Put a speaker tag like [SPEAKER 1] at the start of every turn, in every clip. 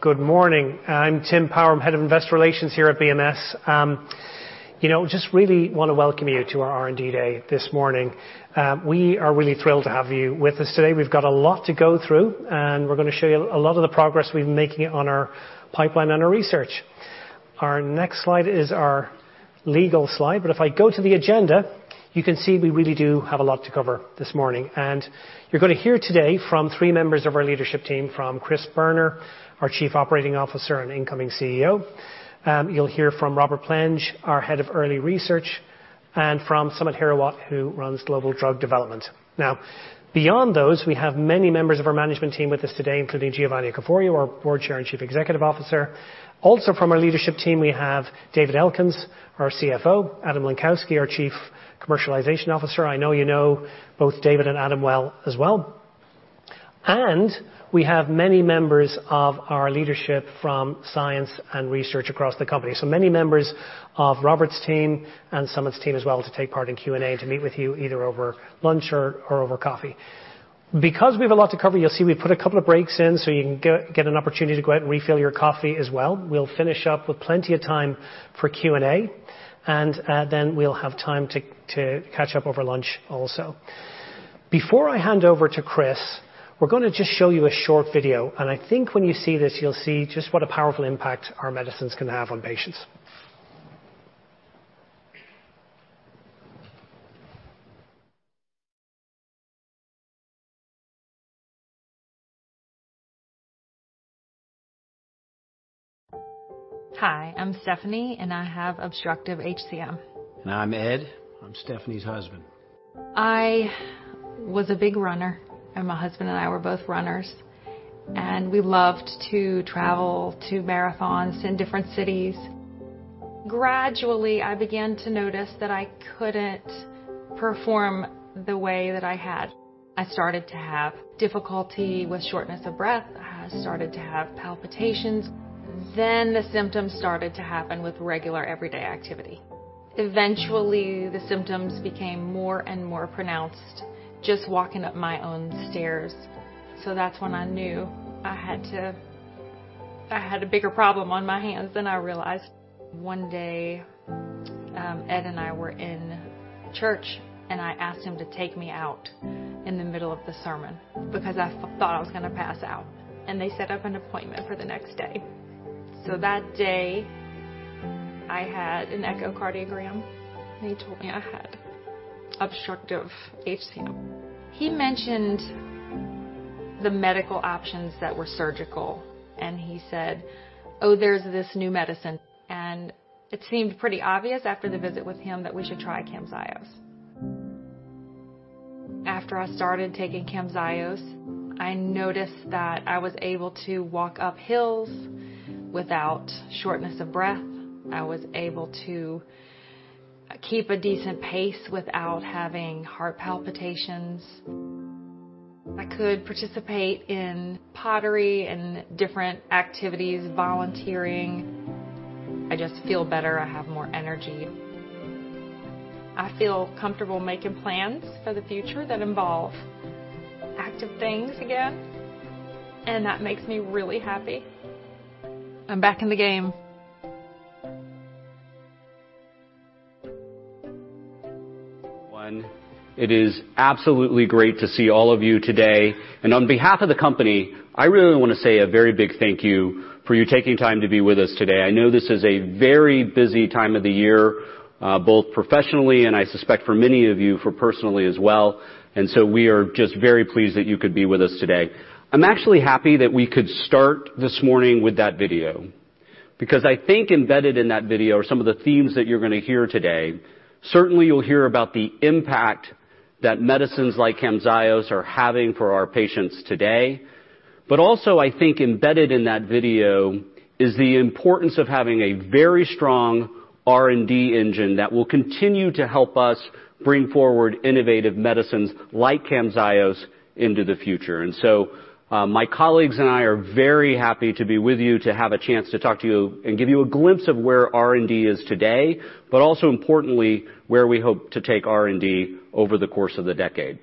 [SPEAKER 1] Good morning. I'm Tim Power. I'm Head of Investor Relations here at BMS. You know, just really wanna welcome you to our R&D Day this morning. We are really thrilled to have you with us today. We've got a lot to go through, and we're gonna show you a lot of the progress we've been making on our pipeline and our research. Our next slide is our legal slide, but if I go to the agenda, you can see we really do have a lot to cover this morning. And you're gonna hear today from three members of our leadership team, from Chris Boerner, our Chief Operating Officer and incoming CEO. You'll hear from Robert Plenge, our Head of Early Research, and from Samit Hirawat, who runs Global Drug Development. Now, beyond those, we have many members of our management team with us today, including Giovanni Caforio, our Board Chair and Chief Executive Officer. Also, from our leadership team, we have David Elkins, our CFO, Adam Lenkowsky, our Chief Commercialization Officer. I know you know both David and Adam well as well. We have many members of our leadership from science and research across the company, so many members of Robert's team and Samit's team as well, to take part in Q&A, to meet with you either over lunch or over coffee. Because we have a lot to cover, you'll see we've put a couple of breaks in so you can get an opportunity to go out and refill your coffee as well. We'll finish up with plenty of time for Q&A, and then we'll have time to catch up over lunch also. Before I hand over to Chris, we're gonna just show you a short video, and I think when you see this, you'll see just what a powerful impact our medicines can have on patients.
[SPEAKER 2] Hi, I'm Stephanie, and I have obstructive HCM.
[SPEAKER 3] I'm Ed. I'm Stephanie's husband.
[SPEAKER 2] I was a big runner, and my husband and I were both runners, and we loved to travel to marathons in different cities. Gradually, I began to notice that I couldn't perform the way that I had. I started to have difficulty with shortness of breath. I started to have palpitations. Then the symptoms started to happen with regular, everyday activity. Eventually, the symptoms became more and more pronounced, just walking up my own stairs. So that's when I knew I had to... I had a bigger problem on my hands than I realized. One day, Ed and I were in church, and I asked him to take me out in the middle of the sermon because I thought I was gonna pass out, and they set up an appointment for the next day. So that day, I had an echocardiogram, and they told me I had obstructive HCM. He mentioned the medical options that were surgical, and he said, "Oh, there's this new medicine." And it seemed pretty obvious after the visit with him that we should try Camzyos. After I started taking Camzyos, I noticed that I was able to walk up hills without shortness of breath. I was able to keep a decent pace without having heart palpitations. I could participate in pottery and different activities, volunteering. I just feel better. I have more energy. I feel comfortable making plans for the future that involve active things again, and that makes me really happy. I'm back in the game.
[SPEAKER 4] One, it is absolutely great to see all of you today. On behalf of the company, I really wanna say a very big thank you for you taking time to be with us today. I know this is a very busy time of the year, both professionally and I suspect for many of you, for personally as well, and so we are just very pleased that you could be with us today. I'm actually happy that we could start this morning with that video because I think embedded in that video are some of the themes that you're gonna hear today. Certainly, you'll hear about the impact that medicines like Camzyos are having for our patients today. But also, I think embedded in that video is the importance of having a very strong R&D engine that will continue to help us bring forward innovative medicines like Camzyos into the future. And so, my colleagues and I are very happy to be with you, to have a chance to talk to you and give you a glimpse of where R&D is today, but also importantly, where we hope to take R&D over the course of the decade.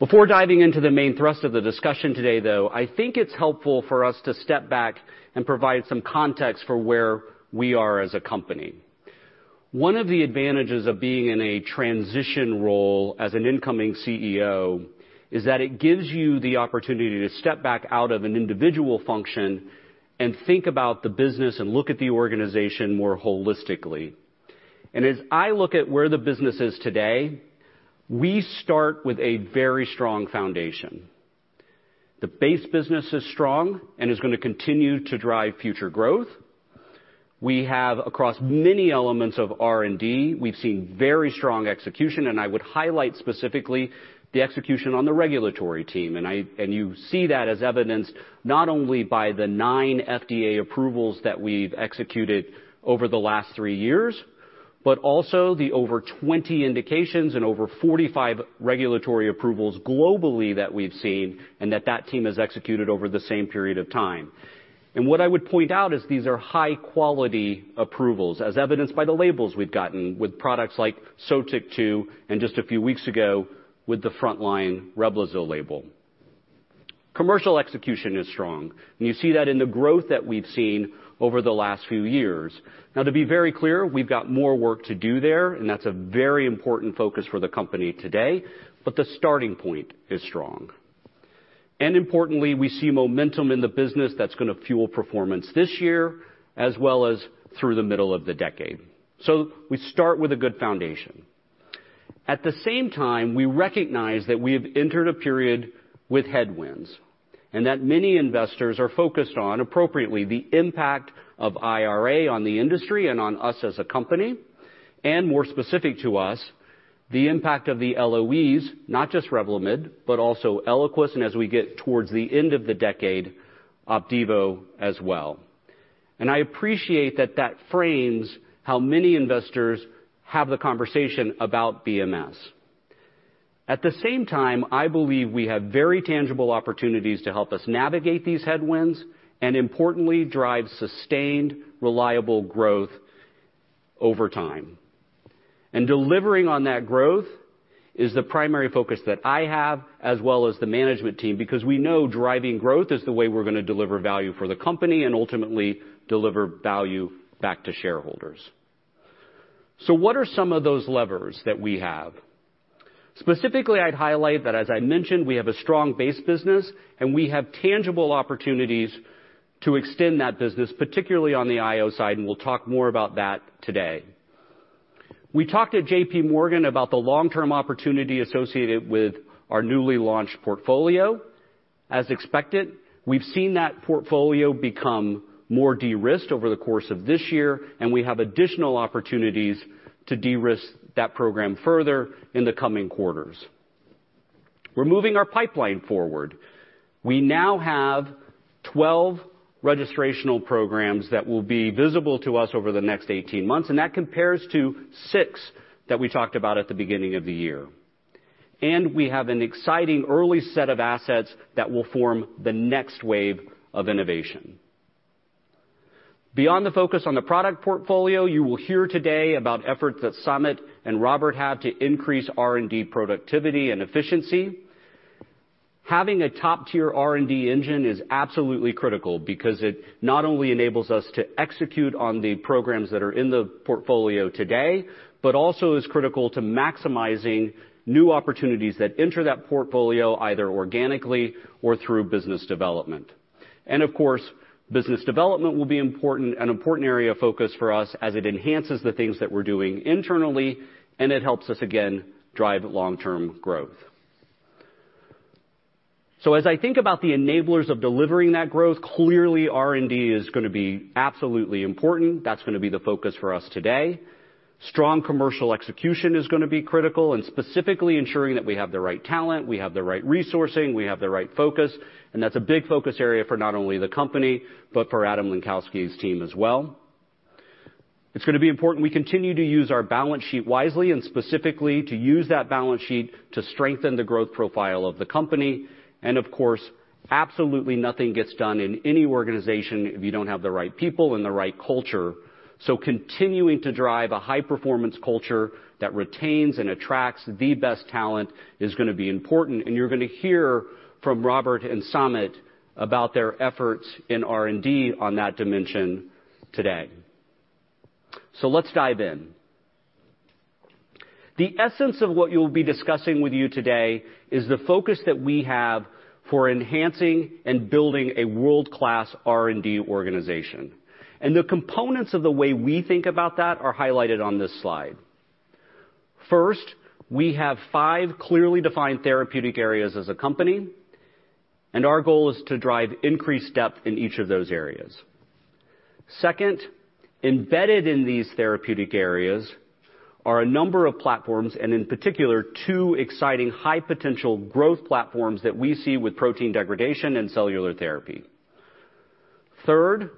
[SPEAKER 4] Before diving into the main thrust of the discussion today, though, I think it's helpful for us to step back and provide some context for where we are as a company.
[SPEAKER 1] One of the advantages of being in a transition role as an incoming CEO is that it gives you the opportunity to step back out of an individual function and think about the business and look at the organization more holistically. And as I look at where the business is today, we start with a very strong foundation. The base business is strong and is gonna continue to drive future growth. We have across many elements of R&D, we've seen very strong execution, and I would highlight specifically the execution on the regulatory team. And you see that as evidenced not only by the 9 FDA approvals that we've executed over the last three years, but also the over 20 indications and over 45 regulatory approvals globally that we've seen and that that team has executed over the same period of time.
[SPEAKER 4] What I would point out is these are high-quality approvals, as evidenced by the labels we've gotten with products like Sotyktu, and just a few weeks ago with the frontline Reblozyl label. Commercial execution is strong, and you see that in the growth that we've seen over the last few years. Now, to be very clear, we've got more work to do there, and that's a very important focus for the company today, but the starting point is strong. Importantly, we see momentum in the business that's gonna fuel performance this year, as well as through the middle of the decade. We start with a good foundation. At the same time, we recognize that we have entered a period with headwinds, and that many investors are focused on, appropriately, the impact of IRA on the industry and on us as a company, and more specific to us, the impact of the LOEs, not just Revlimid, but also Eliquis, and as we get towards the end of the decade, Opdivo as well. And I appreciate that that frames how many investors have the conversation about BMS. At the same time, I believe we have very tangible opportunities to help us navigate these headwinds, and importantly, drive sustained, reliable growth over time. And delivering on that growth is the primary focus that I have, as well as the management team, because we know driving growth is the way we're gonna deliver value for the company and ultimately deliver value back to shareholders. So what are some of those levers that we have? Specifically, I'd highlight that, as I mentioned, we have a strong base business, and we have tangible opportunities to extend that business, particularly on the IO side, and we'll talk more about that today. We talked at J.P. Morgan about the long-term opportunity associated with our newly launched portfolio. As expected, we've seen that portfolio become more de-risked over the course of this year, and we have additional opportunities to de-risk that program further in the coming quarters. We're moving our pipeline forward. We now have 12 registrational programs that will be visible to us over the next 18 months, and that compares to 6 that we talked about at the beginning of the year. We have an exciting early set of assets that will form the next wave of innovation. Beyond the focus on the product portfolio, you will hear today about efforts that Samit and Robert have to increase R&D productivity and efficiency. Having a top-tier R&D engine is absolutely critical because it not only enables us to execute on the programs that are in the portfolio today, but also is critical to maximizing new opportunities that enter that portfolio, either organically or through business development. Of course, business development will be important, an important area of focus for us as it enhances the things that we're doing internally, and it helps us, again, drive long-term growth. As I think about the enablers of delivering that growth, clearly R&D is gonna be absolutely important. That's gonna be the focus for us today. Strong commercial execution is gonna be critical, and specifically ensuring that we have the right talent, we have the right resourcing, we have the right focus, and that's a big focus area for not only the company, but for Adam Lenkowsky's team as well. It's gonna be important we continue to use our balance sheet wisely and specifically to use that balance sheet to strengthen the growth profile of the company. Of course, absolutely nothing gets done in any organization if you don't have the right people and the right culture. Continuing to drive a high-performance culture that retains and attracts the best talent is gonna be important, and you're gonna hear from Robert and Samit about their efforts in R&D on that dimension today. Let's dive in. The essence of what you'll be discussing with you today is the focus that we have for enhancing and building a world-class R&D organization. The components of the way we think about that are highlighted on this slide. First, we have five clearly defined therapeutic areas as a company, and our goal is to drive increased depth in each of those areas. Second, embedded in these therapeutic areas are a number of platforms, and in particular, two exciting, high-potential growth platforms that we see with protein degradation and cellular therapy. Third,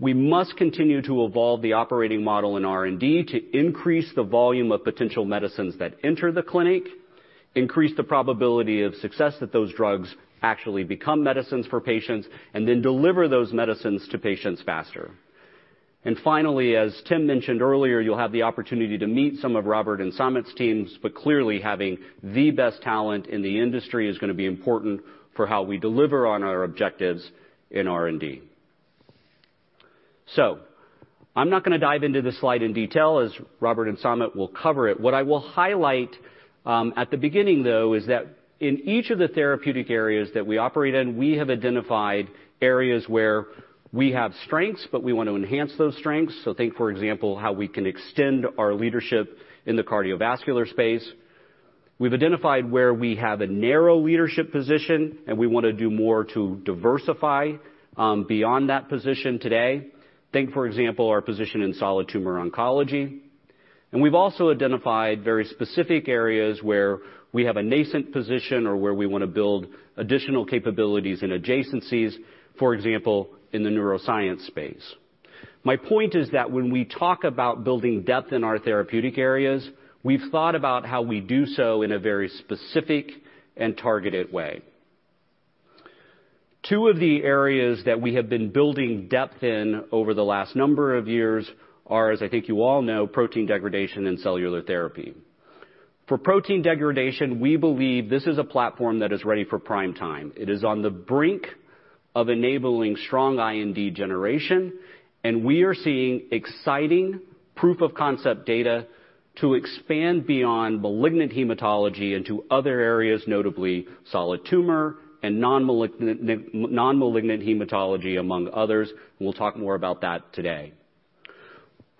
[SPEAKER 4] we must continue to evolve the operating model in R&D to increase the volume of potential medicines that enter the clinic, increase the probability of success that those drugs actually become medicines for patients, and then deliver those medicines to patients faster. Finally, as Tim mentioned earlier, you'll have the opportunity to meet some of Robert and Samit's teams, but clearly, having the best talent in the industry is gonna be important for how we deliver on our objectives in R&D. So I'm not gonna dive into this slide in detail, as Robert and Samit will cover it. What I will highlight at the beginning, though, is that in each of the therapeutic areas that we operate in, we have identified areas where we have strengths, but we want to enhance those strengths. So think, for example, how we can extend our leadership in the cardiovascular space. We've identified where we have a narrow leadership position, and we want to do more to diversify beyond that position today. Think, for example, our position in solid tumor oncology. We've also identified very specific areas where we have a nascent position or where we want to build additional capabilities and adjacencies, for example, in the neuroscience space. My point is that when we talk about building depth in our therapeutic areas, we've thought about how we do so in a very specific and targeted way. Two of the areas that we have been building depth in over the last number of years are, as I think you all know, protein degradation and cellular therapy... For protein degradation, we believe this is a platform that is ready for prime time. It is on the brink of enabling strong IND generation, and we are seeing exciting proof of concept data to expand beyond malignant hematology into other areas, notably solid tumor and non-malignant, non-malignant hematology, among others. We'll talk more about that today.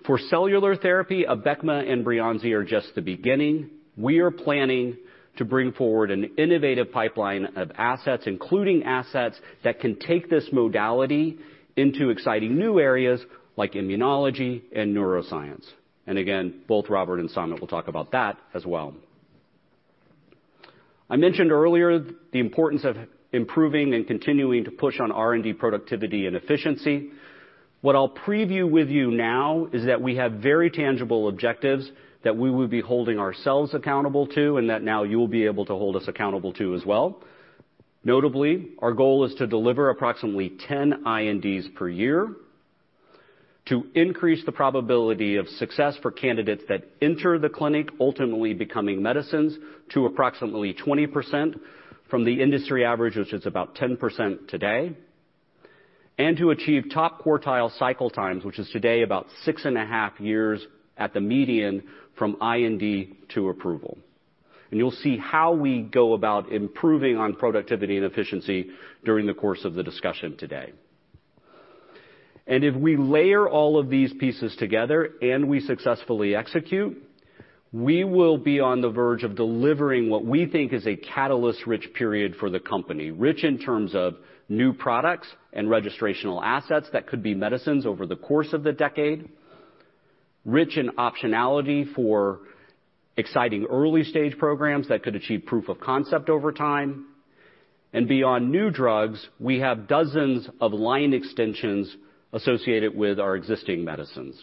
[SPEAKER 4] For cellular therapy, Abecma and Breyanzi are just the beginning. We are planning to bring forward an innovative pipeline of assets, including assets that can take this modality into exciting new areas like immunology and neuroscience. And again, both Robert and Samit will talk about that as well. I mentioned earlier the importance of improving and continuing to push on R&D productivity and efficiency. What I'll preview with you now is that we have very tangible objectives that we will be holding ourselves accountable to, and that now you'll be able to hold us accountable to as well. Notably, our goal is to deliver approximately 10 INDs per year, to increase the probability of success for candidates that enter the clinic, ultimately becoming medicines, to approximately 20% from the industry average, which is about 10% today, and to achieve top quartile cycle times, which is today about 6.5 years at the median from IND to approval. You'll see how we go about improving on productivity and efficiency during the course of the discussion today. If we layer all of these pieces together and we successfully execute, we will be on the verge of delivering what we think is a catalyst-rich period for the company. Rich in terms of new products and registrational assets that could be medicines over the course of the decade, rich in optionality for exciting early stage programs that could achieve proof of concept over time, and beyond new drugs, we have dozens of line extensions associated with our existing medicines.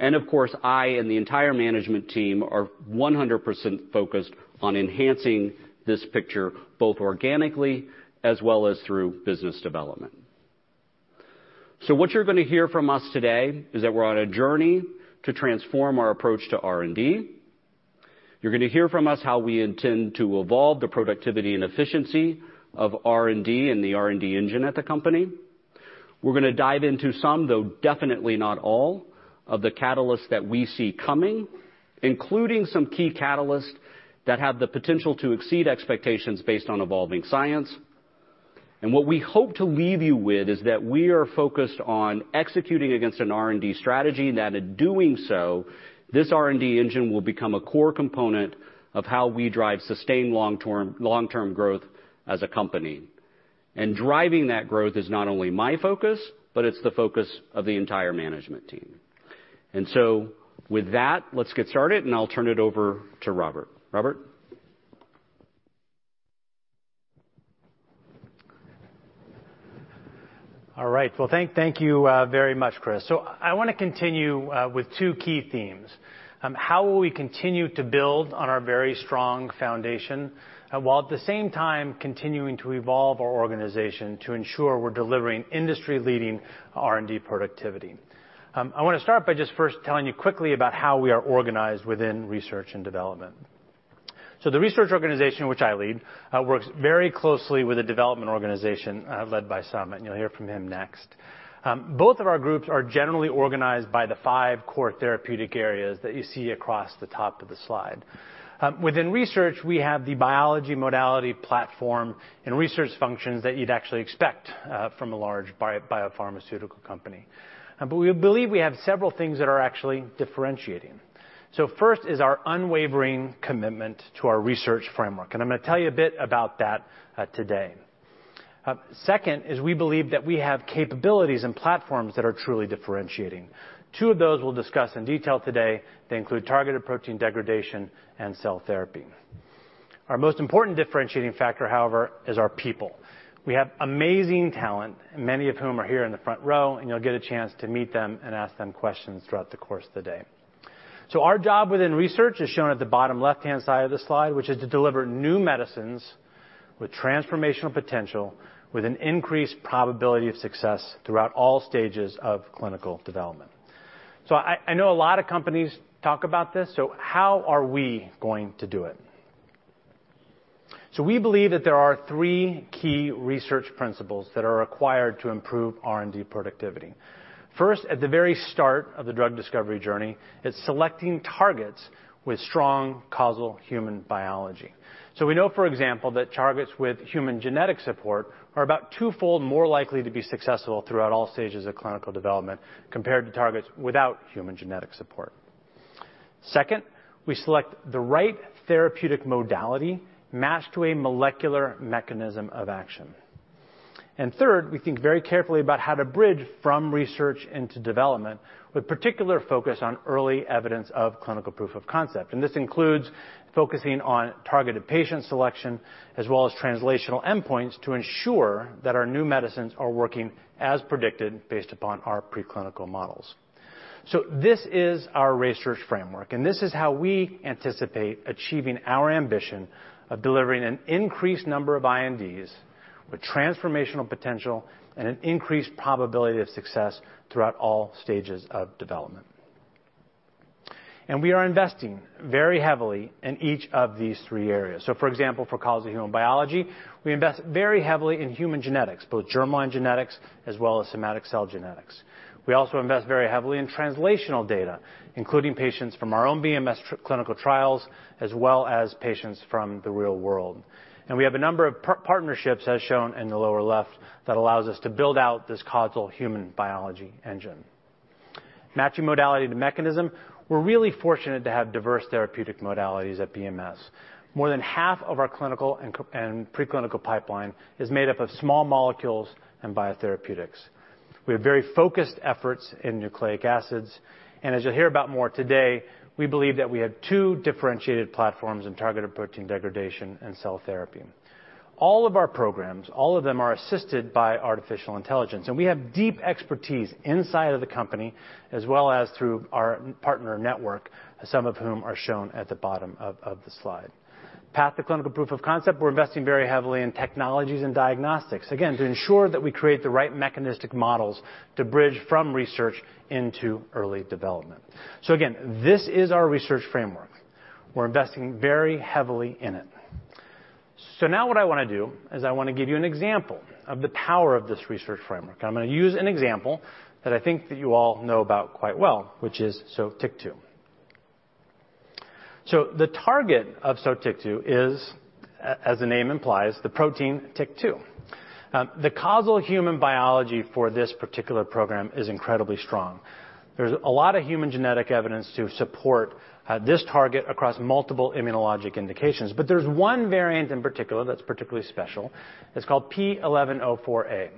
[SPEAKER 4] Of course, I and the entire management team are 100% focused on enhancing this picture, both organically as well as through business development. What you're gonna hear from us today is that we're on a journey to transform our approach to R&D. You're gonna hear from us how we intend to evolve the productivity and efficiency of R&D and the R&D engine at the company. We're gonna dive into some, though definitely not all, of the catalysts that we see coming, including some key catalysts that have the potential to exceed expectations based on evolving science. What we hope to leave you with is that we are focused on executing against an R&D strategy, and that in doing so, this R&D engine will become a core component of how we drive sustained long-term growth as a company. Driving that growth is not only my focus, but it's the focus of the entire management team. So with that, let's get started, and I'll turn it over to Robert. Robert?
[SPEAKER 5] All right. Well, thank you very much, Chris. So I wanna continue with two key themes. How will we continue to build on our very strong foundation, and while at the same time continuing to evolve our organization to ensure we're delivering industry-leading R&D productivity? I wanna start by just first telling you quickly about how we are organized within research and development. So the research organization, which I lead, works very closely with the development organization, led by Sam, and you'll hear from him next. Both of our groups are generally organized by the five core therapeutic areas that you see across the top of the slide. Within research, we have the biology, modality, platform, and research functions that you'd actually expect from a large biopharmaceutical company. But we believe we have several things that are actually differentiating. So first is our unwavering commitment to our research framework, and I'm gonna tell you a bit about that, today. Second is we believe that we have capabilities and platforms that are truly differentiating. Two of those we'll discuss in detail today. They include targeted protein degradation and cell therapy. Our most important differentiating factor, however, is our people. We have amazing talent, many of whom are here in the front row, and you'll get a chance to meet them and ask them questions throughout the course of the day. So our job within research is shown at the bottom left-hand side of the slide, which is to deliver new medicines with transformational potential, with an increased probability of success throughout all stages of clinical development. So I know a lot of companies talk about this, so how are we going to do it? So we believe that there are three key research principles that are required to improve R&D productivity. First, at the very start of the drug discovery journey, is selecting targets with strong causal human biology. So we know, for example, that targets with human genetic support are about twofold more likely to be successful throughout all stages of clinical development compared to targets without human genetic support. Second, we select the right therapeutic modality matched to a molecular mechanism of action. And third, we think very carefully about how to bridge from research into development, with particular focus on early evidence of clinical proof of concept. And this includes focusing on targeted patient selection, as well as translational endpoints to ensure that our new medicines are working as predicted, based upon our preclinical models. So this is our research framework, and this is how we anticipate achieving our ambition of delivering an increased number of INDs with transformational potential and an increased probability of success throughout all stages of development. And we are investing very heavily in each of these three areas. So, for example, for causal human biology, we invest very heavily in human genetics, both germline genetics as well as somatic cell genetics. We also invest very heavily in translational data, including patients from our own BMS clinical trials, as well as patients from the real world. And we have a number of partnerships, as shown in the lower left, that allows us to build out this causal human biology engine. Matching modality to mechanism, we're really fortunate to have diverse therapeutic modalities at BMS. More than half of our clinical and preclinical pipeline is made up of small molecules and biotherapeutics. We have very focused efforts in nucleic acids, and as you'll hear about more today, we believe that we have two differentiated platforms in targeted protein degradation and cell therapy. All of our programs, all of them are assisted by artificial intelligence, and we have deep expertise inside of the company, as well as through our partner network, some of whom are shown at the bottom of the slide. Path to clinical proof of concept, we're investing very heavily in technologies and diagnostics, again, to ensure that we create the right mechanistic models to bridge from research into early development. So again, this is our research framework. We're investing very heavily in it. So now what I want to do is I want to give you an example of the power of this research framework. I'm gonna use an example that I think that you all know about quite well, which is Sotyktu. The target of Sotyktu is, as the name implies, the protein TYK2. The causal human biology for this particular program is incredibly strong. There's a lot of human genetic evidence to support this target across multiple immunologic indications, but there's one variant in particular that's particularly special. It's called P1104A.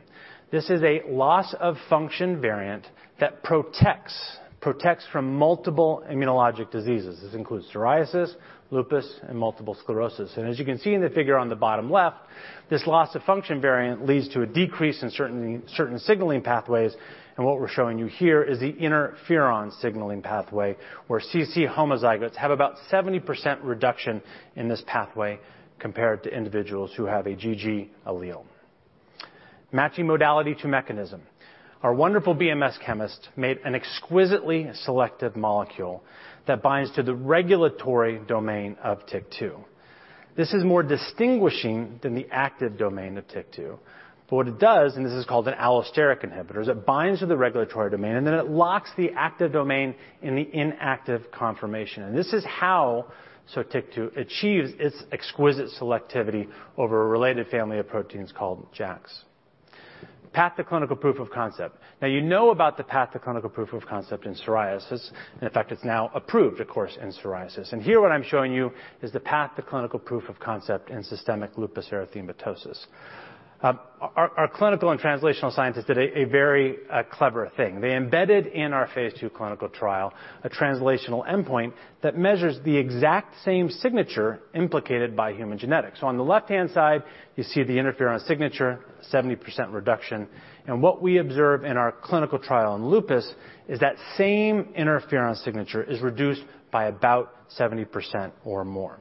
[SPEAKER 5] This is a loss-of-function variant that protects, protects from multiple immunologic diseases. This includes psoriasis, lupus, and multiple sclerosis. And as you can see in the figure on the bottom left, this loss-of-function variant leads to a decrease in certain signaling pathways, and what we're showing you here is the interferon signaling pathway, where CC homozygotes have about 70% reduction in this pathway compared to individuals who have a GG allele. Matching modality to mechanism. Our wonderful BMS chemist made an exquisitely selective molecule that binds to the regulatory domain of TYK2. This is more distinguishing than the active domain of TYK2, but what it does, and this is called an allosteric inhibitor, is it binds to the regulatory domain, and then it locks the active domain in the inactive conformation. And this is how Sotyktu achieves its exquisite selectivity over a related family of proteins called JAKs. Path to clinical proof of concept. Now, you know about the path to clinical proof of concept in psoriasis. In fact, it's now approved, of course, in psoriasis. Here what I'm showing you is the path to clinical proof of concept in systemic lupus erythematosus. Our clinical and translational scientists did a very clever thing. They embedded in our phase 2 clinical trial, a translational endpoint that measures the exact same signature implicated by human genetics. So on the left-hand side, you see the interferon signature, 70% reduction. And what we observe in our clinical trial on lupus is that same interferon signature is reduced by about 70% or more.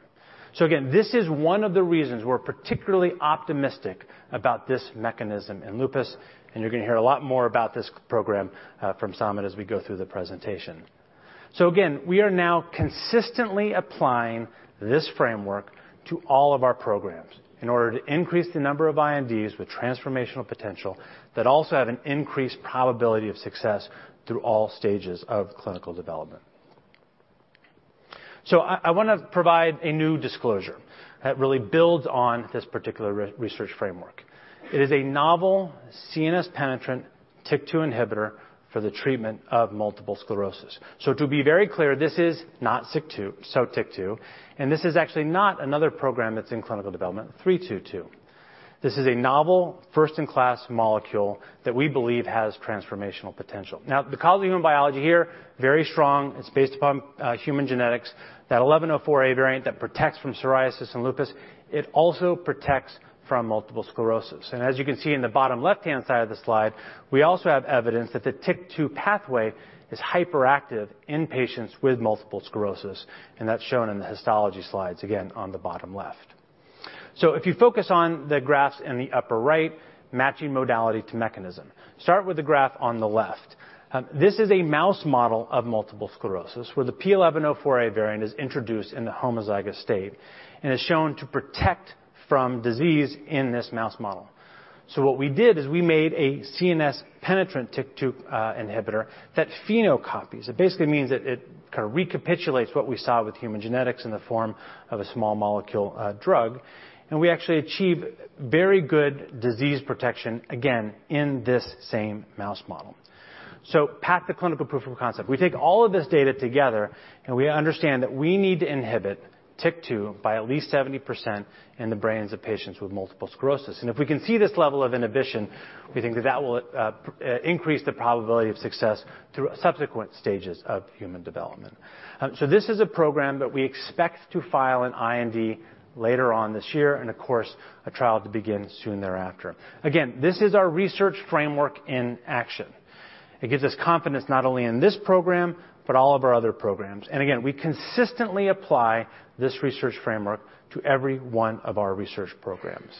[SPEAKER 5] So again, this is one of the reasons we're particularly optimistic about this mechanism in lupus, and you're gonna hear a lot more about this program, from Samit as we go through the presentation. So again, we are now consistently applying this framework to all of our programs in order to increase the number of INDs with transformational potential that also have an increased probability of success through all stages of clinical development. I wanna provide a new disclosure that really builds on this particular research framework. It is a novel CNS penetrant TYK2 inhibitor for the treatment of multiple sclerosis. To be very clear, this is not Sotyktu, and this is actually not another program that's in clinical development, 322. This is a novel, first-in-class molecule that we believe has transformational potential. Now, the causal human biology here, very strong. It's based upon human genetics. That 1104A variant that protects from psoriasis and lupus, it also protects from multiple sclerosis. And as you can see in the bottom left-hand side of the slide, we also have evidence that the TYK2 pathway is hyperactive in patients with multiple sclerosis, and that's shown in the histology slides, again, on the bottom left. So if you focus on the graphs in the upper right, matching modality to mechanism. Start with the graph on the left. This is a mouse model of multiple sclerosis, where the P1104A variant is introduced in the homozygous state and is shown to protect from disease in this mouse model. So what we did is we made a CNS penetrant TYK2 inhibitor that phenocopies. It basically means that it kind of recapitulates what we saw with human genetics in the form of a small molecule drug, and we actually achieve very good disease protection, again, in this same mouse model. So path to clinical proof of concept. We take all of this data together, and we understand that we need to inhibit TYK2 by at least 70% in the brains of patients with multiple sclerosis. And if we can see this level of inhibition, we think that that will increase the probability of success through subsequent stages of human development. So this is a program that we expect to file an IND later on this year, and of course, a trial to begin soon thereafter. Again, this is our research framework in action. It gives us confidence not only in this program, but all of our other programs. And again, we consistently apply this research framework to every one of our research programs.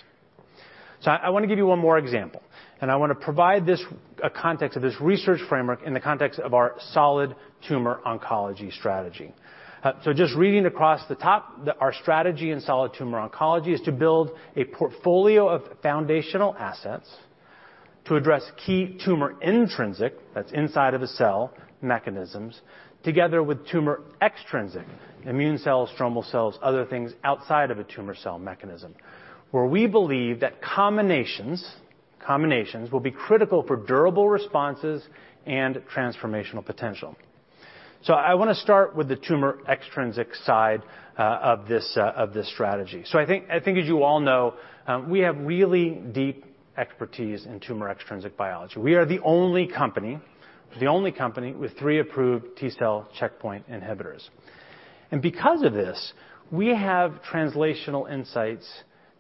[SPEAKER 5] So I want to give you one more example, and I want to provide this context of this research framework in the context of our solid tumor oncology strategy. So just reading across the top, our strategy in solid tumor oncology is to build a portfolio of foundational assets to address key tumor intrinsic, that's inside of a cell, mechanisms, together with tumor extrinsic, immune cells, stromal cells, other things outside of a tumor cell mechanism, where we believe that combinations will be critical for durable responses and transformational potential. So I wanna start with the tumor extrinsic side of this strategy. So I think as you all know, we have really deep expertise in tumor extrinsic biology. We are the only company with three approved T-cell checkpoint inhibitors. Because of this, we have translational insights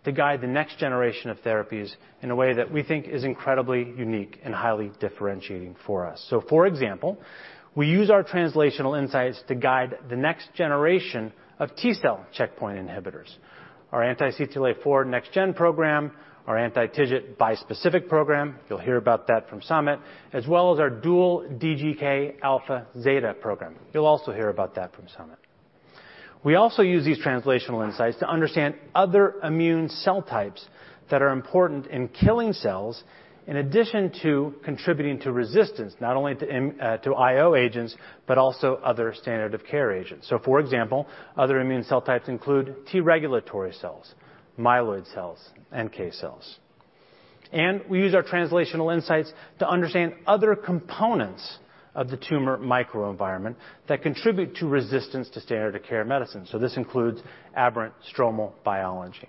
[SPEAKER 5] to guide the next generation of therapies in a way that we think is incredibly unique and highly differentiating for us. So for example, we use our translational insights to guide the next generation of T-cell checkpoint inhibitors. Our anti-CTLA-4 next gen program, our anti-TIGIT bispecific program, you'll hear about that from Samit, as well as our dual DGK alpha/zeta program. You'll also hear about that from Samit. We also use these translational insights to understand other immune cell types that are important in killing cells, in addition to contributing to resistance, not only to IO agents, but also other standard of care agents. So for example, other immune cell types include T-regulatory cells, myeloid cells, and K cells. And we use our translational insights to understand other components of the tumor microenvironment that contribute to resistance to standard of care medicine. So this includes aberrant stromal biology.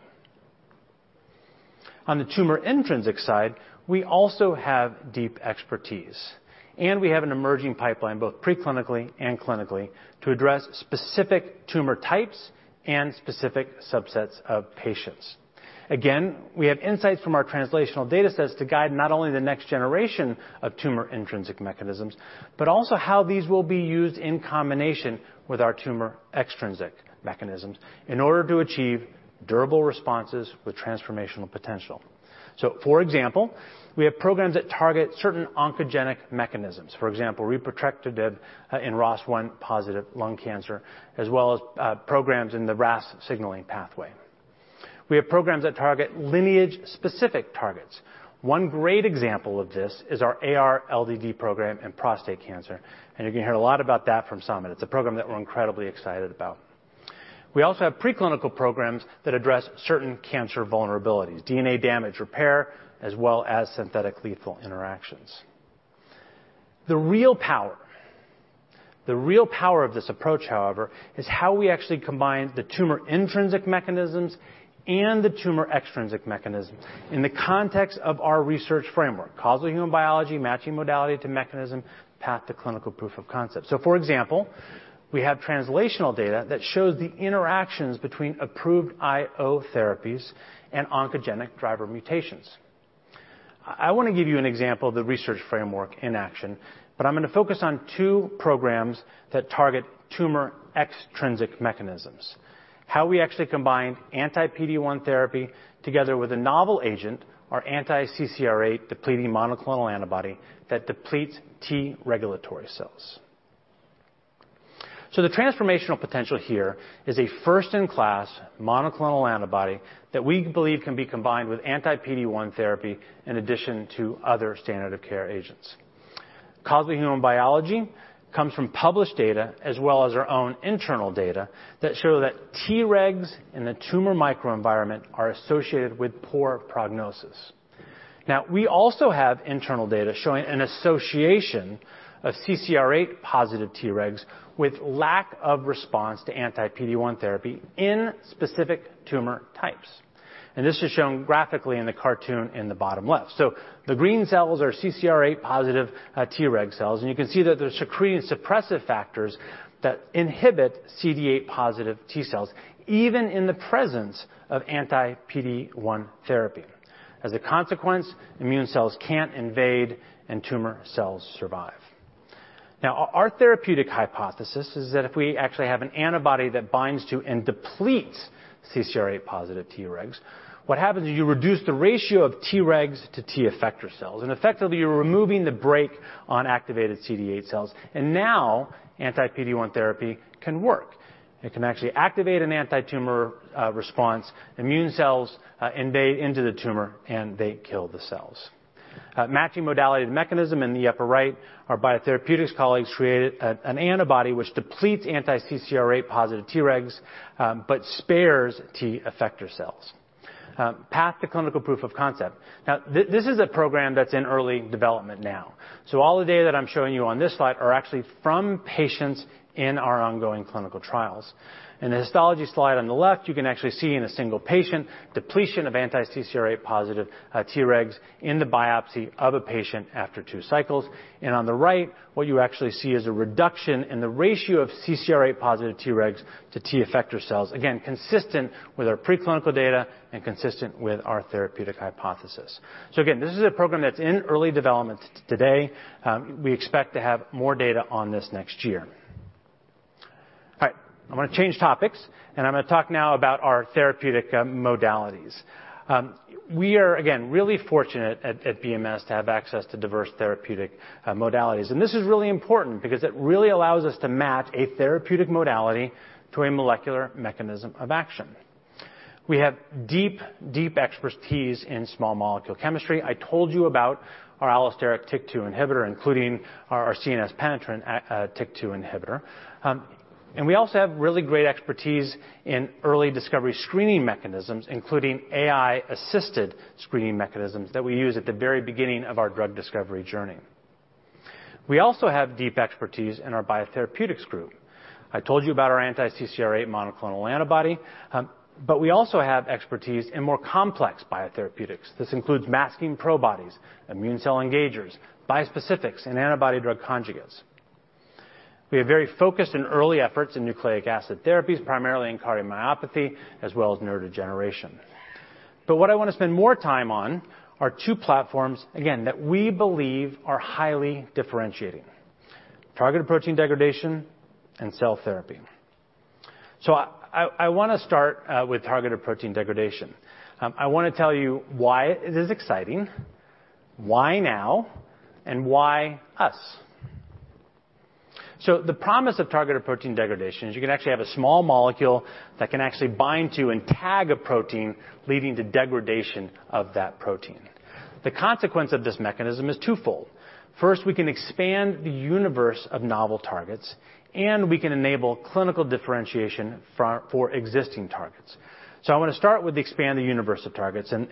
[SPEAKER 5] On the tumor intrinsic side, we also have deep expertise, and we have an emerging pipeline, both pre-clinically and clinically, to address specific tumor types and specific subsets of patients. Again, we have insights from our translational data sets to guide not only the next generation of tumor intrinsic mechanisms, but also how these will be used in combination with our tumor extrinsic mechanisms in order to achieve durable responses with transformational potential. So for example, we have programs that target certain oncogenic mechanisms. For example, Repotrectinib in ROS1-positive lung cancer, as well as programs in the RAS signaling pathway. We have programs that target lineage-specific targets. One great example of this is our AR-LDD program in prostate cancer, and you're gonna hear a lot about that from Summit. It's a program that we're incredibly excited about. We also have preclinical programs that address certain cancer vulnerabilities, DNA damage repair, as well as synthetic lethal interactions. The real power, the real power of this approach, however, is how we actually combine the tumor intrinsic mechanisms and the tumor extrinsic mechanisms in the context of our research framework, causal human biology, matching modality to mechanism, path to clinical proof of concept. So for example, we have translational data that shows the interactions between approved IO therapies and oncogenic driver mutations. I- I wanna give you an example of the research framework in action, but I'm gonna focus on two programs that target tumor extrinsic mechanisms. How we actually combine anti-PD-1 therapy together with a novel agent, our anti-CCR8 depleting monoclonal antibody that depletes T-regulatory cells. So the transformational potential here is a first-in-class monoclonal antibody that we believe can be combined with anti-PD-1 therapy in addition to other standard of care agents. Causal human biology comes from published data, as well as our own internal data, that show that Tregs in the tumor microenvironment are associated with poor prognosis. Now, we also have internal data showing an association of CCR8 positive Tregs with lack of response to anti-PD-1 therapy in specific tumor types. And this is shown graphically in the cartoon in the bottom left. So the green cells are CCR8 positive, Tregs cells, and you can see that they're secreting suppressive factors that inhibit CD8 positive T cells, even in the presence of anti-PD-1 therapy. As a consequence, immune cells can't invade and tumor cells survive. Now, our therapeutic hypothesis is that if we actually have an antibody that binds to and depletes CCR8 positive Tregs, what happens is you reduce the ratio of Tregs to T effector cells, and effectively, you're removing the brake on activated CD8 cells, and now anti-PD-1 therapy can work. It can actually activate an antitumor response, immune cells invade into the tumor, and they kill the cells. Matching modality mechanism in the upper right, our biotherapeutics colleagues created an antibody which depletes CCR8 positive Tregs, but spares T effector cells. Path to clinical proof of concept. Now, this is a program that's in early development now. So all the data that I'm showing you on this slide are actually from patients in our ongoing clinical trials. In the histology slide on the left, you can actually see in a single patient, depletion of anti-CCR8 positive Tregs in the biopsy of a patient after two cycles. And on the right, what you actually see is a reduction in the ratio of CCR8 positive Tregs to T effector cells. Again, consistent with our preclinical data and consistent with our therapeutic hypothesis. So again, this is a program that's in early development today. We expect to have more data on this next year. All right, I'm gonna change topics, and I'm gonna talk now about our therapeutic modalities. We are, again, really fortunate at BMS to have access to diverse therapeutic modalities. And this is really important because it really allows us to match a therapeutic modality to a molecular mechanism of action. We have deep, deep expertise in small molecule chemistry. I told you about our allosteric TYK2 inhibitor, including our CNS penetrant TYK2 inhibitor. And we also have really great expertise in early discovery screening mechanisms, including AI-assisted screening mechanisms that we use at the very beginning of our drug discovery journey. We also have deep expertise in our biotherapeutics group. I told you about our anti-CCR8 monoclonal antibody, but we also have expertise in more complex biotherapeutics. This includes masking Probodies, immune cell engagers, bispecifics, and antibody drug conjugates. We are very focused in early efforts in nucleic acid therapies, primarily in cardiomyopathy, as well as neurodegeneration. But what I want to spend more time on are two platforms, again, that we believe are highly differentiating: targeted protein degradation and cell therapy. So I want to start with targeted protein degradation. I want to tell you why it is exciting, why now, and why us? So the promise of Targeted Protein Degradation is you can actually have a small molecule that can actually bind to and tag a protein, leading to degradation of that protein. The consequence of this mechanism is twofold. First, we can expand the universe of novel targets, and we can enable clinical differentiation for existing targets. So I want to start with expand the universe of targets, and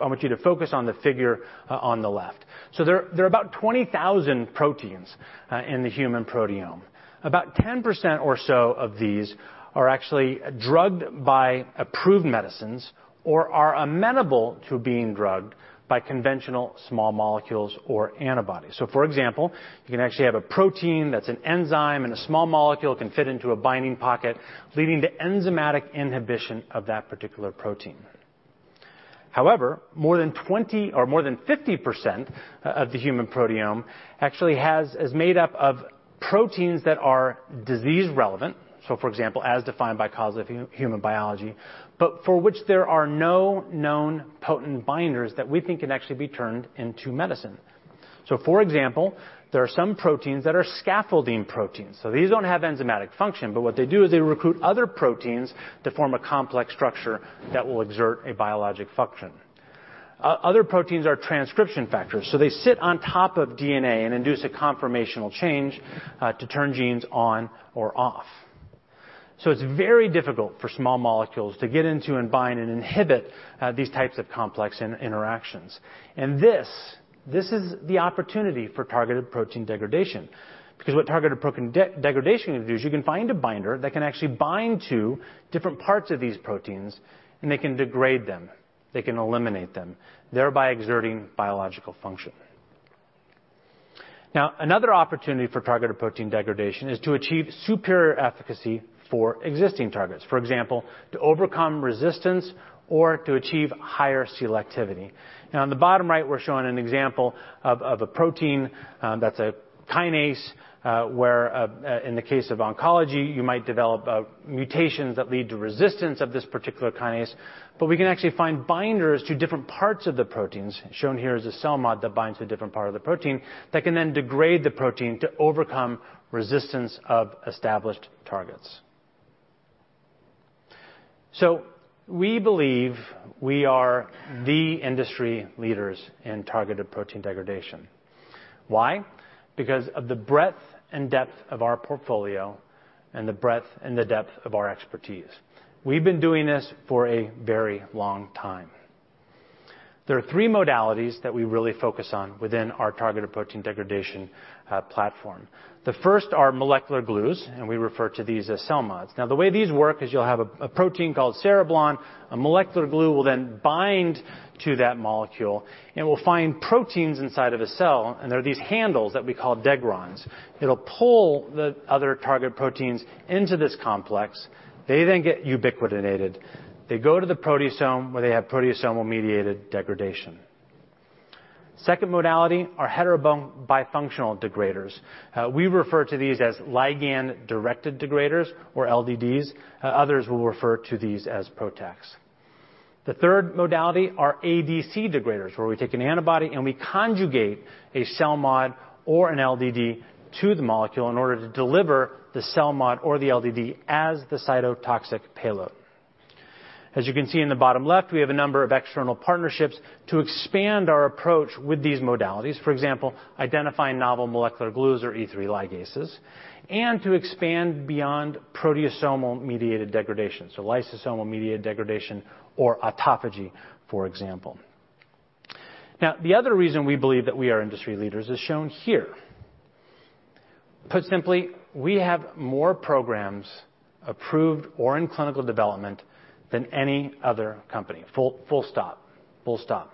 [SPEAKER 5] I want you to focus on the figure on the left. So there are about 20,000 proteins in the human proteome. About 10% or so of these are actually drugged by approved medicines or are amenable to being drugged by conventional small molecules or antibodies. So, for example, you can actually have a protein that's an enzyme, and a small molecule can fit into a binding pocket, leading to enzymatic inhibition of that particular protein. However, more than 20... or more than 50% of the human proteome actually is made up of proteins that are disease-relevant, so for example, as defined by causal human biology, but for which there are no known potent binders that we think can actually be turned into medicine. So for example, there are some proteins that are scaffolding proteins. So these don't have enzymatic function, but what they do is they recruit other proteins to form a complex structure that will exert a biologic function. Other proteins are transcription factors, so they sit on top of DNA and induce a conformational change, to turn genes on or off. It's very difficult for small molecules to get into and bind and inhibit these types of complex interactions. This is the opportunity for targeted protein degradation. Because what targeted protein degradation can do is you can find a binder that can actually bind to different parts of these proteins, and they can degrade them, they can eliminate them, thereby exerting biological function. Now, another opportunity for targeted protein degradation is to achieve superior efficacy for existing targets. For example, to overcome resistance or to achieve higher selectivity. Now, on the bottom right, we're showing an example of a protein that's a kinase, where in the case of oncology, you might develop mutations that lead to resistance of this particular kinase. But we can actually find binders to different parts of the proteins. Shown here is a CELMoD that binds to a different part of the protein, that can then degrade the protein to overcome resistance of established targets. So we believe we are the industry leaders in targeted protein degradation. Why? Because of the breadth and depth of our portfolio and the breadth and the depth of our expertise. We've been doing this for a very long time. There are three modalities that we really focus on within our targeted protein degradation platform. The first are molecular glues, and we refer to these as CELMoDs. Now, the way these work is you'll have a protein called cereblon, a molecular glue will then bind to that molecule and will find proteins inside of a cell, and there are these handles that we call degrons. It'll pull the other target proteins into this complex. They then get ubiquitinated. They go to the proteasome, where they have proteasomal-mediated degradation. Second modality are hetero-bifunctional degraders. We refer to these as ligand-directed degraders or LDDs. Others will refer to these as PROTACs. The third modality are ADC degraders, where we take an antibody and we conjugate a CELMoD or an LDD to the molecule in order to deliver the CELMoD or the LDD as the cytotoxic payload. As you can see in the bottom left, we have a number of external partnerships to expand our approach with these modalities. For example, identifying novel molecular glues or E3 ligases, and to expand beyond proteasomal-mediated degradation, so lysosomal-mediated degradation or autophagy, for example. Now, the other reason we believe that we are industry leaders is shown here. Put simply, we have more programs approved or in clinical development than any other company. Full, full stop. Full stop.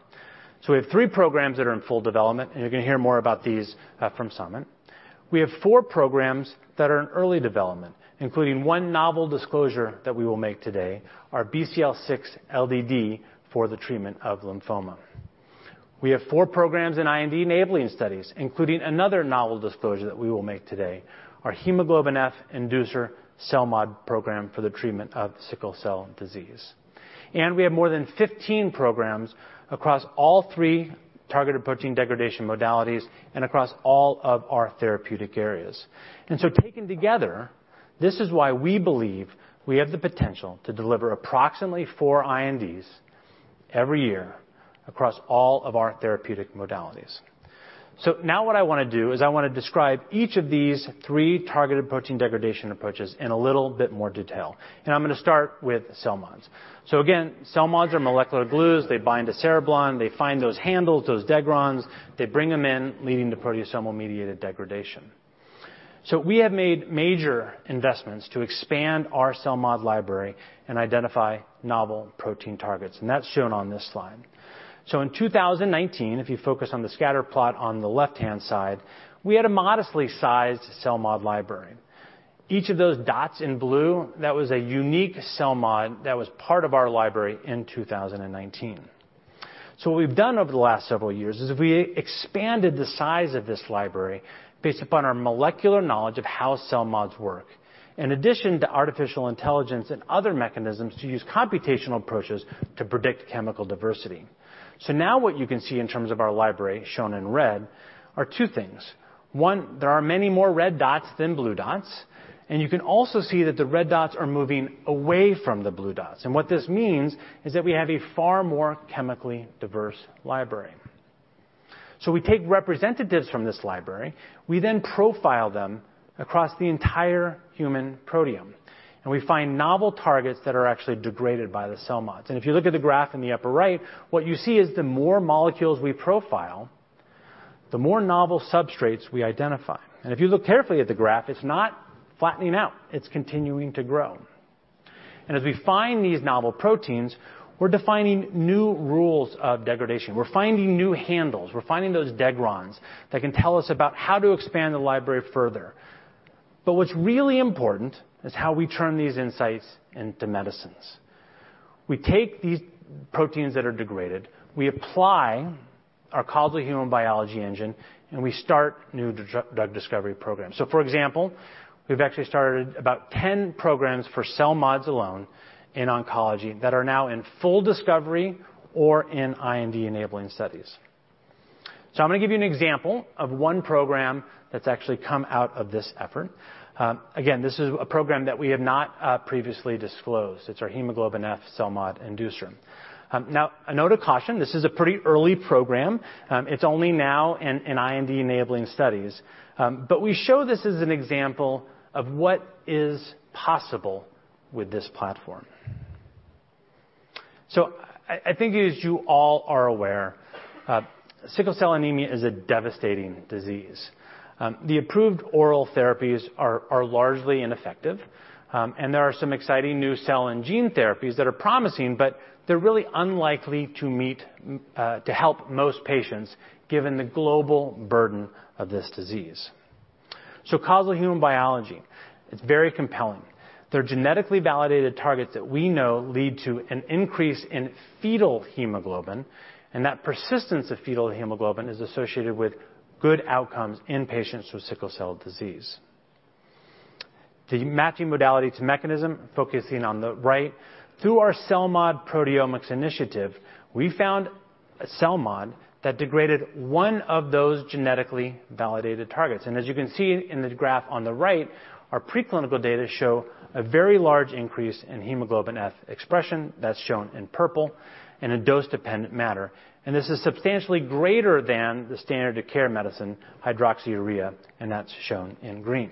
[SPEAKER 5] So we have 3 programs that are in full development, and you're going to hear more about these from Samit. We have 4 programs that are in early development, including 1 novel disclosure that we will make today, our BCL6 LDD for the treatment of lymphoma. We have 4 programs in IND-enabling studies, including another novel disclosure that we will make today, our hemoglobin F inducer CELMoD program for the treatment of sickle cell disease. And we have more than 15 programs across all three targeted protein degradation modalities and across all of our therapeutic areas. And so taken together, this is why we believe we have the potential to deliver approximately 4 INDs every year across all of our therapeutic modalities. So now what I want to do is I want to describe each of these three targeted protein degradation approaches in a little bit more detail, and I'm going to start with CELMoDs. So again, CELMoDs are molecular glues. They bind to cereblon, they find those handles, those degrons, they bring them in, leading to proteasome-mediated degradation. So we have made major investments to expand our CELMoD library and identify novel protein targets, and that's shown on this slide. So in 2019, if you focus on the scatter plot on the left-hand side, we had a modestly sized CELMoD library. Each of those dots in blue, that was a unique CELMoD that was part of our library in 2019. So what we've done over the last several years is we expanded the size of this library based upon our molecular knowledge of how CELMoDs work, in addition to artificial intelligence and other mechanisms, to use computational approaches to predict chemical diversity. So now what you can see in terms of our library, shown in red, are two things. One, there are many more red dots than blue dots, and you can also see that the red dots are moving away from the blue dots. And what this means is that we have a far more chemically diverse library. So we take representatives from this library. We then profile them across the entire human proteome, and we find novel targets that are actually degraded by the CELMoDs. If you look at the graph in the upper right, what you see is the more molecules we profile, the more novel substrates we identify. If you look carefully at the graph, it's not flattening out, it's continuing to grow. As we find these novel proteins, we're defining new rules of degradation. We're finding new handles. We're finding those degrons that can tell us about how to expand the library further. But what's really important is how we turn these insights into medicines. We take these proteins that are degraded, we apply our causal human biology engine, and we start new drug discovery programs. So, for example, we've actually started about 10 programs for CELMoDs alone in oncology that are now in full discovery or in IND-enabling studies. So I'm going to give you an example of one program that's actually come out of this effort. Again, this is a program that we have not previously disclosed. It's our hemoglobin F CELMoD inducer. Now, a note of caution, this is a pretty early program. It's only now in IND-enabling studies. But we show this as an example of what is possible with this platform. So I think as you all are aware, sickle cell anemia is a devastating disease. The approved oral therapies are largely ineffective, and there are some exciting new cell and gene therapies that are promising, but they're really unlikely to meet to help most patients, given the global burden of this disease. So causal human biology, it's very compelling. They're genetically validated targets that we know lead to an increase in fetal hemoglobin, and that persistence of fetal hemoglobin is associated with good outcomes in patients with sickle cell disease. The matching modality to mechanism, focusing on the right. Through our CELMoD proteomics initiative, we found a CELMoD that degraded one of those genetically validated targets. As you can see in the graph on the right, our preclinical data show a very large increase in hemoglobin F expression, that's shown in purple, in a dose-dependent manner. This is substantially greater than the standard of care medicine, hydroxyurea, and that's shown in green.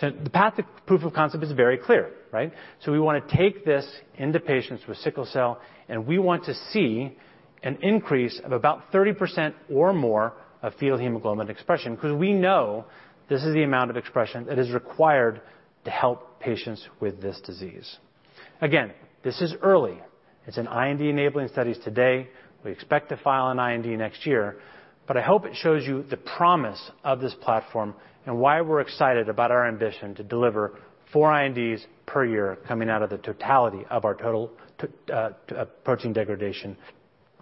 [SPEAKER 5] The path to proof of concept is very clear, right? We want to take this into patients with sickle cell, and we want to see an increase of about 30% or more of fetal hemoglobin expression, because we know this is the amount of expression that is required to help patients with this disease. Again, this is early. It's in IND-enabling studies today. We expect to file an IND next year, but I hope it shows you the promise of this platform and why we're excited about our ambition to deliver four INDs per year coming out of the totality of our total protein degradation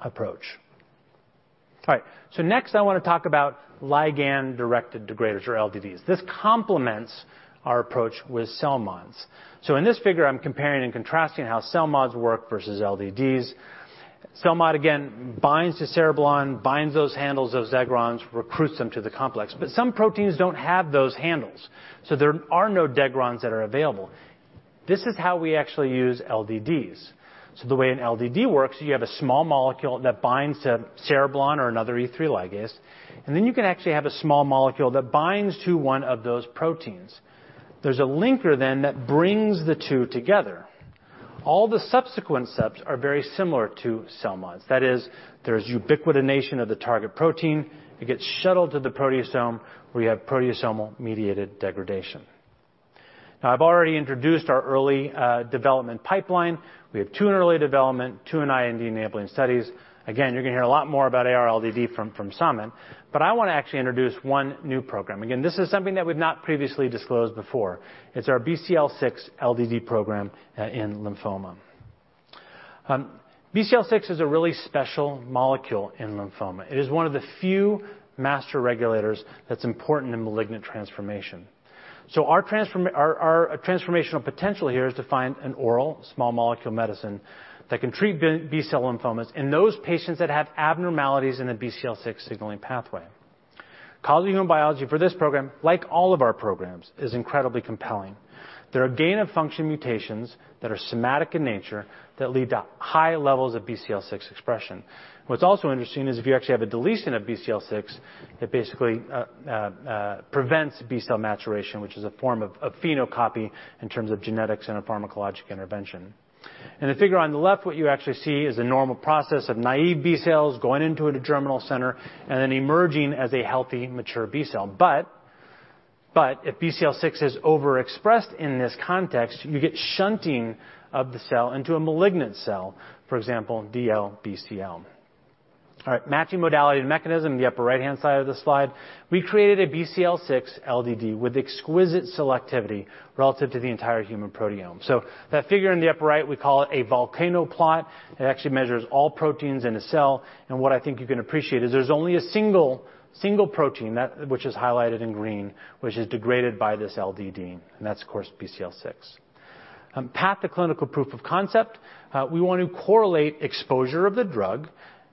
[SPEAKER 5] approach. All right, so next, I want to talk about ligand-directed degraders, or LDDs. This complements our approach with CELMoDs. So in this figure, I'm comparing and contrasting how CELMoDs work versus LDDs. CELMoD, again, binds to cereblon, binds those handles, those degrons, recruits them to the complex, but some proteins don't have those handles, so there are no degrons that are available. This is how we actually use LDDs. So the way an LDD works, you have a small molecule that binds to cereblon or another E3 ligase, and then you can actually have a small molecule that binds to one of those proteins. There's a linker then that brings the two together. All the subsequent steps are very similar to CELMoDs. That is, there's ubiquitination of the target protein. It gets shuttled to the proteasome, where you have proteasomal-mediated degradation. Now, I've already introduced our early development pipeline. We have two in early development, two in IND-enabling studies. Again, you're going to hear a lot more about AR LDD from Samit, but I want to actually introduce one new program. Again, this is something that we've not previously disclosed before. It's our BCL6 LDD program in lymphoma. BCL6 is a really special molecule in lymphoma. It is one of the few master regulators that's important in malignant transformation. So our transformational potential here is to find an oral small molecule medicine that can treat B-cell lymphomas in those patients that have abnormalities in the BCL6 signaling pathway. The biology for this program, like all of our programs, is incredibly compelling. There are gain-of-function mutations that are somatic in nature, that lead to high levels of BCL6 expression. What's also interesting is if you actually have a deletion of BCL6, it basically prevents B-cell maturation, which is a form of phenocopy in terms of genetics and a pharmacologic intervention. In the figure on the left, what you actually see is a normal process of naive B-cells going into a germinal center and then emerging as a healthy, mature B-cell. If BCL6 is overexpressed in this context, you get shunting of the cell into a malignant cell, for example, DLBCL. All right, matching modality and mechanism, in the upper right-hand side of the slide, we created a BCL6 LDD with exquisite selectivity relative to the entire human proteome. So that figure in the upper right, we call it a volcano plot. It actually measures all proteins in a cell, and what I think you can appreciate is there's only a single protein which is highlighted in green, which is degraded by this LDD, and that's of course, BCL6. Path to clinical proof of concept, we want to correlate exposure of the drug,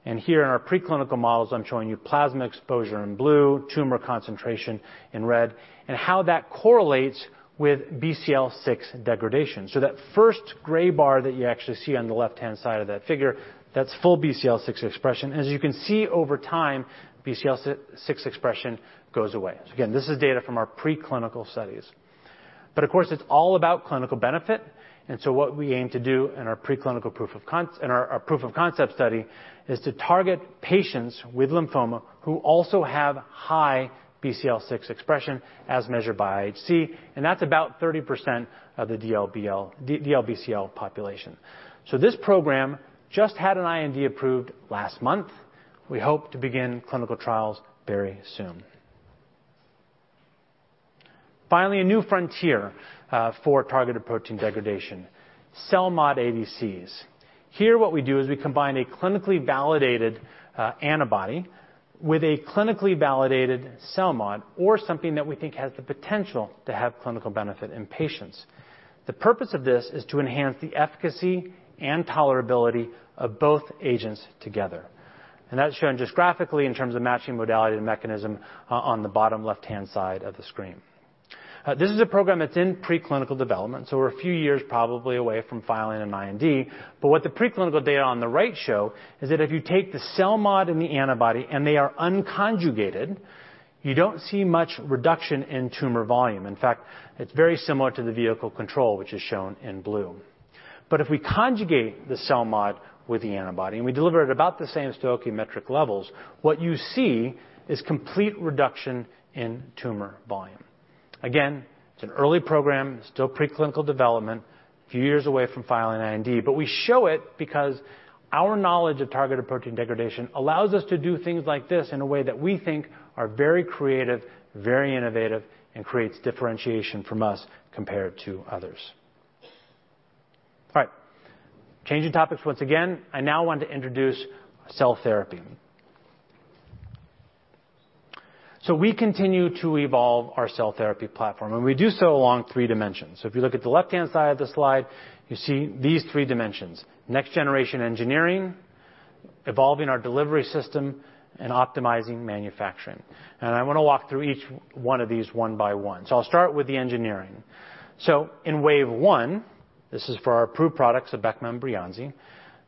[SPEAKER 5] and here in our preclinical models, I'm showing you plasma exposure in blue, tumor concentration in red, and how that correlates with BCL6 degradation. So that first gray bar that you actually see on the left-hand side of that figure, that's full BCL6 expression. As you can see over time, BCL6 expression goes away. So again, this is data from our preclinical studies. But of course, it's all about clinical benefit, and so what we aim to do in our preclinical proof of concept study is to target patients with lymphoma who also have high BCL6 expression as measured by IHC, and that's about 30% of the DLBCL population. So this program just had an IND approved last month. We hope to begin clinical trials very soon. Finally, a new frontier for targeted protein degradation, CELMoD ADCs. Here, what we do is we combine a clinically validated antibody with a clinically validated CELMoD, or something that we think has the potential to have clinical benefit in patients. The purpose of this is to enhance the efficacy and tolerability of both agents together. That's shown just graphically in terms of matching modality and mechanism on the bottom left-hand side of the screen. This is a program that's in preclinical development, so we're a few years probably away from filing an IND. But what the preclinical data on the right show is that if you take the CELMoD and the antibody, and they are unconjugated, you don't see much reduction in tumor volume. In fact, it's very similar to the vehicle control, which is shown in blue. But if we conjugate the CELMoD with the antibody, and we deliver it at about the same stoichiometric levels, what you see is complete reduction in tumor volume. Again, it's an early program, still preclinical development, a few years away from filing IND, but we show it because our knowledge of targeted protein degradation allows us to do things like this in a way that we think are very creative, very innovative, and creates differentiation from us compared to others. All right. Changing topics once again, I now want to introduce cell therapy. So we continue to evolve our cell therapy platform, and we do so along three dimensions. So if you look at the left-hand side of the slide, you see these three dimensions: next-generation engineering, evolving our delivery system, and optimizing manufacturing. And I wanna walk through each one of these one by one. So I'll start with the engineering. So in wave one, this is for our approved products of Abecma Breyanzi.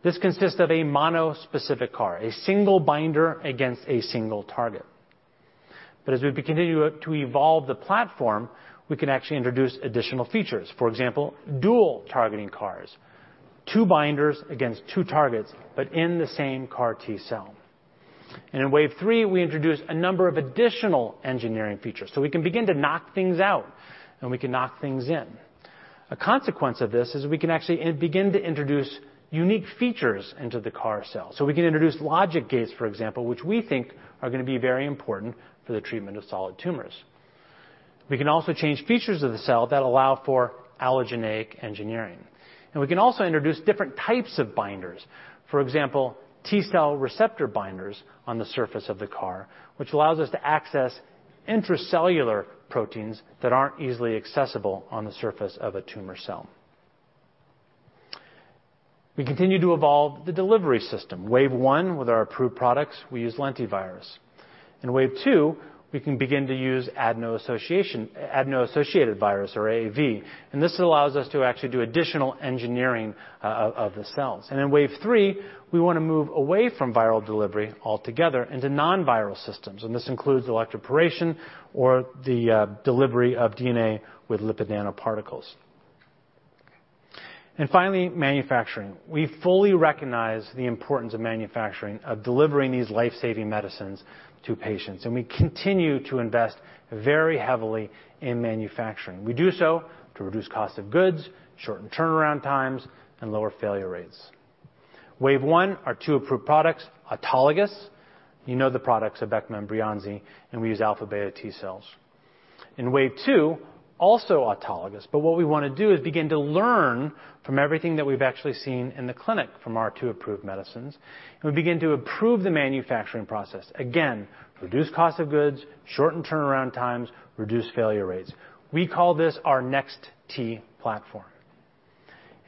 [SPEAKER 5] This consists of a mono-specific CAR, a single binder against a single target. But as we continue to evolve the platform, we can actually introduce additional features. For example, dual targeting CARs, two binders against two targets, but in the same CAR T cell. And in wave three, we introduce a number of additional engineering features, so we can begin to knock things out, and we can knock things in. A consequence of this is we can actually begin to introduce unique features into the CAR cell. So we can introduce logic gates, for example, which we think are gonna be very important for the treatment of solid tumors. We can also change features of the cell that allow for allogeneic engineering. We can also introduce different types of binders. For example, T cell receptor binders on the surface of the CAR, which allows us to access intracellular proteins that aren't easily accessible on the surface of a tumor cell. We continue to evolve the delivery system. Wave one, with our approved products, we use lentivirus. In wave two, we can begin to use adeno-associated virus, or AAV, and this allows us to actually do additional engineering of the cells. And in wave three, we wanna move away from viral delivery altogether into non-viral systems, and this includes electroporation or the delivery of DNA with lipid nanoparticles. And finally, manufacturing. We fully recognize the importance of manufacturing, of delivering these life-saving medicines to patients, and we continue to invest very heavily in manufacturing. We do so to reduce cost of goods, shorten turnaround times, and lower failure rates. Wave one, our two approved products, autologous. You know the products, Abecma and Breyanzi, and we use alpha/beta T cells. In wave two, also autologous, but what we want to do is begin to learn from everything that we've actually seen in the clinic from our two approved medicines, and we begin to improve the manufacturing process. Again, reduce cost of goods, shorten turnaround times, reduce failure rates. We call this our Nex-T platform.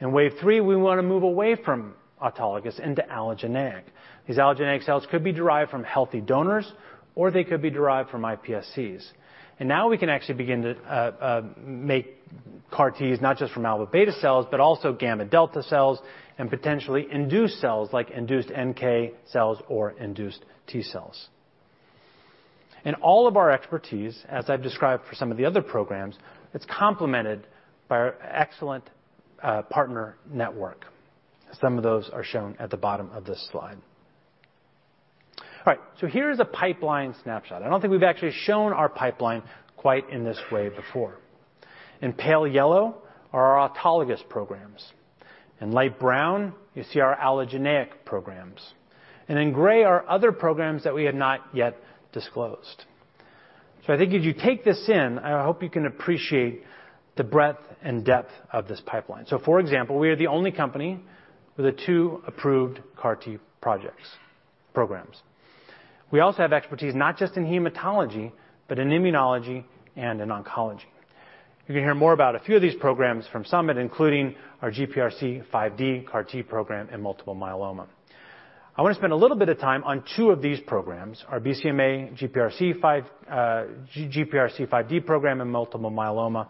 [SPEAKER 5] In wave three, we wanna move away from autologous into allogeneic. These allogeneic cells could be derived from healthy donors, or they could be derived from iPSCs. Now we can actually begin to make CAR-Ts, not just from alpha beta cells, but also gamma delta cells, and potentially induced cells, like induced NK cells or induced T cells. All of our expertise, as I've described for some of the other programs, it's complemented by our excellent partner network. Some of those are shown at the bottom of this slide. All right, so here is a pipeline snapshot. I don't think we've actually shown our pipeline quite in this way before. In pale yellow are our autologous programs. In light brown, you see our allogeneic programs. In gray are other programs that we have not yet disclosed. So I think as you take this in, I hope you can appreciate the breadth and depth of this pipeline. So, for example, we are the only company with the two approved CAR-T projects-- programs. We also have expertise, not just in hematology, but in immunology and in oncology. You're gonna hear more about a few of these programs from Samit, including our GPRC5D CAR-T program in multiple myeloma. I wanna spend a little bit of time on two of these programs, our BCMA GPRC5D program in multiple myeloma,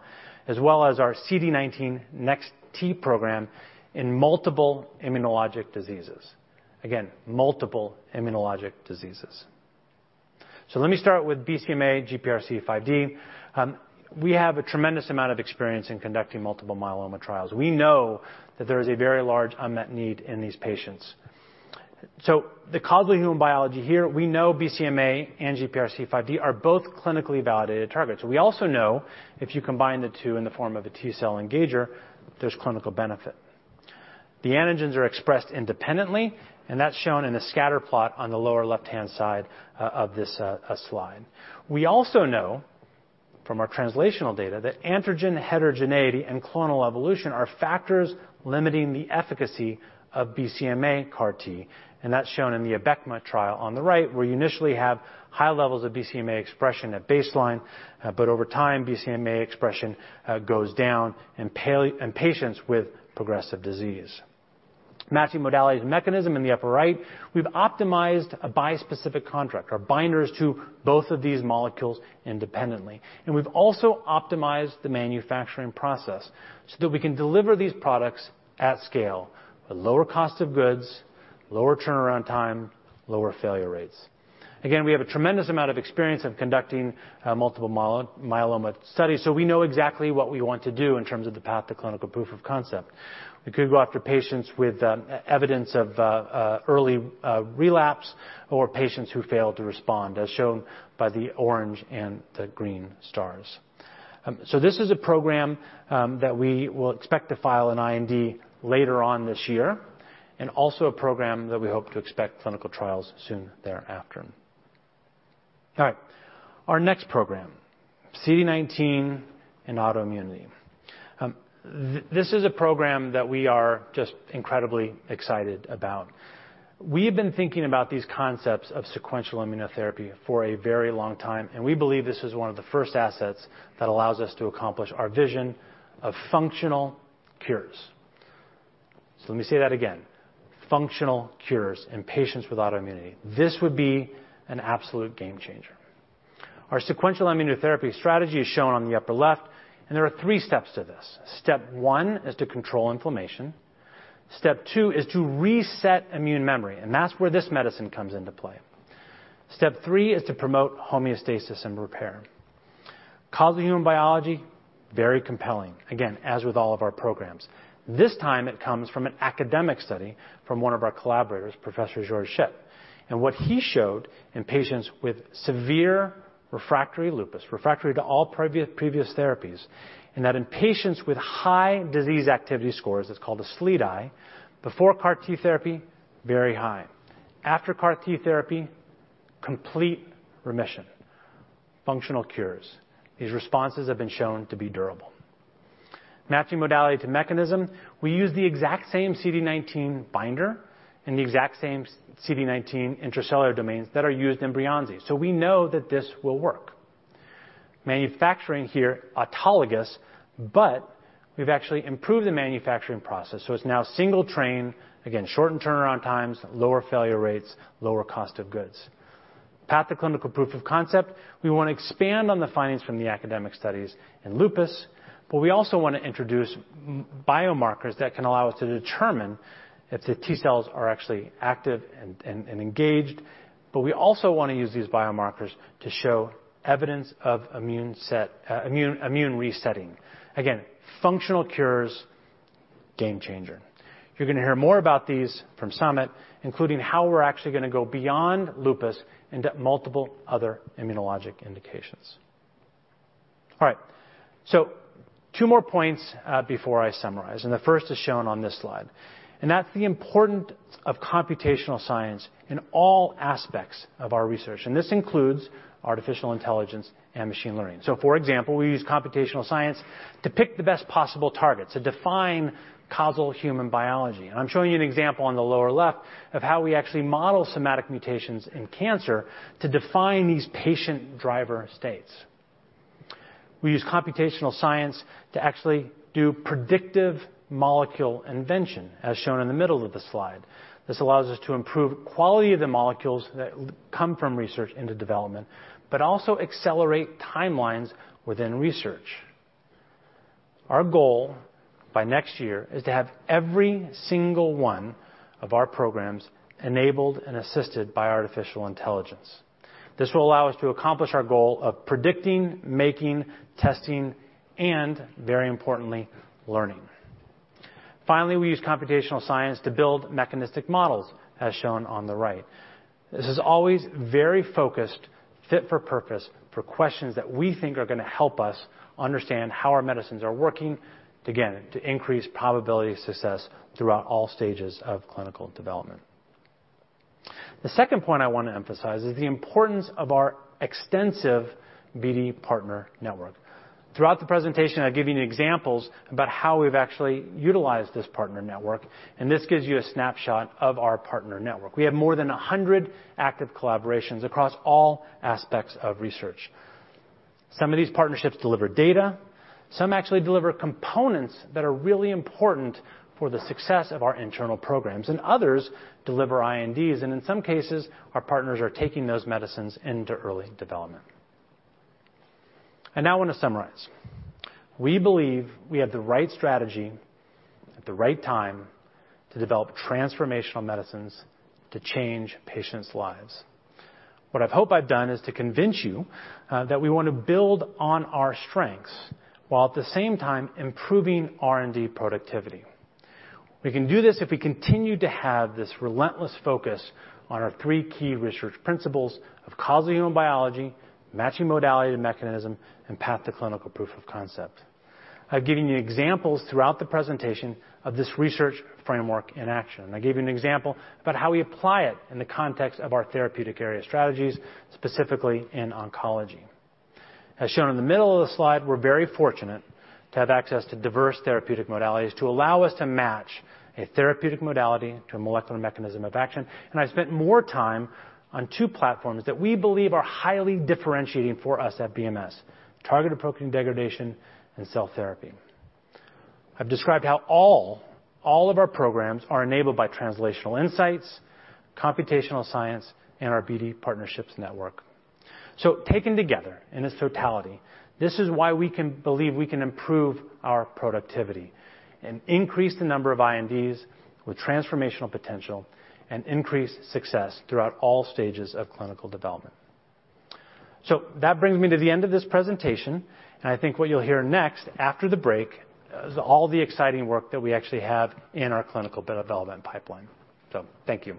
[SPEAKER 5] as well as our CD19 Nex-T program in multiple immunologic diseases. Again, multiple immunologic diseases. So let me start with BCMA GPRC5D. We have a tremendous amount of experience in conducting multiple myeloma trials. We know that there is a very large unmet need in these patients. So the causal human biology here, we know BCMA and GPRC5D are both clinically validated targets. We also know if you combine the two in the form of a T-cell engager, there's clinical benefit. The antigens are expressed independently, and that's shown in the scatter plot on the lower left-hand side of this slide. We also know from our translational data that antigen heterogeneity and clonal evolution are factors limiting the efficacy of BCMA CAR-T, and that's shown in the Abecma trial on the right, where you initially have high levels of BCMA expression at baseline, but over time, BCMA expression goes down in patients with progressive disease. Matching modalities and mechanism in the upper right, we've optimized a bispecific construct, our binders to both of these molecules independently. And we've also optimized the manufacturing process so that we can deliver these products at scale, with lower cost of goods, lower turnaround time, lower failure rates. Again, we have a tremendous amount of experience of conducting multiple myeloma studies, so we know exactly what we want to do in terms of the path to clinical proof of concept. We could go after patients with evidence of early relapse or patients who failed to respond, as shown by the orange and the green stars. So this is a program that we will expect to file an IND later on this year, and also a program that we hope to expect clinical trials soon thereafter. All right, our next program, CD19 and autoimmunity. This is a program that we are just incredibly excited about. We've been thinking about these concepts of sequential immunotherapy for a very long time, and we believe this is one of the first assets that allows us to accomplish our vision of functional cures. So let me say that again, functional cures in patients with autoimmunity. This would be an absolute game changer. Our sequential immunotherapy strategy is shown on the upper left, and there are three steps to this. Step one is to control inflammation. Step two is to reset immune memory, and that's where this medicine comes into play. Step three is to promote homeostasis and repair. Harnessing human biology, very compelling, again, as with all of our programs. This time it comes from an academic study from one of our collaborators, Professor Georg Schett. What he showed in patients with severe refractory lupus, refractory to all previous therapies, and that in patients with high disease activity scores, it's called a SLEDAI, before CAR-T therapy, very high. After CAR-T therapy, complete remission, functional cures. These responses have been shown to be durable. Matching modality to mechanism, we use the exact same CD19 binder and the exact same CD19 intracellular domains that are used in Breyanzi, so we know that this will work. Manufacturing here, autologous, but we've actually improved the manufacturing process, so it's now single train. Again, shortened turnaround times, lower failure rates, lower cost of goods. Path to clinical proof of concept, we wanna expand on the findings from the academic studies in lupus, but we also want to introduce molecular biomarkers that can allow us to determine if the T-cells are actually active and engaged. But we also want to use these biomarkers to show evidence of immune resetting. Again, functional cures, game changer. You're gonna hear more about these from Samit, including how we're actually gonna go beyond lupus into multiple other immunologic indications. All right, so-... Two more points, before I summarize, and the first is shown on this slide, and that's the importance of computational science in all aspects of our research, and this includes artificial intelligence and machine learning. So, for example, we use computational science to pick the best possible targets, to define causal human biology. And I'm showing you an example on the lower left of how we actually model somatic mutations in cancer to define these patient driver states. We use computational science to actually do predictive molecule invention, as shown in the middle of the slide. This allows us to improve quality of the molecules that come from research into development, but also accelerate timelines within research. Our goal by next year is to have every single one of our programs enabled and assisted by artificial intelligence. This will allow us to accomplish our goal of predicting, making, testing, and very importantly, learning. Finally, we use computational science to build mechanistic models, as shown on the right. This is always very focused, fit for purpose, for questions that we think are going to help us understand how our medicines are working, again, to increase probability of success throughout all stages of clinical development. The second point I want to emphasize is the importance of our extensive BD partner network. Throughout the presentation, I've given you examples about how we've actually utilized this partner network, and this gives you a snapshot of our partner network. We have more than 100 active collaborations across all aspects of research. Some of these partnerships deliver data, some actually deliver components that are really important for the success of our internal programs, and others deliver INDs, and in some cases, our partners are taking those medicines into early development. And now I want to summarize. We believe we have the right strategy at the right time to develop transformational medicines to change patients' lives. What I hope I've done is to convince you that we want to build on our strengths, while at the same time improving R&D productivity. We can do this if we continue to have this relentless focus on our three key research principles of causal human biology, matching modality to mechanism, and path to clinical proof of concept. I've given you examples throughout the presentation of this research framework in action. I gave you an example about how we apply it in the context of our therapeutic area strategies, specifically in oncology. As shown in the middle of the slide, we're very fortunate to have access to diverse therapeutic modalities to allow us to match a therapeutic modality to a molecular mechanism of action, and I spent more time on two platforms that we believe are highly differentiating for us at BMS, targeted protein degradation and cell therapy. I've described how all of our programs are enabled by translational insights, computational science, and our BD partnerships network. So taken together in its totality, this is why we can believe we can improve our productivity and increase the number of INDs with transformational potential and increase success throughout all stages of clinical development. That brings me to the end of this presentation, and I think what you'll hear next after the break is all the exciting work that we actually have in our clinical development pipeline. Thank you.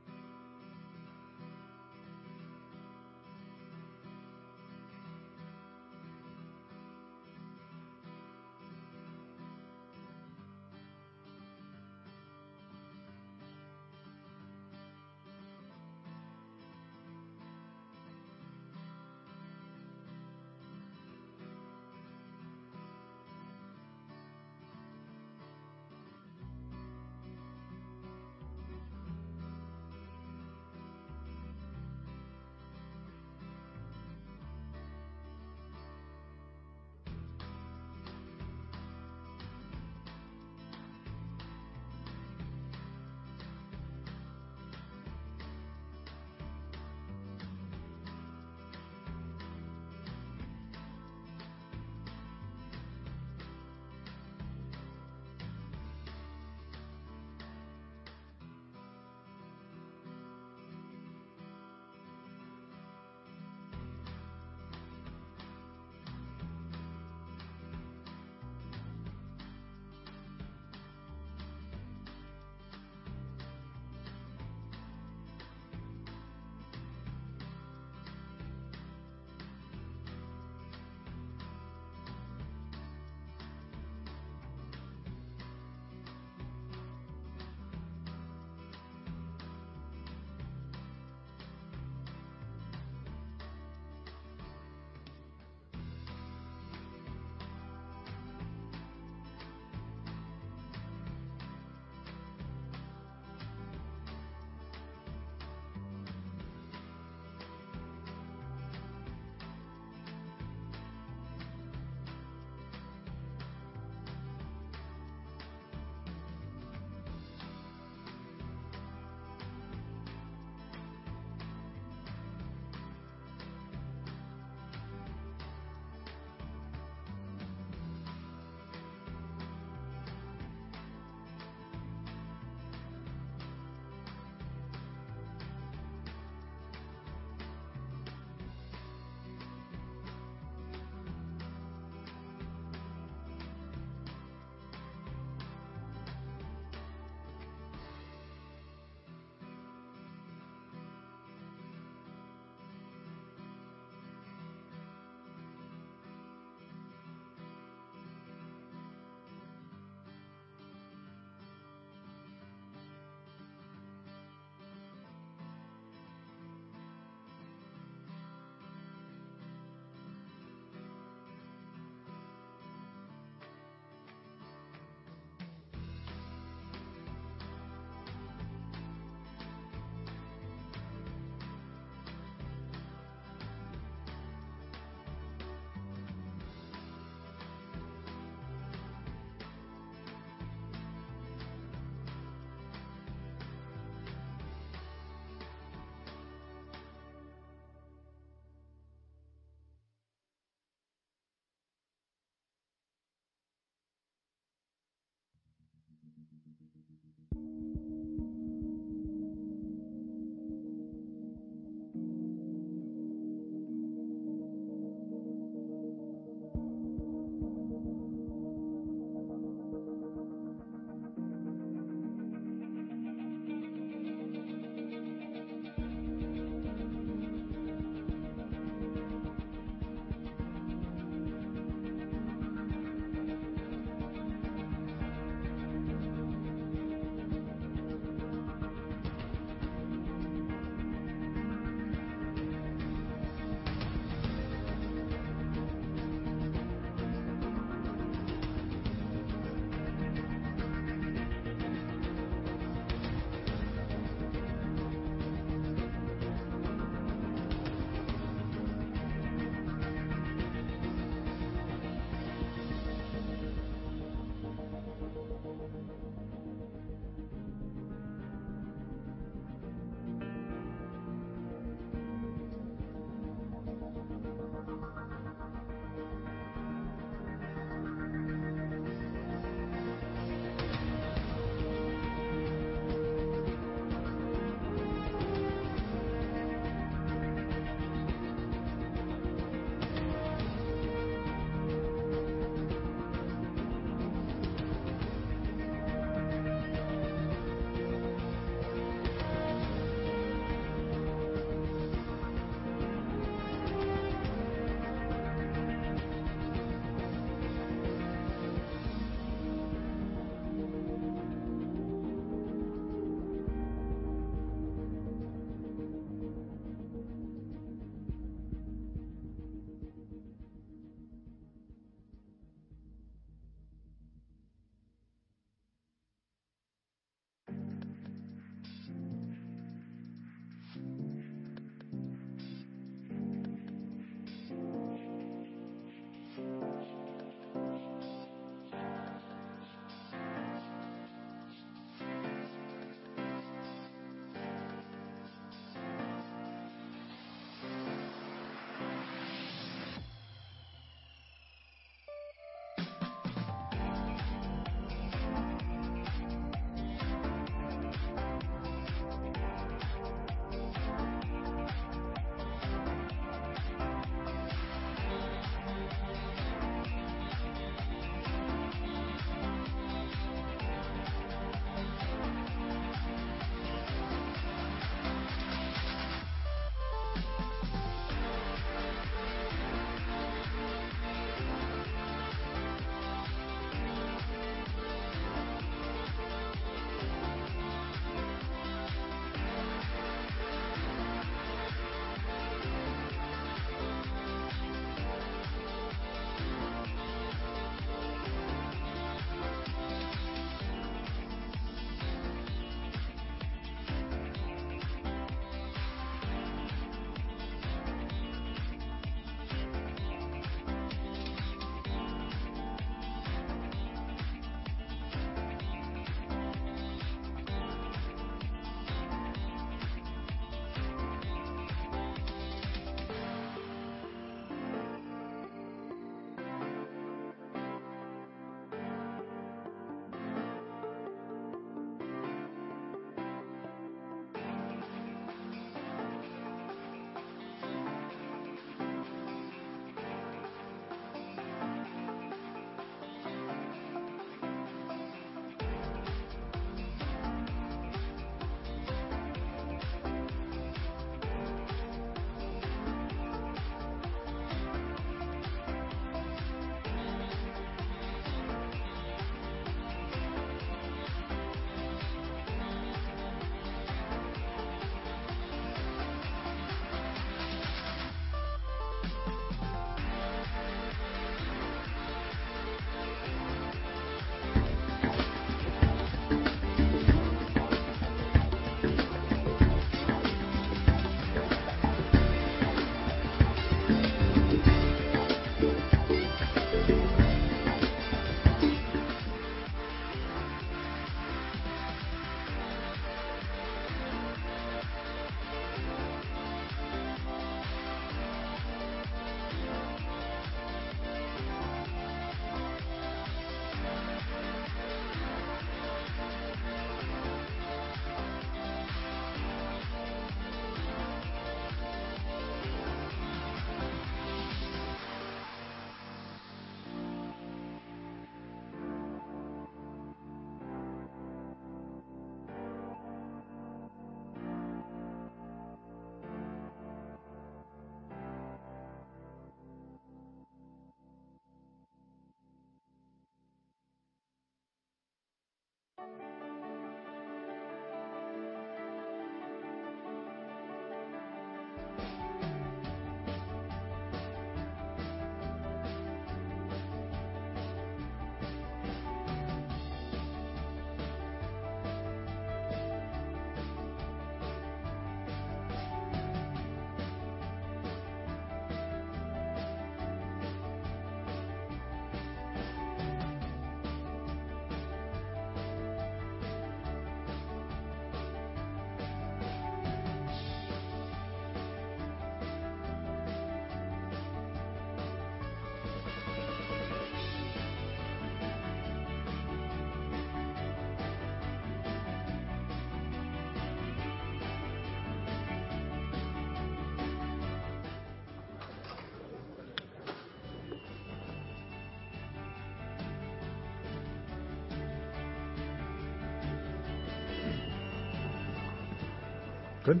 [SPEAKER 6] Good?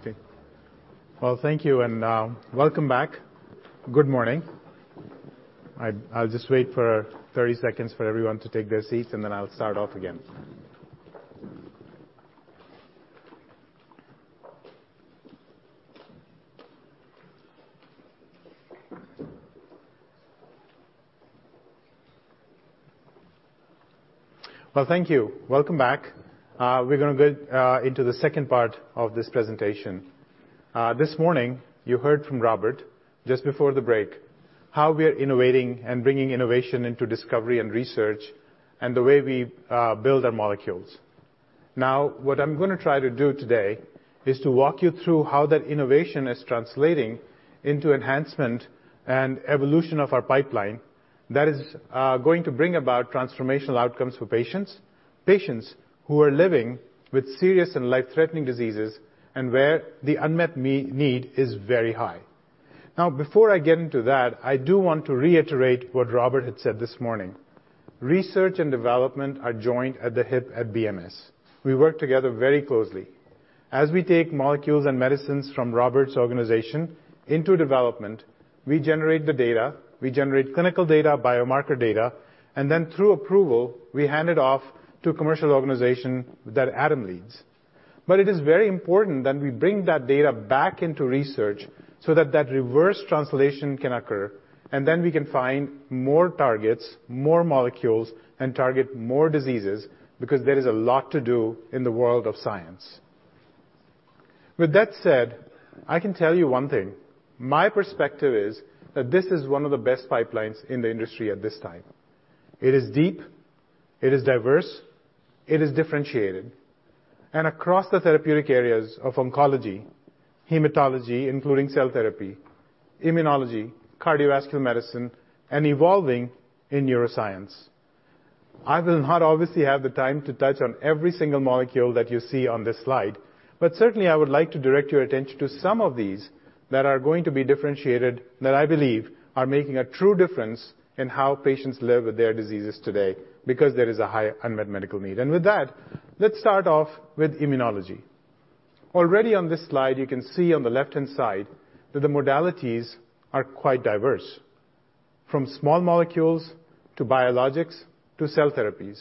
[SPEAKER 6] Okay. Well, thank you, and, welcome back. Good morning. I'll just wait for 30 seconds for everyone to take their seats, and then I'll start off again. Well, thank you. Welcome back. We're gonna get, into the second part of this presentation. This morning, you heard from Robert just before the break, how we are innovating and bringing innovation into discovery and research, and the way we build our molecules. Now, what I'm gonna try to do today is to walk you through how that innovation is translating into enhancement and evolution of our pipeline, that is, going to bring about transformational outcomes for patients, patients who are living with serious and life-threatening diseases and where the unmet need is very high. Now, before I get into that, I do want to reiterate what Robert had said this morning. Research and development are joined at the hip at BMS. We work together very closely. As we take molecules and medicines from Robert's organization into development, we generate the data, we generate clinical data, biomarker data, and then through approval, we hand it off to a commercial organization that Adam leads. But it is very important that we bring that data back into research so that that reverse translation can occur, and then we can find more targets, more molecules, and target more diseases, because there is a lot to do in the world of science. With that said, I can tell you one thing, my perspective is, that this is one of the best pipelines in the industry at this time. It is deep, it is diverse, it is differentiated. Across the therapeutic areas of oncology, hematology, including cell therapy, immunology, cardiovascular medicine, and evolving in neuroscience. I will not obviously have the time to touch on every single molecule that you see on this slide, but certainly, I would like to direct your attention to some of these that are going to be differentiated, that I believe are making a true difference in how patients live with their diseases today, because there is a high unmet medical need. With that, let's start off with immunology. Already on this slide, you can see on the left-hand side that the modalities are quite diverse. From small molecules to biologics to cell therapies.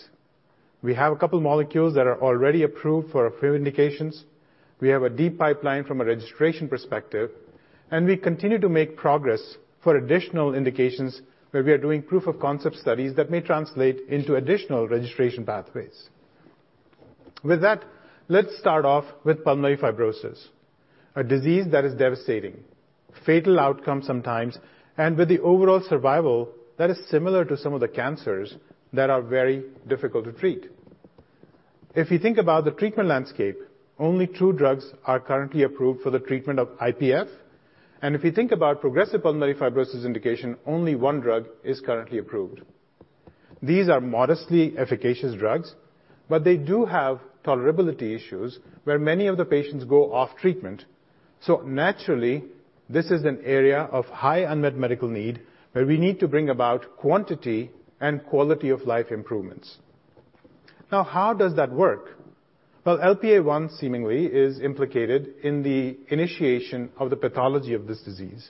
[SPEAKER 6] We have a couple molecules that are already approved for a few indications. We have a deep pipeline from a registration perspective, and we continue to make progress for additional indications, where we are doing proof-of-concept studies that may translate into additional registration pathways. With that, let's start off with pulmonary fibrosis, a disease that is devastating, with fatal outcome sometimes, and with the overall survival that is similar to some of the cancers that are very difficult to treat. If you think about the treatment landscape, only two drugs are currently approved for the treatment of IPF. If you think about progressive pulmonary fibrosis indication, only one drug is currently approved. These are modestly efficacious drugs, but they do have tolerability issues, where many of the patients go off treatment. So naturally, this is an area of high unmet medical need, where we need to bring about quantity and quality of life improvements. Now, how does that work? Well, LPA1 seemingly is implicated in the initiation of the pathology of this disease.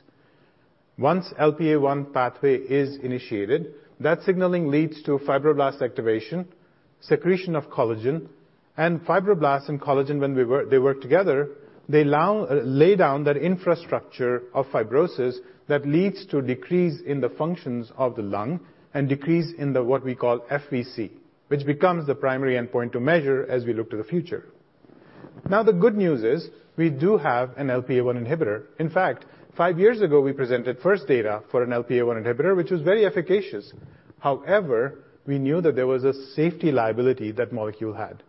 [SPEAKER 6] Once LPA1 pathway is initiated, that signaling leads to fibroblast activation, secretion of collagen, and fibroblasts and collagen, they work together, they allow lay down that infrastructure of fibrosis that leads to decrease in the functions of the lung and decrease in the, what we call FVC, which becomes the primary endpoint to measure as we look to the future. Now, the good news is, we do have an LPA1 inhibitor. In fact, 5 years ago, we presented first data for an LPA1 inhibitor, which was very efficacious. However, we knew that there was a safety liability that molecule had.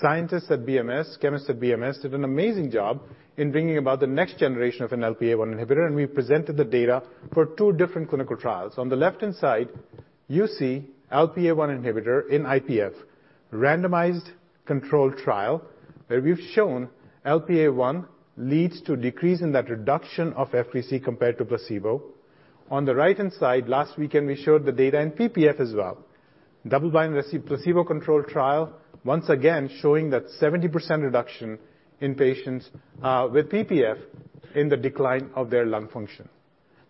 [SPEAKER 6] Scientists at BMS, chemists at BMS, did an amazing job in bringing about the next generation of an LPA1 inhibitor, and we presented the data for 2 different clinical trials. On the left-hand side, you see LPA1 inhibitor in IPF, randomized control trial, where we've shown LPA1 leads to decrease in that reduction of FVC compared to placebo. On the right-hand side, last weekend, we showed the data in PPF as well. Double-blind receive placebo-controlled trial, once again, showing that 70% reduction in patients with PPF in the decline of their lung function.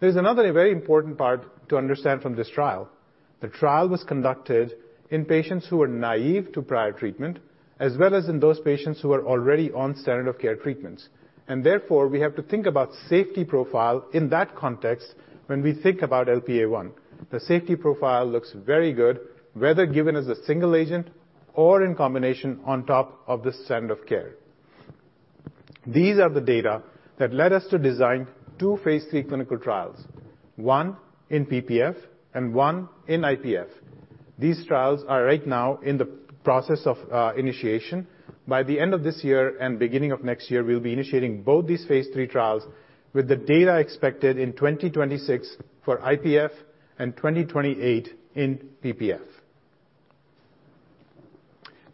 [SPEAKER 6] There's another very important part to understand from this trial. The trial was conducted in patients who were naive to prior treatment, as well as in those patients who were already on standard of care treatments. Therefore, we have to think about safety profile in that context when we think about LPA1. The safety profile looks very good, whether given as a single agent or in combination on top of the standard of care. These are the data that led us to design two phase 3 clinical trials, one in PPF and one in IPF. These trials are right now in the process of initiation. By the end of this year and beginning of next year, we'll be initiating both these phase 3 trials, with the data expected in 2026 for IPF and 2028 in PPF.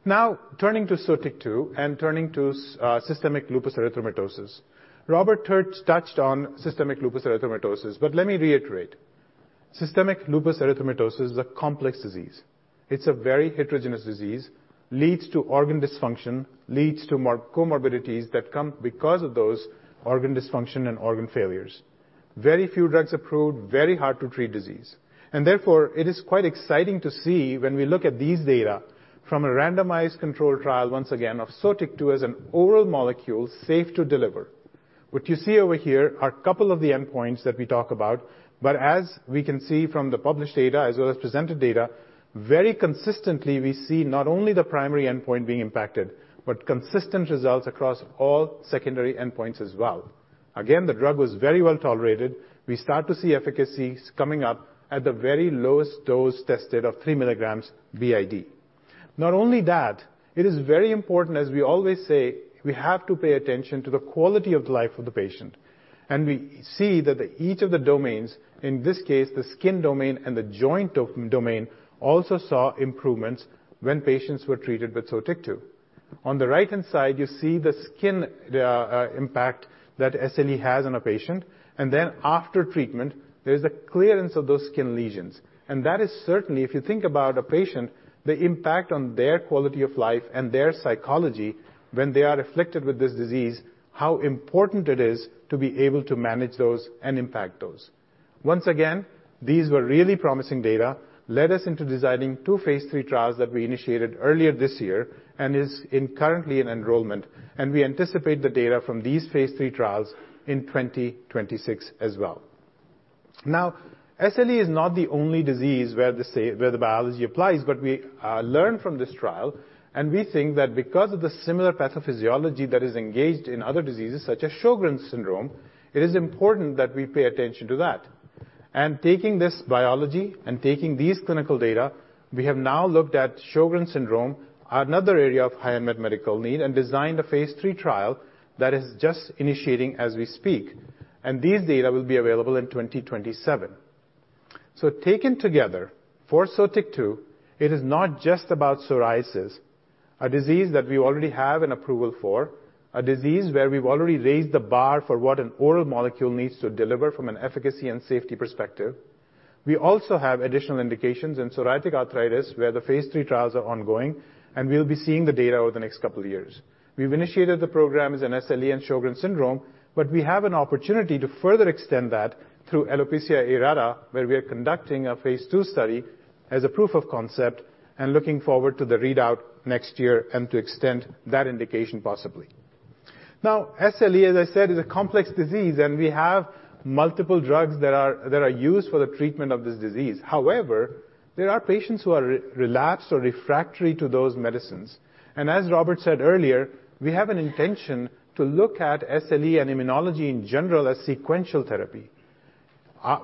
[SPEAKER 6] Now, turning to Sotyktu and turning to systemic lupus erythematosus. Robert Pleng touched on systemic lupus erythematosus, but let me reiterate. Systemic lupus erythematosus is a complex disease. It's a very heterogeneous disease, leads to organ dysfunction, leads to comorbidities that come because of those organ dysfunction and organ failures. Very few drugs approved, very hard to treat disease. Therefore, it is quite exciting to see when we look at these data from a randomized control trial, once again, of Sotyktu as an oral molecule, safe to deliver. What you see over here are a couple of the endpoints that we talk about, but as we can see from the published data, as well as presented data, very consistently, we see not only the primary endpoint being impacted, but consistent results across all secondary endpoints as well. Again, the drug was very well tolerated. We start to see efficacies coming up at the very lowest dose tested of 3 milligrams BID. Not only that, it is very important, as we always say, we have to pay attention to the quality of life of the patient, and we see that each of the domains, in this case, the skin domain and the joint domain, also saw improvements when patients were treated with Sotyktu. On the right-hand side, you see the skin impact that SLE has on a patient, and then after treatment, there's a clearance of those skin lesions. And that is certainly, if you think about a patient, the impact on their quality of life and their psychology when they are afflicted with this disease, how important it is to be able to manage those and impact those. Once again, these were really promising data, led us into designing two phase 3 trials that we initiated earlier this year and is currently in enrollment, and we anticipate the data from these phase 3 trials in 2026 as well. Now, SLE is not the only disease where the biology applies, but we learned from this trial, and we think that because of the similar pathophysiology that is engaged in other diseases, such as Sjögren's syndrome, it is important that we pay attention to that. And taking this biology and taking these clinical data, we have now looked at Sjögren's syndrome, another area of high unmet medical need, and designed a phase 3 trial that is just initiating as we speak, and these data will be available in 2027. So taken together, for SOTIG2, it is not just about psoriasis, a disease that we already have an approval for, a disease where we've already raised the bar for what an oral molecule needs to deliver from an efficacy and safety perspective. We also have additional indications in psoriatic arthritis, where the phase 3 trials are ongoing, and we'll be seeing the data over the next couple of years. We've initiated the programs in SLE and Sjögren's syndrome, but we have an opportunity to further extend that through alopecia areata, where we are conducting a phase 2 study... as a proof of concept, and looking forward to the readout next year and to extend that indication possibly. Now, SLE, as I said, is a complex disease, and we have multiple drugs that are used for the treatment of this disease. However, there are patients who are relapsed or refractory to those medicines. As Robert said earlier, we have an intention to look at SLE and immunology in general as sequential therapy.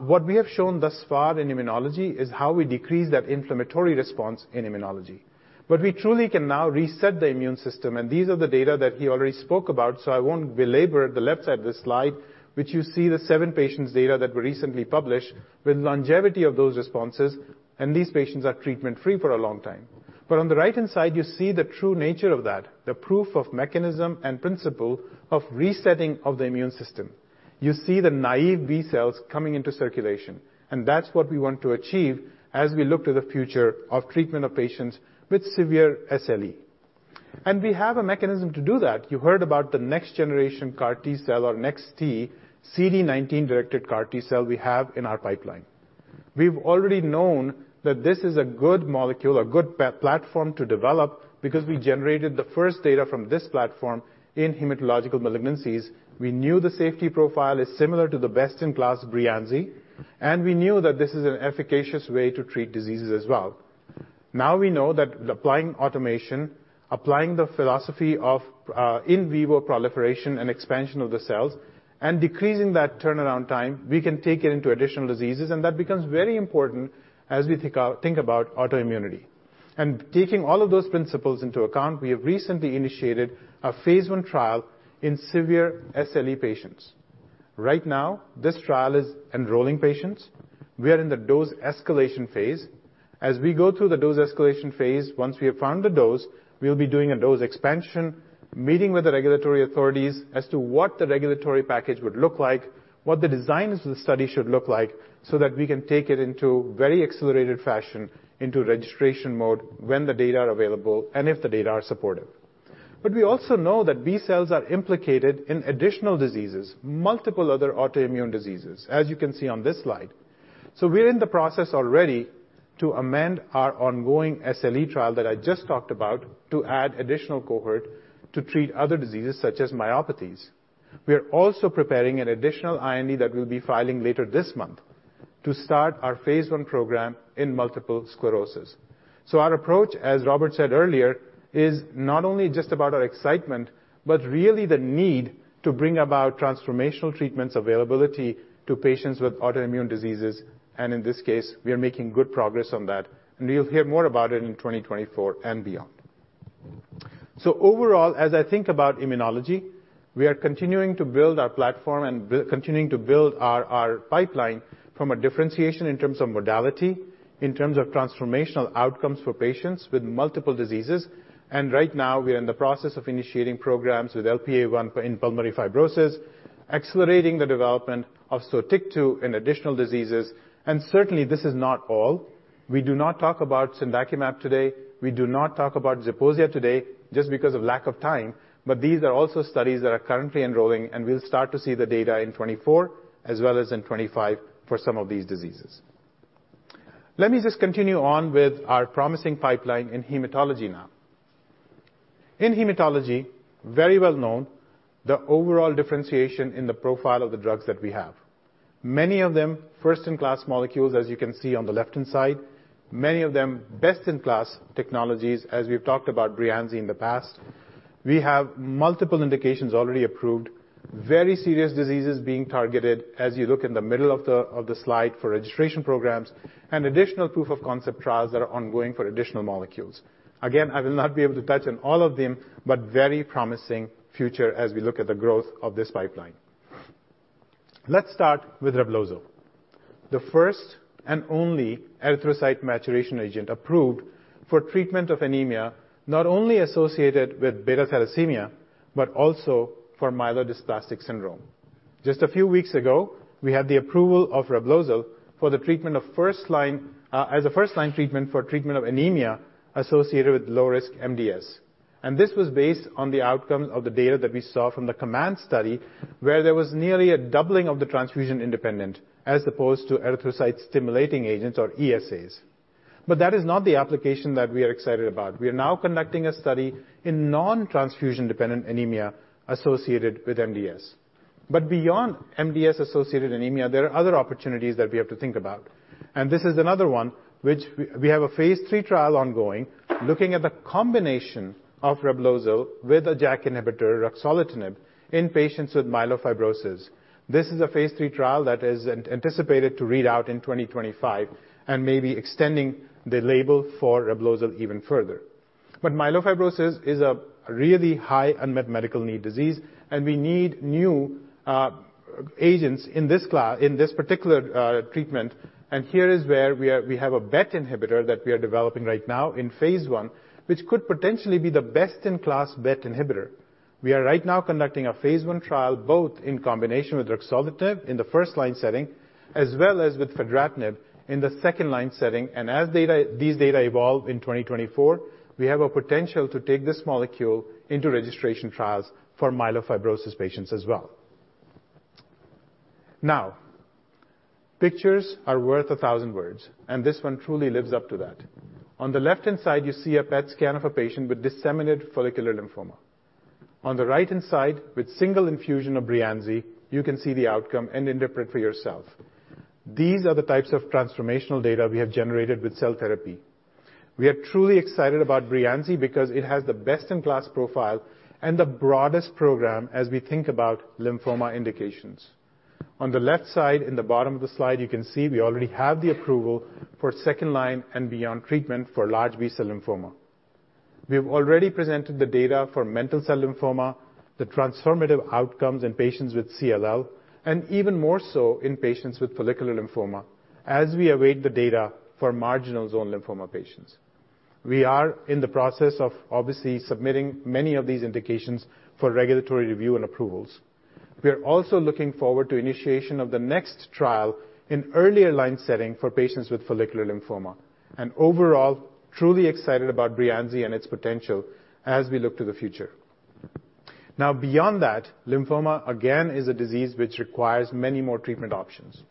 [SPEAKER 6] What we have shown thus far in immunology is how we decrease that inflammatory response in immunology. But we truly can now reset the immune system, and these are the data that he already spoke about, so I won't belabor the left side of this slide, which you see the seven patients' data that we recently published, with longevity of those responses, and these patients are treatment-free for a long time. But on the right-hand side, you see the true nature of that, the proof of mechanism and principle of resetting of the immune system. You see the naive B cells coming into circulation, and that's what we want to achieve as we look to the future of treatment of patients with severe SLE. We have a mechanism to do that. You heard about the next generation CAR T cell, or NEX-T, CD19-directed CAR T cell we have in our pipeline. We've already known that this is a good molecule, a good platform to develop, because we generated the first data from this platform in hematological malignancies. We knew the safety profile is similar to the best-in-class, Breyanzi, and we knew that this is an efficacious way to treat diseases as well. Now we know that applying automation, applying the philosophy of in vivo proliferation and expansion of the cells, and decreasing that turnaround time, we can take it into additional diseases, and that becomes very important as we think about autoimmunity. Taking all of those principles into account, we have recently initiated a phase one trial in severe SLE patients. Right now, this trial is enrolling patients. We are in the dose escalation phase. As we go through the dose escalation phase, once we have found the dose, we'll be doing a dose expansion, meeting with the regulatory authorities as to what the regulatory package would look like, what the designs of the study should look like, so that we can take it into very accelerated fashion into registration mode when the data are available and if the data are supportive. We also know that B cells are implicated in additional diseases, multiple other autoimmune diseases, as you can see on this slide. We are in the process already to amend our ongoing SLE trial that I just talked about, to add additional cohort to treat other diseases, such as myopathies. We are also preparing an additional IND that we'll be filing later this month to start our phase one program in multiple sclerosis. Our approach, as Robert said earlier, is not only just about our excitement, but really the need to bring about transformational treatments availability to patients with autoimmune diseases, and in this case, we are making good progress on that, and you'll hear more about it in 2024 and beyond. So overall, as I think about immunology, we are continuing to build our platform and continuing to build our pipeline from a differentiation in terms of modality, in terms of transformational outcomes for patients with multiple diseases. And right now, we are in the process of initiating programs with LPA1 for IPF, accelerating the development of Sotyktu in additional diseases. And certainly, this is not all. We do not talk about Cendakimab today. We do not talk about Zeposia today, just because of lack of time, but these are also studies that are currently enrolling, and we'll start to see the data in 2024, as well as in 2025 for some of these diseases. Let me just continue on with our promising pipeline in hematology now. In hematology, very well known, the overall differentiation in the profile of the drugs that we have. Many of them, first-in-class molecules, as you can see on the left-hand side, many of them best-in-class technologies, as we've talked about Breyanzi in the past. We have multiple indications already approved, very serious diseases being targeted as you look in the middle of the slide for registration programs, and additional proof of concept trials that are ongoing for additional molecules. Again, I will not be able to touch on all of them, but very promising future as we look at the growth of this pipeline. Let's start with Reblozyl, the first and only erythroid maturation agent approved for treatment of anemia, not only associated with beta-thalassemia, but also for myelodysplastic syndrome. Just a few weeks ago, we had the approval of Reblozyl for the treatment of first-line as a first-line treatment for treatment of anemia associated with low risk MDS. And this was based on the outcomes of the data that we saw from the COMMAND study, where there was nearly a doubling of the transfusion independent, as opposed to erythrocyte-stimulating agents or ESAs. But that is not the application that we are excited about. We are now conducting a study in non-transfusion-dependent anemia associated with MDS. But beyond MDS-associated anemia, there are other opportunities that we have to think about. And this is another one, which we have a phase 3 trial ongoing, looking at the combination of Reblozyl with a JAK inhibitor, Ruxolitinib, in patients with myelofibrosis. This is a phase 3 trial that is anticipated to read out in 2025 and may be extending the label for Reblozyl even further. But myelofibrosis is a really high unmet medical need disease, and we need new agents in this class, in this particular treatment. Here is where we are—we have a BET inhibitor that we are developing right now in phase 1, which could potentially be the best-in-class BET inhibitor. We are right now conducting a phase 1 trial, both in combination with Ruxolitinib in the first line setting, as well as with Fedratinib in the second line setting. And as data, these data evolve in 2024, we have a potential to take this molecule into registration trials for myelofibrosis patients as well. Now, pictures are worth 1,000 words, and this one truly lives up to that. On the left-hand side, you see a PET scan of a patient with disseminated follicular lymphoma. On the right-hand side, with single infusion of Breyanzi, you can see the outcome and interpret for yourself. These are the types of transformational data we have generated with cell therapy. We are truly excited about Breyanzi because it has the best-in-class profile and the broadest program as we think about lymphoma indications. On the left side, in the bottom of the slide, you can see we already have the approval for second-line and beyond treatment for large B-cell lymphoma. We have already presented the data for mantle cell lymphoma, the transformative outcomes in patients with CLL, and even more so in patients with follicular lymphoma, as we await the data for marginal zone lymphoma patients. We are in the process of obviously submitting many of these indications for regulatory review and approvals. We are also looking forward to initiation of the next trial in earlier line setting for patients with follicular lymphoma, and overall, truly excited about Breyanzi and its potential as we look to the future. Now, beyond that, lymphoma, again, is a disease which requires many more treatment options.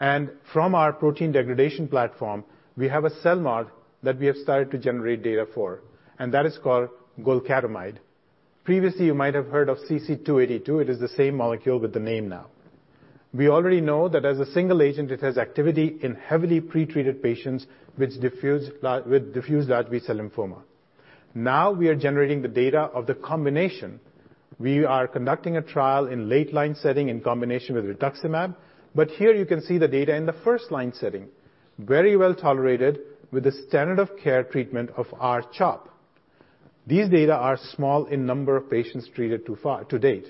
[SPEAKER 6] And from our protein degradation platform, we have a CELMoD that we have started to generate data for, and that is called Golcadomide. Previously, you might have heard of CC-282. It is the same molecule with the name now. We already know that as a single agent, it has activity in heavily pretreated patients with diffuse large B-cell lymphoma. Now, we are generating the data of the combination. We are conducting a trial in late-line setting in combination with rituximab, but here you can see the data in the first-line setting, very well tolerated with the standard of care treatment of R-CHOP. These data are small in number of patients treated to date,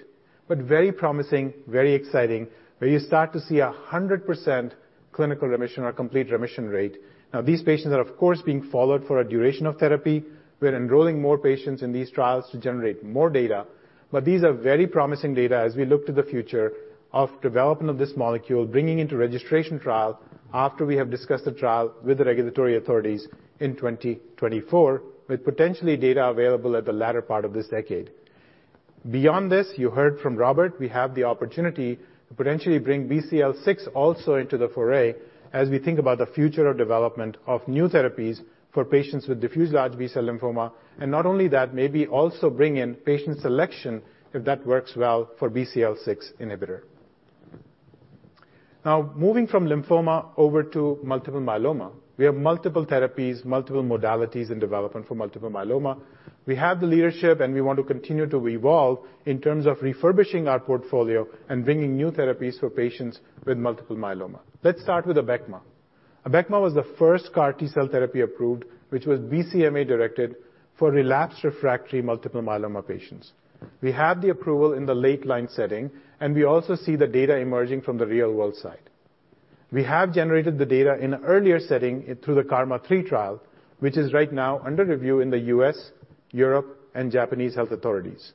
[SPEAKER 6] but very promising, very exciting, where you start to see 100% clinical remission or complete remission rate. Now, these patients are, of course, being followed for a duration of therapy. We're enrolling more patients in these trials to generate more data, but these are very promising data as we look to the future of development of this molecule, bringing into registration trial after we have discussed the trial with the regulatory authorities in 2024, with potentially data available at the latter part of this decade. Beyond this, you heard from Robert, we have the opportunity to potentially bring BCL-6 also into the foray as we think about the future of development of new therapies for patients with diffuse large B-cell lymphoma, and not only that, maybe also bring in patient selection if that works well for BCL-6 inhibitor. Now, moving from lymphoma over to multiple myeloma, we have multiple therapies, multiple modalities in development for multiple myeloma. We have the leadership, and we want to continue to evolve in terms of refurbishing our portfolio and bringing new therapies for patients with multiple myeloma. Let's start with Abecma. Abecma was the first CAR-T cell therapy approved, which was BCMA-directed for relapsed refractory multiple myeloma patients. We have the approval in the late-line setting, and we also see the data emerging from the real-world side. We have generated the data in an earlier setting through the KarMMa-three trial, which is right now under review in the U.S., Europe, and Japanese health authorities.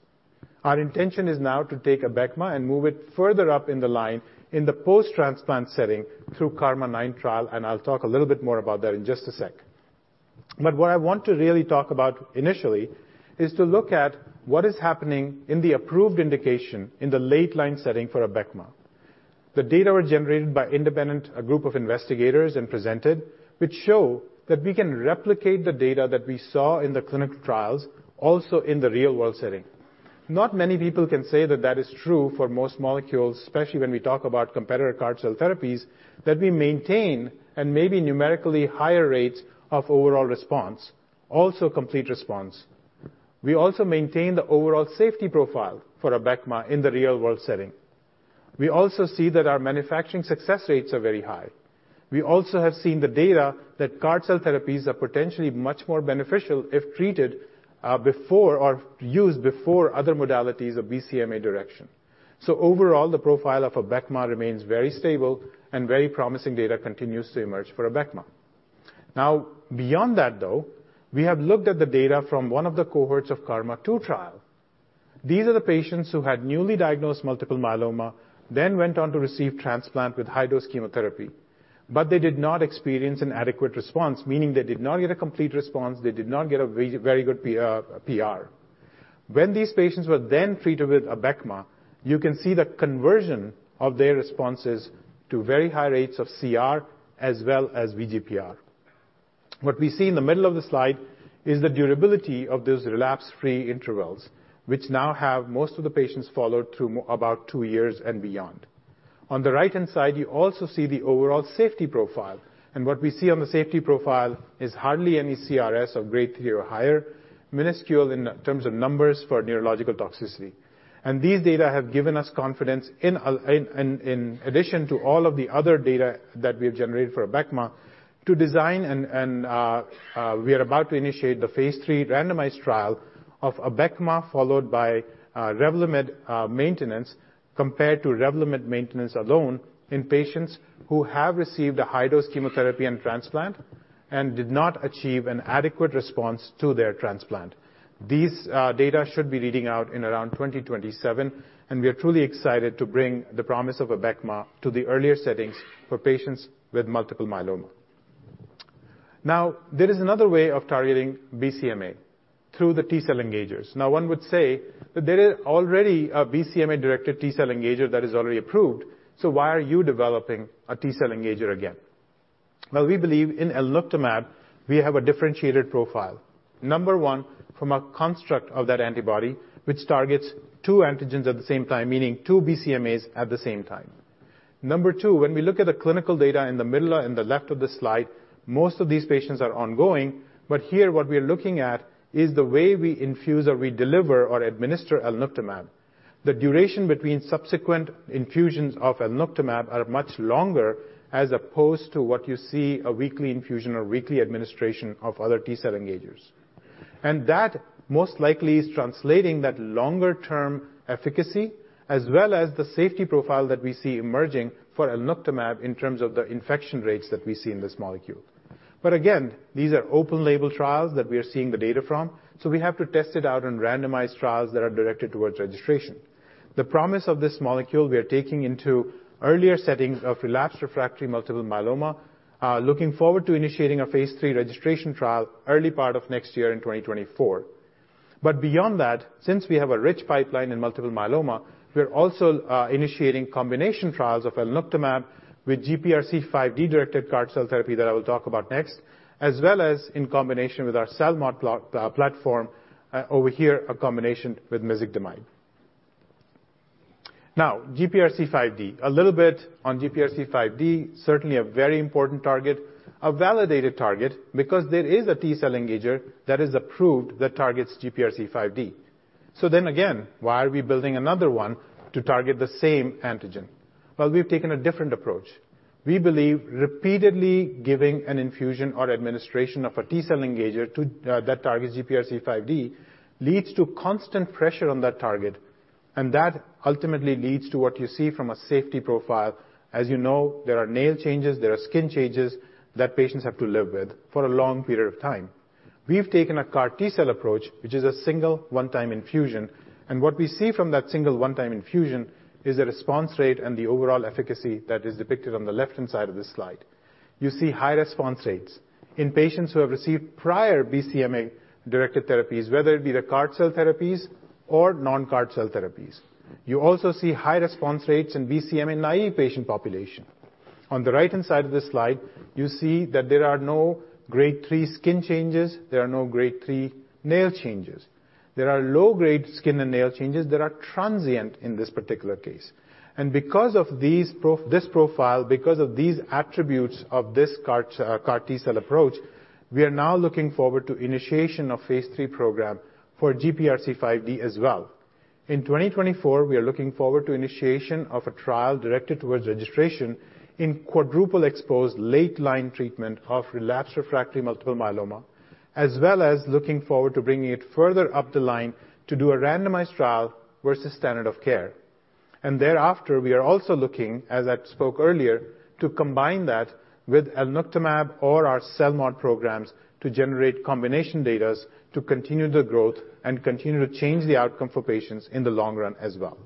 [SPEAKER 6] Our intention is now to take Abecma and move it further up in the line in the post-transplant setting through KarMMa-nine trial, and I'll talk a little bit more about that in just a sec. But what I want to really talk about initially is to look at what is happening in the approved indication in the late-line setting for Abecma. The data were generated by an independent group of investigators and presented, which show that we can replicate the data that we saw in the clinical trials also in the real-world setting. Not many people can say that that is true for most molecules, especially when we talk about competitor CAR cell therapies, that we maintain and maybe numerically higher rates of overall response, also complete response. We also maintain the overall safety profile for Abecma in the real-world setting. We also see that our manufacturing success rates are very high. We also have seen the data that CAR cell therapies are potentially much more beneficial if treated before or used before other modalities of BCMA-directed. So overall, the profile of Abecma remains very stable and very promising data continues to emerge for Abecma. Now, beyond that, though, we have looked at the data from one of the cohorts of KarMMa-2 trial. These are the patients who had newly diagnosed multiple myeloma, then went on to receive transplant with high-dose chemotherapy, but they did not experience an adequate response, meaning they did not get a complete response, they did not get a very good PR, PR. When these patients were then treated with Abecma, you can see the conversion of their responses to very high rates of CR as well as VGPR. What we see in the middle of the slide is the durability of those relapse-free intervals, which now have most of the patients followed through about 2 years and beyond. On the right-hand side, you also see the overall safety profile. And what we see on the safety profile is hardly any CRS of grade 3 or higher, minuscule in terms of numbers for neurological toxicity. These data have given us confidence in addition to all of the other data that we have generated for Abecma, to design and we are about to initiate the phase 3 randomized trial of Abecma, followed by Revlimid maintenance, compared to Revlimid maintenance alone in patients who have received a high-dose chemotherapy and transplant and did not achieve an adequate response to their transplant. These data should be reading out in around 2027, and we are truly excited to bring the promise of Abecma to the earlier settings for patients with multiple myeloma. Now, there is another way of targeting BCMA, through the T-cell engagers. Now, one would say that there is already a BCMA-directed T-cell engager that is already approved, so why are you developing a T-cell engager again? Well, we believe in Alnuctamab, we have a differentiated profile. Number one, from a construct of that antibody, which targets two antigens at the same time, meaning two BCMAs at the same time. Number two, when we look at the clinical data in the middle and the left of the slide, most of these patients are ongoing, but here, what we are looking at is the way we infuse or we deliver or administer Alnuctamab. The duration between subsequent infusions of Alnuctamab are much longer, as opposed to what you see a weekly infusion or weekly administration of other T-cell engagers. And that most likely is translating that longer-term efficacy, as well as the safety profile that we see emerging for Alnuctamab in terms of the infection rates that we see in this molecule. But again, these are open label trials that we are seeing the data from, so we have to test it out on randomized trials that are directed towards registration. The promise of this molecule we are taking into earlier settings of relapsed refractory multiple myeloma. Looking forward to initiating a phase 3 registration trial early part of next year in 2024. But beyond that, since we have a rich pipeline in multiple myeloma, we are also initiating combination trials of Alnuctamab with GPRC5D-directed CAR cell therapy that I will talk about next, as well as in combination with our CELMoD platform over here, a combination with Mezigdomide. Now, GPRC5D. A little bit on GPRC5D, certainly a very important target, a validated target, because there is a T-cell engager that is approved that targets GPRC5D. So then again, why are we building another one to target the same antigen? Well, we've taken a different approach. We believe repeatedly giving an infusion or administration of a T-cell engager to that targets GPRC5D, leads to constant pressure on that target, and that ultimately leads to what you see from a safety profile. As you know, there are nail changes, there are skin changes that patients have to live with for a long period of time. We've taken a CAR T-cell approach, which is a single one-time infusion, and what we see from that single one-time infusion is the response rate and the overall efficacy that is depicted on the left-hand side of this slide. You see high response rates in patients who have received prior BCMA-directed therapies, whether it be the CAR T-cell therapies or non-CAR T-cell therapies. You also see high response rates in BCMA-naive patient population. On the right-hand side of this slide, you see that there are no grade 3 skin changes, there are no grade 3 nail changes. There are low-grade skin and nail changes that are transient in this particular case. And because of this profile, because of these attributes of this CAR T-cell approach, we are now looking forward to initiation of phase 3 program for GPRC5D as well. In 2024, we are looking forward to initiation of a trial directed towards registration in quadruple exposed late line treatment of relapsed refractory multiple myeloma, as well as looking forward to bringing it further up the line to do a randomized trial versus standard of care. And thereafter, we are also looking, as I spoke earlier, to combine that with Alnuctamab or our CELMoD programs to generate combination data, to continue the growth and continue to change the outcome for patients in the long run as well.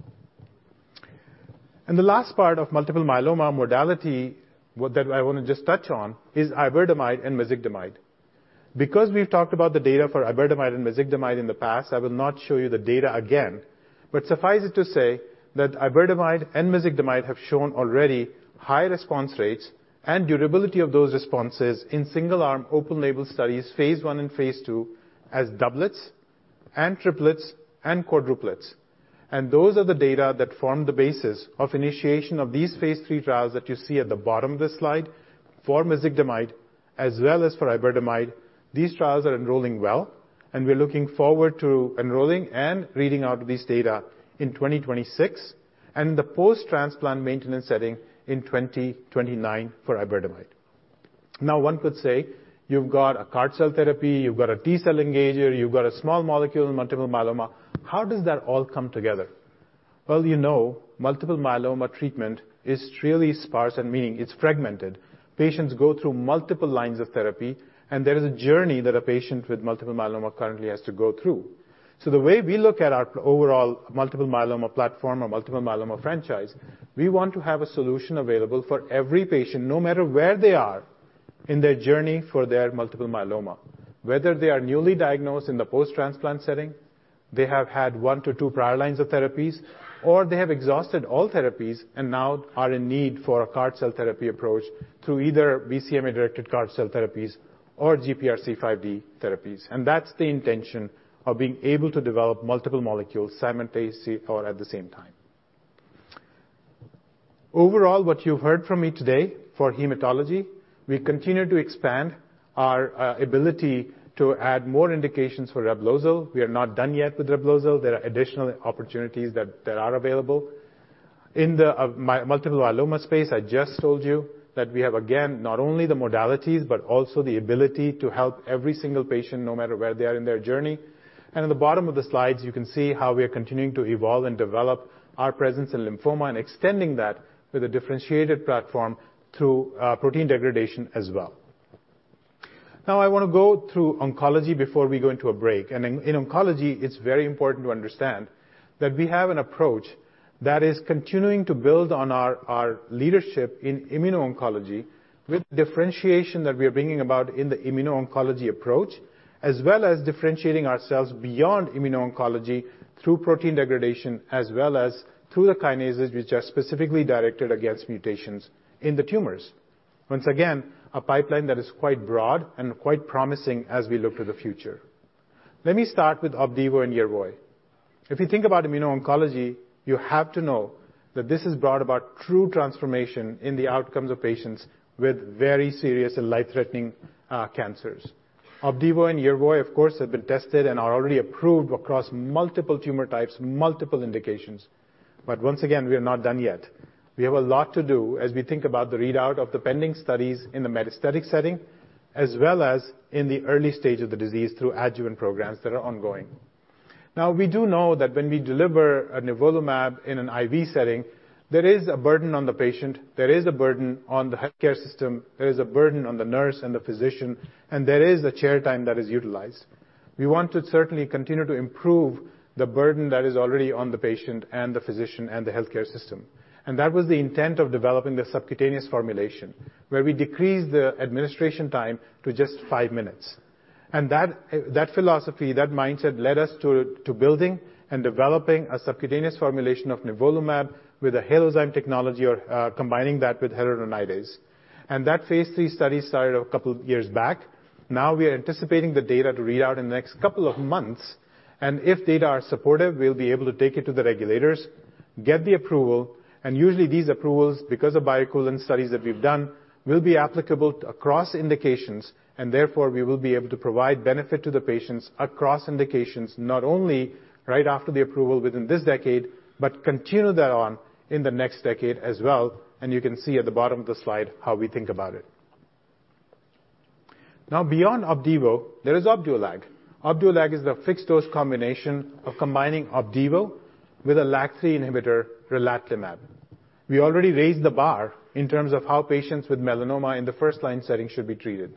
[SPEAKER 6] And the last part of multiple myeloma modality, what—that I want to just touch on is Iberdomide and Mezigdomide. Because we've talked about the data for Iberdomide and Mezigdomide in the past, I will not show you the data again. But suffice it to say that Iberdomide and Mezigdomide have shown already high response rates and durability of those responses in single-arm, open label studies, phase 1 and phase 2, as doublets and triplets and quadruplets. And those are the data that form the basis of initiation of these phase 3 trials that you see at the bottom of this slide for Mezigdomide, as well as for Iberdomide. These trials are enrolling well, and we are looking forward to enrolling and reading out these data in 2026, and the post-transplant maintenance setting in 2029 for Iberdomide. Now, one could say you've got a CAR T-cell therapy, you've got a T-cell engager, you've got a small molecule in multiple myeloma. How does that all come together? Well, you know, multiple myeloma treatment is really sparse, and meaning it's fragmented. Patients go through multiple lines of therapy, and there is a journey that a patient with multiple myeloma currently has to go through. So the way we look at our overall multiple myeloma platform or multiple myeloma franchise, we want to have a solution available for every patient, no matter where they are in their journey for their multiple myeloma. Whether they are newly diagnosed in the post-transplant setting, they have had 1-2 prior lines of therapies, or they have exhausted all therapies and now are in need for a CAR T-cell therapy approach through either BCMA-directed CAR T-cell therapies or GPRC5D therapies. And that's the intention of being able to develop multiple molecules simultaneously or at the same time. Overall, what you've heard from me today for hematology, we continue to expand our ability to add more indications for Reblozyl. We are not done yet with Reblozyl. There are additional opportunities that are available. In the multiple myeloma space, I just told you that we have, again, not only the modalities, but also the ability to help every single patient, no matter where they are in their journey. At the bottom of the slides, you can see how we are continuing to evolve and develop our presence in lymphoma and extending that with a differentiated platform through protein degradation as well. Now I want to go through oncology before we go into a break. In oncology, it's very important to understand that we have an approach that is continuing to build on our leadership in immuno-oncology with differentiation that we are bringing about in the immuno-oncology approach, as well as differentiating ourselves beyond immuno-oncology through protein degradation, as well as through the kinases, which are specifically directed against mutations in the tumors. Once again, a pipeline that is quite broad and quite promising as we look to the future. Let me start with Opdivo and Yervoy. If you think about immuno-oncology, you have to know that this has brought about true transformation in the outcomes of patients with very serious and life-threatening cancers. Opdivo and Yervoy, of course, have been tested and are already approved across multiple tumor types, multiple indications. But once again, we are not done yet. We have a lot to do as we think about the readout of the pending studies in the metastatic setting, as well as in the early stage of the disease through adjuvant programs that are ongoing. Now, we do know that when we deliver a nivolumab in an IV setting, there is a burden on the patient, there is a burden on the healthcare system, there is a burden on the nurse and the physician, and there is a chair time that is utilized. We want to certainly continue to improve the burden that is already on the patient, and the physician, and the healthcare system. That was the intent of developing the subcutaneous formulation, where we decrease the administration time to just 5 minutes. That philosophy, that mindset, led us to building and developing a subcutaneous formulation of nivolumab with Halozyme technology or combining that with hyaluronidase. That phase three study started a couple years back. Now we are anticipating the data to read out in the next couple of months, and if data are supportive, we'll be able to take it to the regulators, get the approval, and usually these approvals, because of biologic studies that we've done, will be applicable across indications, and therefore we will be able to provide benefit to the patients across indications, not only right after the approval within this decade, but continue that on in the next decade as well, and you can see at the bottom of the slide how we think about it. Now, beyond Opdivo, there is Opdualag. Opdualag is the fixed-dose combination of combining Opdivo with a LAG-3 inhibitor, Relatlimab. We already raised the bar in terms of how patients with melanoma in the first-line setting should be treated.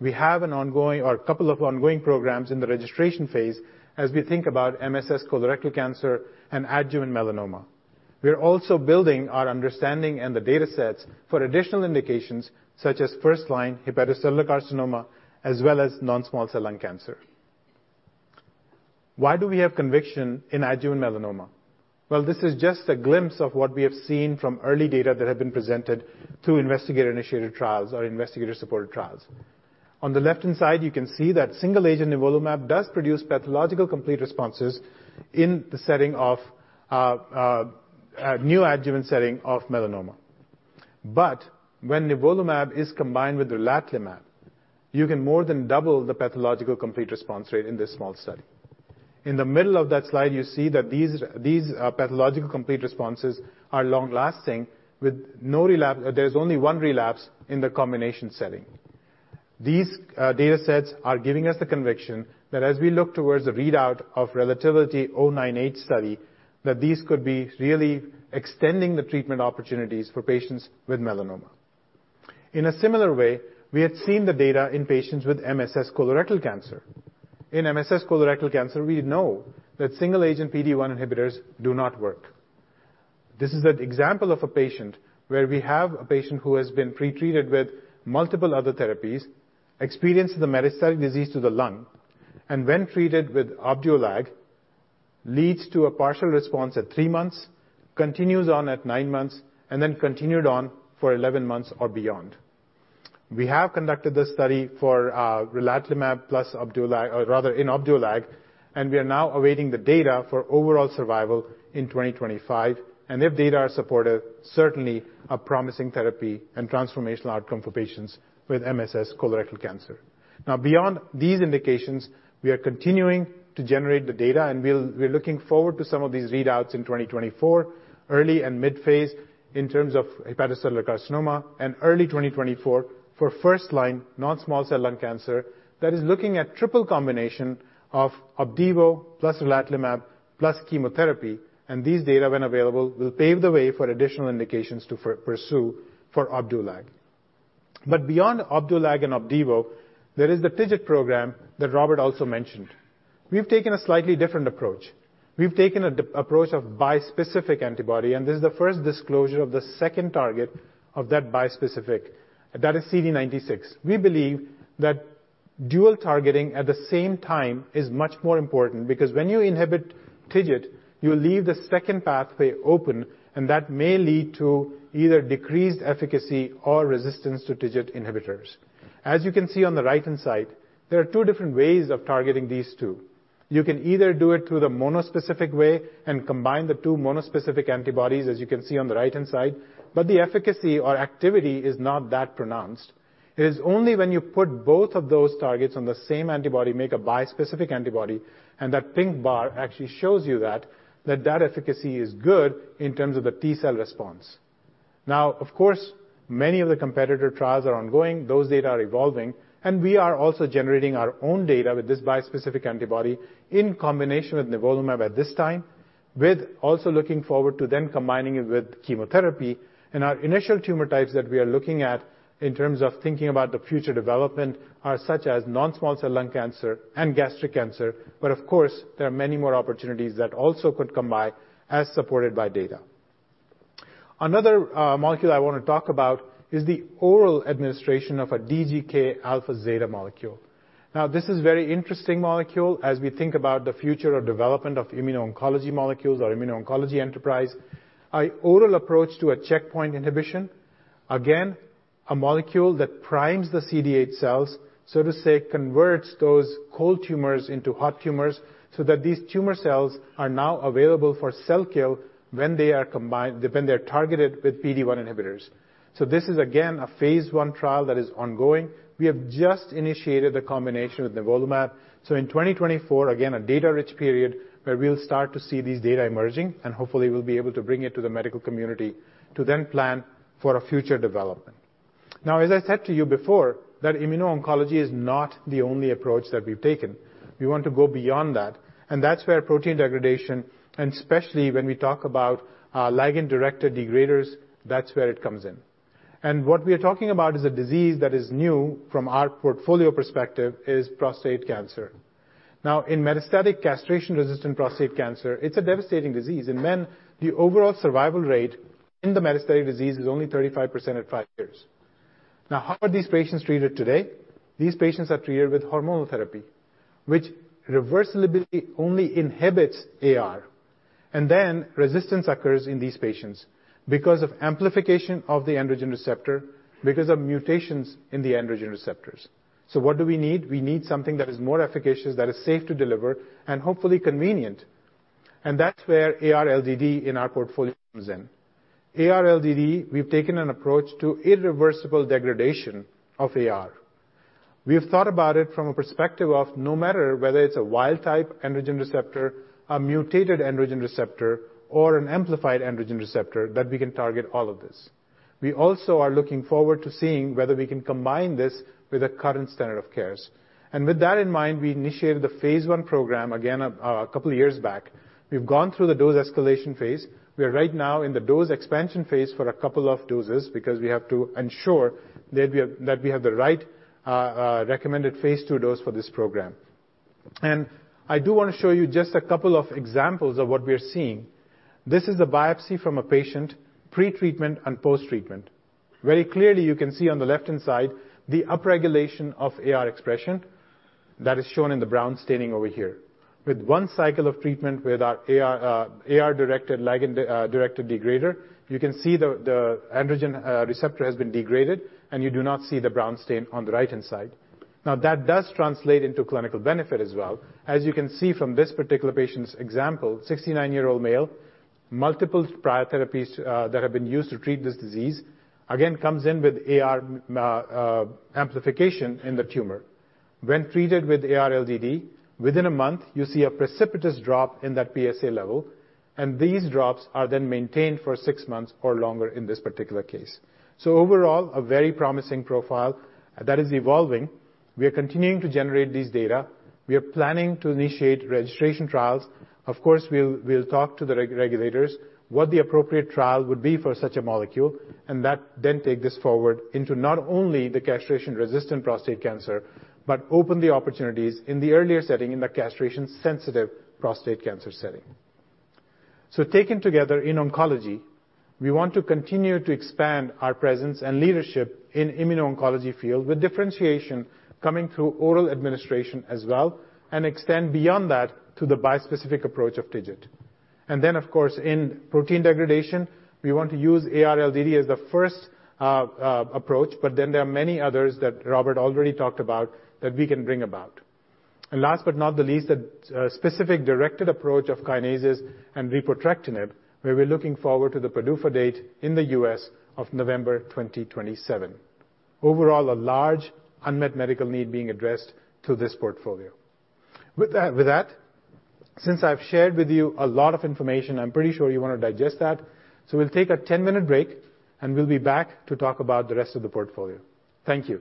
[SPEAKER 6] We have an ongoing or a couple of ongoing programs in the registration phase as we think about MSS colorectal cancer and adjuvant melanoma. We are also building our understanding and the data sets for additional indications, such as first-line hepatocellular carcinoma, as well as non-small cell lung cancer. Why do we have conviction in adjuvant melanoma? Well, this is just a glimpse of what we have seen from early data that have been presented through investigator-initiated trials or investigator-supported trials. On the left-hand side, you can see that single-agent nivolumab does produce pathological complete responses in the setting of neoadjuvant setting of melanoma. But when nivolumab is combined with relatlimab, you can more than double the pathological complete response rate in this small study. In the middle of that slide, you see that these pathological complete responses are long-lasting with no relapse. There's only 1 relapse in the combination setting. These data sets are giving us the conviction that as we look towards the readout of RELATIVITY-098 study, that these could be really extending the treatment opportunities for patients with melanoma. In a similar way, we had seen the data in patients with MSS colorectal cancer. In MSS colorectal cancer, we know that single-agent PD-1 inhibitors do not work. This is an example of a patient where we have a patient who has been pretreated with multiple other therapies, experienced the metastatic disease to the lung, and when treated with Opdualag, leads to a partial response at 3 months, continues on at 9 months, and then continued on for 11 months or beyond. We have conducted this study for relatlimab plus Opdualag, or rather in Opdualag, and we are now awaiting the data for overall survival in 2025. If data are supportive, certainly a promising therapy and transformational outcome for patients with MSS colorectal cancer. Now, beyond these indications, we are continuing to generate the data, and we're looking forward to some of these readouts in 2024, early and mid phase in terms of hepatocellular carcinoma, and early 2024 for first-line non-small cell lung cancer that is looking at triple combination of Opdivo plus relatlimab plus chemotherapy. These data, when available, will pave the way for additional indications to pursue for Opdualag. But beyond Opdualag and Opdivo, there is the TIGIT program that Robert also mentioned. We've taken a slightly different approach. We've taken a dual approach of bispecific antibody, and this is the first disclosure of the second target of that bispecific. That is CD96. We believe that dual targeting at the same time is much more important, because when you inhibit TIGIT, you leave the second pathway open, and that may lead to either decreased efficacy or resistance to TIGIT inhibitors. As you can see on the right-hand side, there are two different ways of targeting these two. You can either do it through the monospecific way and combine the two monospecific antibodies, as you can see on the right-hand side, but the efficacy or activity is not that pronounced. It is only when you put both of those targets on the same antibody, make a bispecific antibody, and that pink bar actually shows you that, that that efficacy is good in terms of the T cell response. Now, of course, many of the competitor trials are ongoing. Those data are evolving, and we are also generating our own data with this bispecific antibody in combination with nivolumab at this time, with also looking forward to then combining it with chemotherapy. And our initial tumor types that we are looking at in terms of thinking about the future development are such as non-small cell lung cancer and gastric cancer. But of course, there are many more opportunities that also could come by as supported by data. Another molecule I want to talk about is the oral administration of a DGK alpha/zeta molecule. Now, this is very interesting molecule as we think about the future of development of immuno-oncology molecules or immuno-oncology enterprise. An oral approach to a checkpoint inhibition, again, a molecule that primes the CD8 cells, so to say, converts those cold tumors into hot tumors, so that these tumor cells are now available for cell kill when they're targeted with PD-1 inhibitors. So this is again, a phase 1 trial that is ongoing. We have just initiated the combination with nivolumab. So in 2024, again, a data-rich period, where we'll start to see these data emerging, and hopefully, we'll be able to bring it to the medical community to then plan for a future development. Now, as I said to you before, that immuno-oncology is not the only approach that we've taken. We want to go beyond that, and that's where protein degradation, and especially when we talk about, ligand-directed degraders, that's where it comes in. What we are talking about is a disease that is new from our portfolio perspective, is prostate cancer. Now, in metastatic castration-resistant prostate cancer, it's a devastating disease. In men, the overall survival rate in the metastatic disease is only 35% at 5 years. Now, how are these patients treated today? These patients are treated with hormonal therapy, which reversibly only inhibits AR, and then resistance occurs in these patients because of amplification of the androgen receptor, because of mutations in the androgen receptors. So what do we need? We need something that is more efficacious, that is safe to deliver and hopefully convenient. And that's where AR-LDD in our portfolio comes in. AR-LDD, we've taken an approach to irreversible degradation of AR. We have thought about it from a perspective of no matter whether it's a wild type androgen receptor, a mutated androgen receptor, or an amplified androgen receptor, that we can target all of this. We also are looking forward to seeing whether we can combine this with the current standard of cares. And with that in mind, we initiated the phase 1 program, again, a couple of years back. We've gone through the dose escalation phase. We are right now in the dose expansion phase for a couple of doses because we have to ensure that we have the right recommended phase 2 dose for this program. And I do wanna show you just a couple of examples of what we are seeing. This is the biopsy from a patient, pre-treatment and post-treatment. Very clearly, you can see on the left-hand side, the upregulation of AR expression that is shown in the brown staining over here. With one cycle of treatment with our AR, AR-directed ligand, directed degrader, you can see the, the androgen, receptor has been degraded, and you do not see the brown stain on the right-hand side. Now, that does translate into clinical benefit as well. As you can see from this particular patient's example, 69-year-old male, multiple prior therapies, that have been used to treat this disease, again, comes in with AR, amplification in the tumor. When treated with AR-LDD, within a month, you see a precipitous drop in that PSA level, and these drops are then maintained for six months or longer in this particular case. So overall, a very promising profile that is evolving. We are continuing to generate this data. We are planning to initiate registration trials. Of course, we'll talk to the regulators, what the appropriate trial would be for such a molecule, and that then take this forward into not only the castration-resistant prostate cancer, but open the opportunities in the earlier setting, in the castration-sensitive prostate cancer setting. So taken together in oncology, we want to continue to expand our presence and leadership in immuno-oncology field, with differentiation coming through oral administration as well, and extend beyond that to the bispecific approach of TIGIT. Then, of course, in protein degradation, we want to use AR-LDD as the first approach, but then there are many others that Robert already talked about that we can bring about. And last but not the least, a specific directed approach of kinases and repotrectinib, where we're looking forward to the PDUFA date in the US. of November 2027. Overall, a large unmet medical need being addressed to this portfolio. With that, since I've shared with you a lot of information, I'm pretty sure you wanna digest that. So we'll take a 10-minute break, and we'll be back to talk about the rest of the portfolio. Thank you.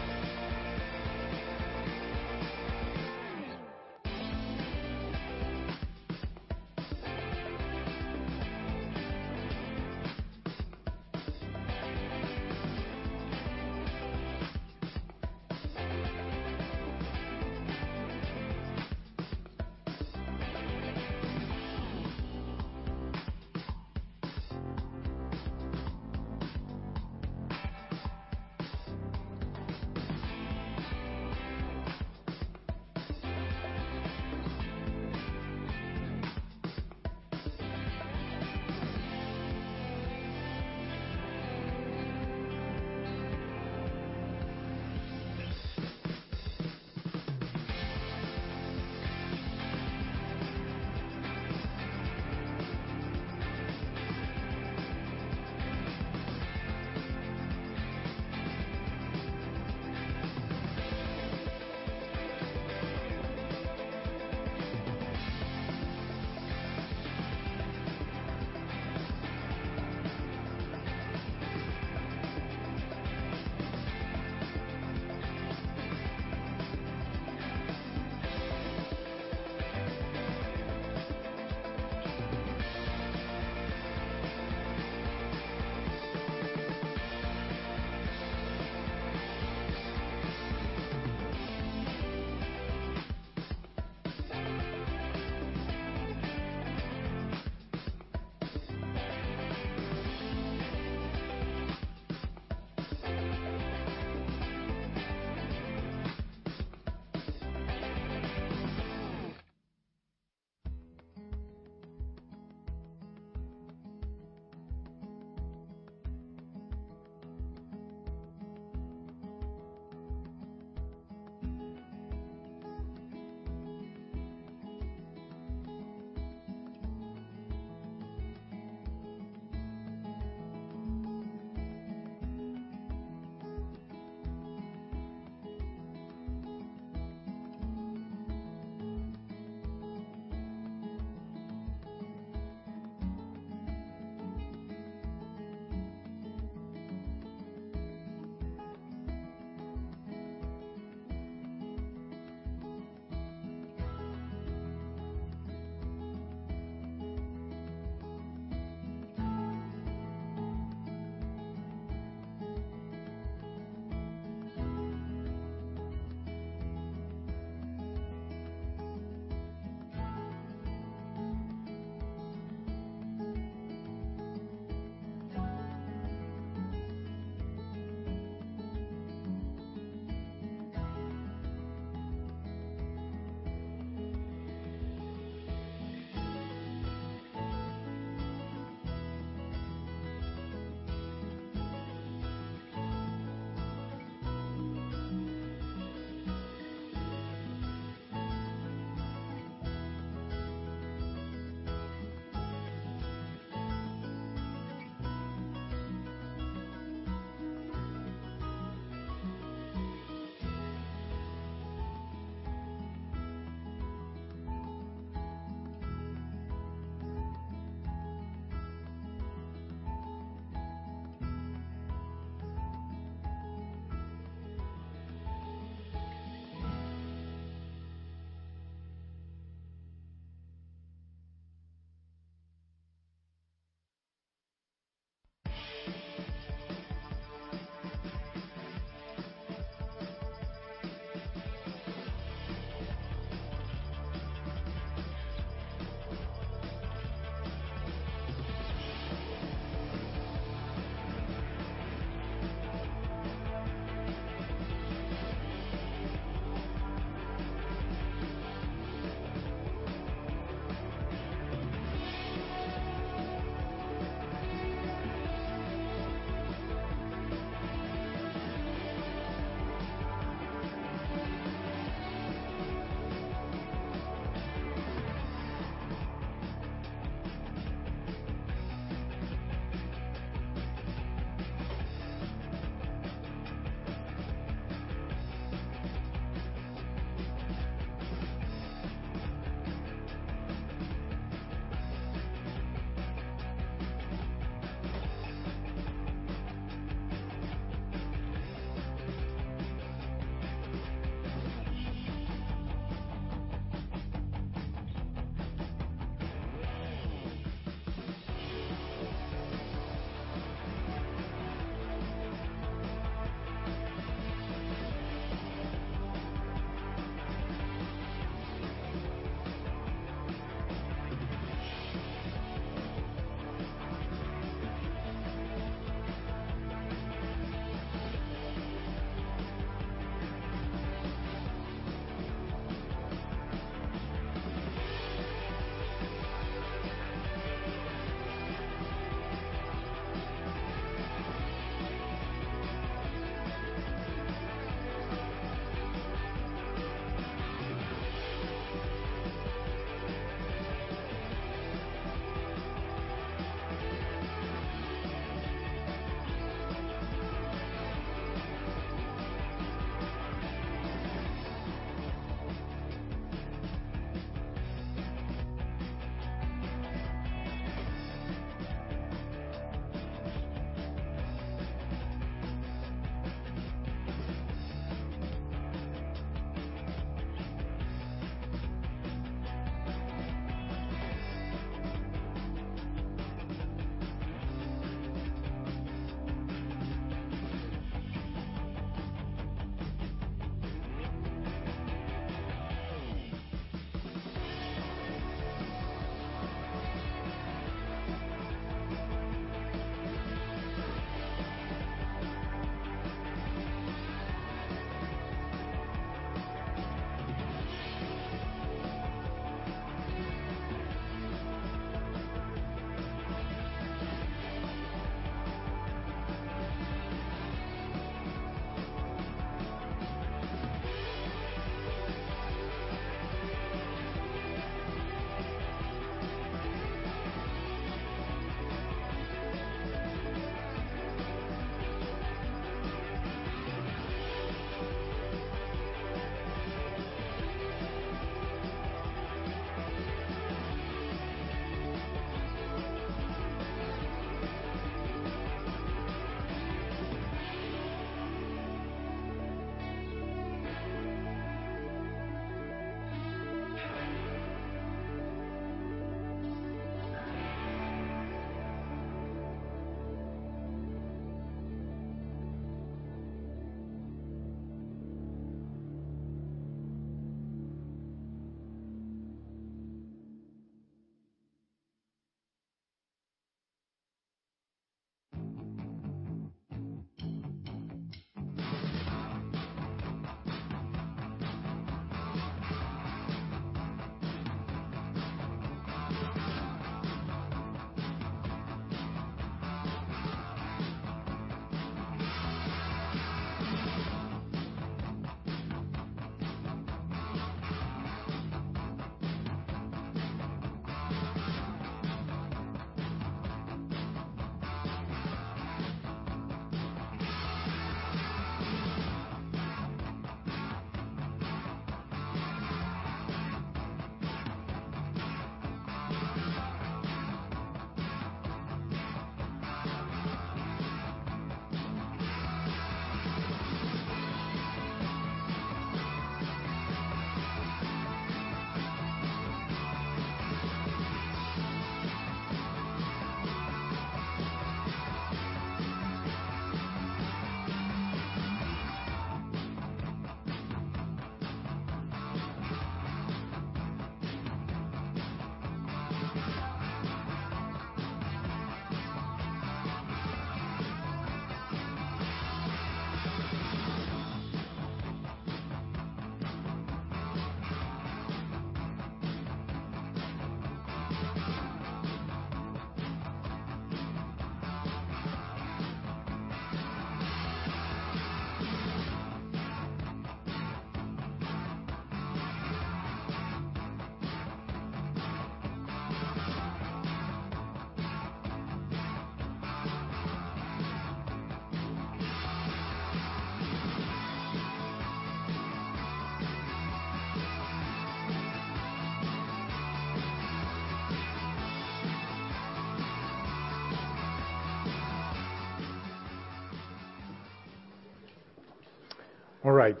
[SPEAKER 6] All right.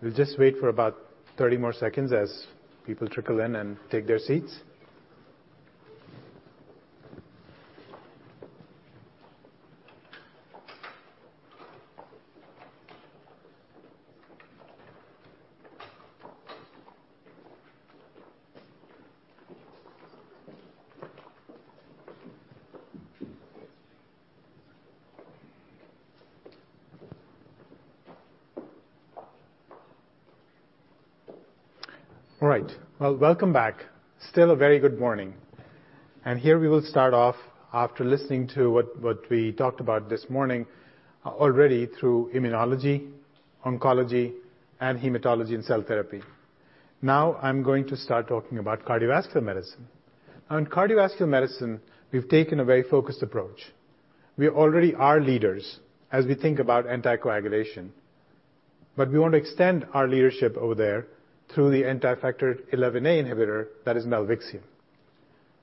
[SPEAKER 6] We'll just wait for about 30 more seconds as people trickle in and take their seats. All right, well, welcome back. Still a very good morning. And here we will start off after listening to what we talked about this morning already through immunology, oncology, and hematology, and cell therapy. Now I'm going to start talking about cardiovascular medicine. On cardiovascular medicine, we've taken a very focused approach. We already are leaders as we think about anticoagulation, but we want to extend our leadership over there through the anti-factor XIa inhibitor, that is Milvexian.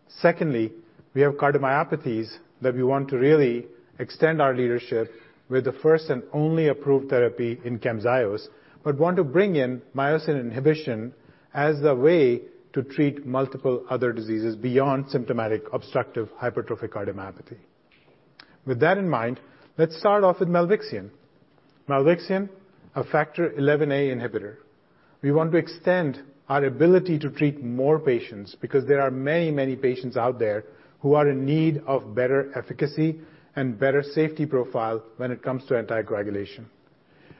[SPEAKER 6] Secondly, we have cardiomyopathies that we want to really extend our leadership with the first and only approved therapy in Camzyos, but want to bring in myosin inhibition as the way to treat multiple other diseases beyond symptomatic obstructive hypertrophic cardiomyopathy. With that in mind, let's start off with Milvexian. Milvexian, a factor XIa inhibitor. We want to extend our ability to treat more patients because there are many, many patients out there who are in need of better efficacy and better safety profile when it comes to anticoagulation.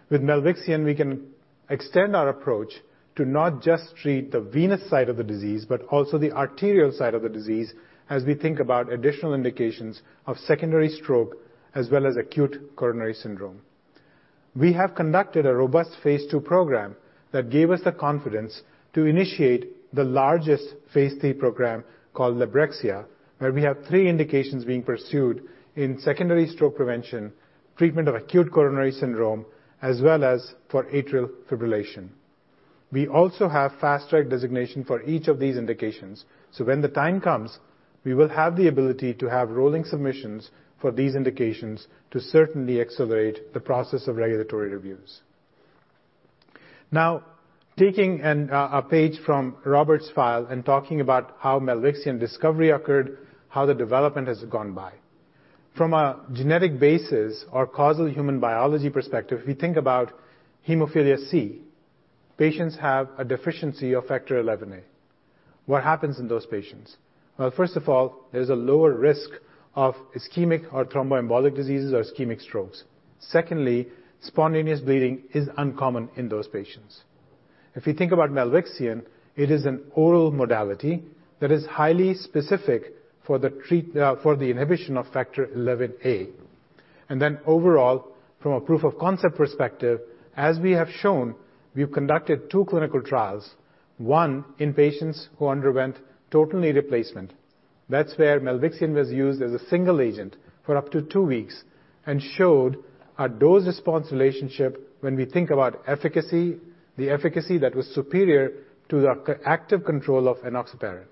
[SPEAKER 6] With Milvexian, we can extend our approach to not just treat the venous side of the disease, but also the arterial side of the disease, as we think about additional indications of secondary stroke as well as acute coronary syndrome. We have conducted a robust phase 2 program that gave us the confidence to initiate the largest phase 3 program called Librexia, where we have three indications being pursued in secondary stroke prevention, treatment of acute coronary syndrome, as well as for atrial fibrillation. We also have fast-track designation for each of these indications, so when the time comes, we will have the ability to have rolling submissions for these indications to certainly accelerate the process of regulatory reviews. Now, taking an, a page from Robert's file and talking about how Milvexian discovery occurred, how the development has gone by. From a genetic basis or causal human biology perspective, we think about hemophilia C. Patients have a deficiency of factor XIa. What happens in those patients? Well, first of all, there's a lower risk of ischemic or thromboembolic diseases or ischemic strokes. Secondly, spontaneous bleeding is uncommon in those patients. If you think about Milvexian, it is an oral modality that is highly specific for the inhibition of factor XIa. And then overall, from a proof of concept perspective, as we have shown, we've conducted two clinical trials, one in patients who underwent total knee replacement. That's where Milvexian was used as a single agent for up to two weeks, and showed a dose-response relationship when we think about efficacy, the efficacy that was superior to the active control of enoxaparin.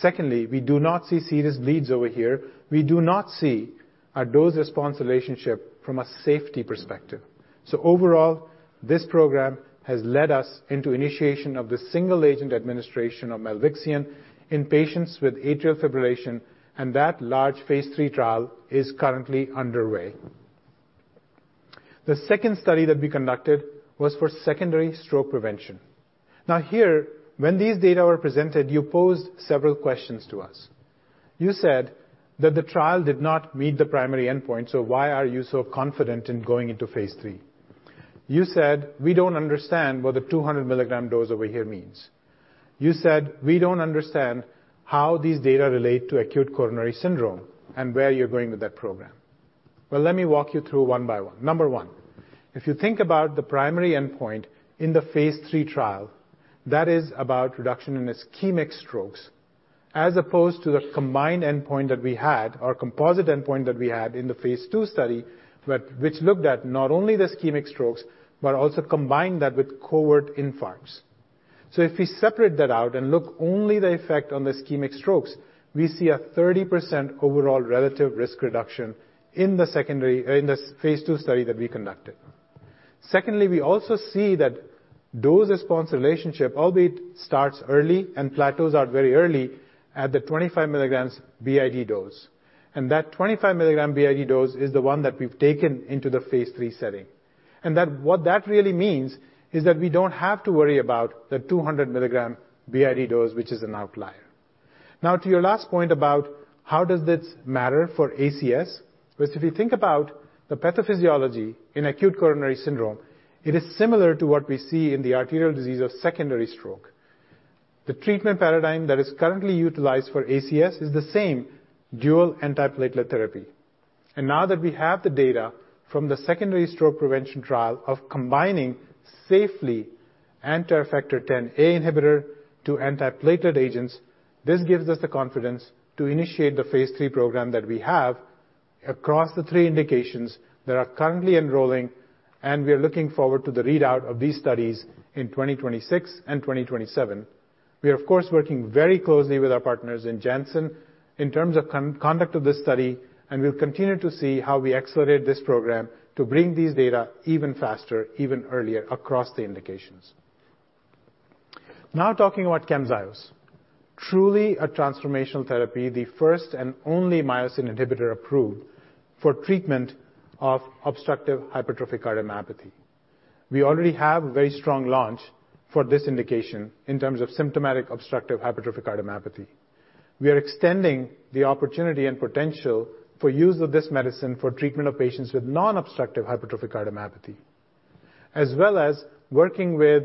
[SPEAKER 6] Secondly, we do not see serious bleeds over here. We do not see a dose-response relationship from a safety perspective. So overall, this program has led us into initiation of the single agent administration of Milvexian in patients with atrial fibrillation, and that large phase 3 trial is currently underway. The second study that we conducted was for secondary stroke prevention. Now here, when these data were presented, you posed several questions to us. You said that the trial did not meet the primary endpoint, so why are you so confident in going into phase 3? You said: We don't understand what the 200 milligram dose over here means. You said: We don't understand how these data relate to acute coronary syndrome, and where you're going with that program. Well, let me walk you through one by one. Number 1, if you think about the primary endpoint in the phase 3 trial, that is about reduction in ischemic strokes, as opposed to the combined endpoint that we had, or composite endpoint that we had in the phase 2 study, but which looked at not only the ischemic strokes, but also combined that with cohort infarcts. So if we separate that out and look only the effect on the ischemic strokes, we see a 30% overall relative risk reduction in the phase 2 study that we conducted. Secondly, we also see that dose-response relationship, albeit starts early and plateaus out very early at the 25 milligrams BID dose, and that 25 milligram BID dose is the one that we've taken into the phase 3 setting. And that, what that really means is that we don't have to worry about the 200 milligram BID dose, which is an outlier. Now, to your last point about how does this matter for ACS? Because if you think about the pathophysiology in acute coronary syndrome, it is similar to what we see in the arterial disease of secondary stroke. The treatment paradigm that is currently utilized for ACS is the same, dual antiplatelet therapy. And now that we have the data from the secondary stroke prevention trial of combining safely adding a factor 10-A inhibitor to antiplatelet agents, this gives us the confidence to initiate the phase 3 program that we have across the three indications that are currently enrolling, and we are looking forward to the readout of these studies in 2026 and 2027. We are, of course, working very closely with our partners in Janssen in terms of conduct of this study, and we'll continue to see how we accelerate this program to bring these data even faster, even earlier across the indications. Now, talking about Camzyos, truly a transformational therapy, the first and only myosin inhibitor approved for treatment of obstructive hypertrophic cardiomyopathy. We already have a very strong launch for this indication in terms of symptomatic obstructive hypertrophic cardiomyopathy. We are extending the opportunity and potential for use of this medicine for treatment of patients with non-obstructive hypertrophic cardiomyopathy, as well as working with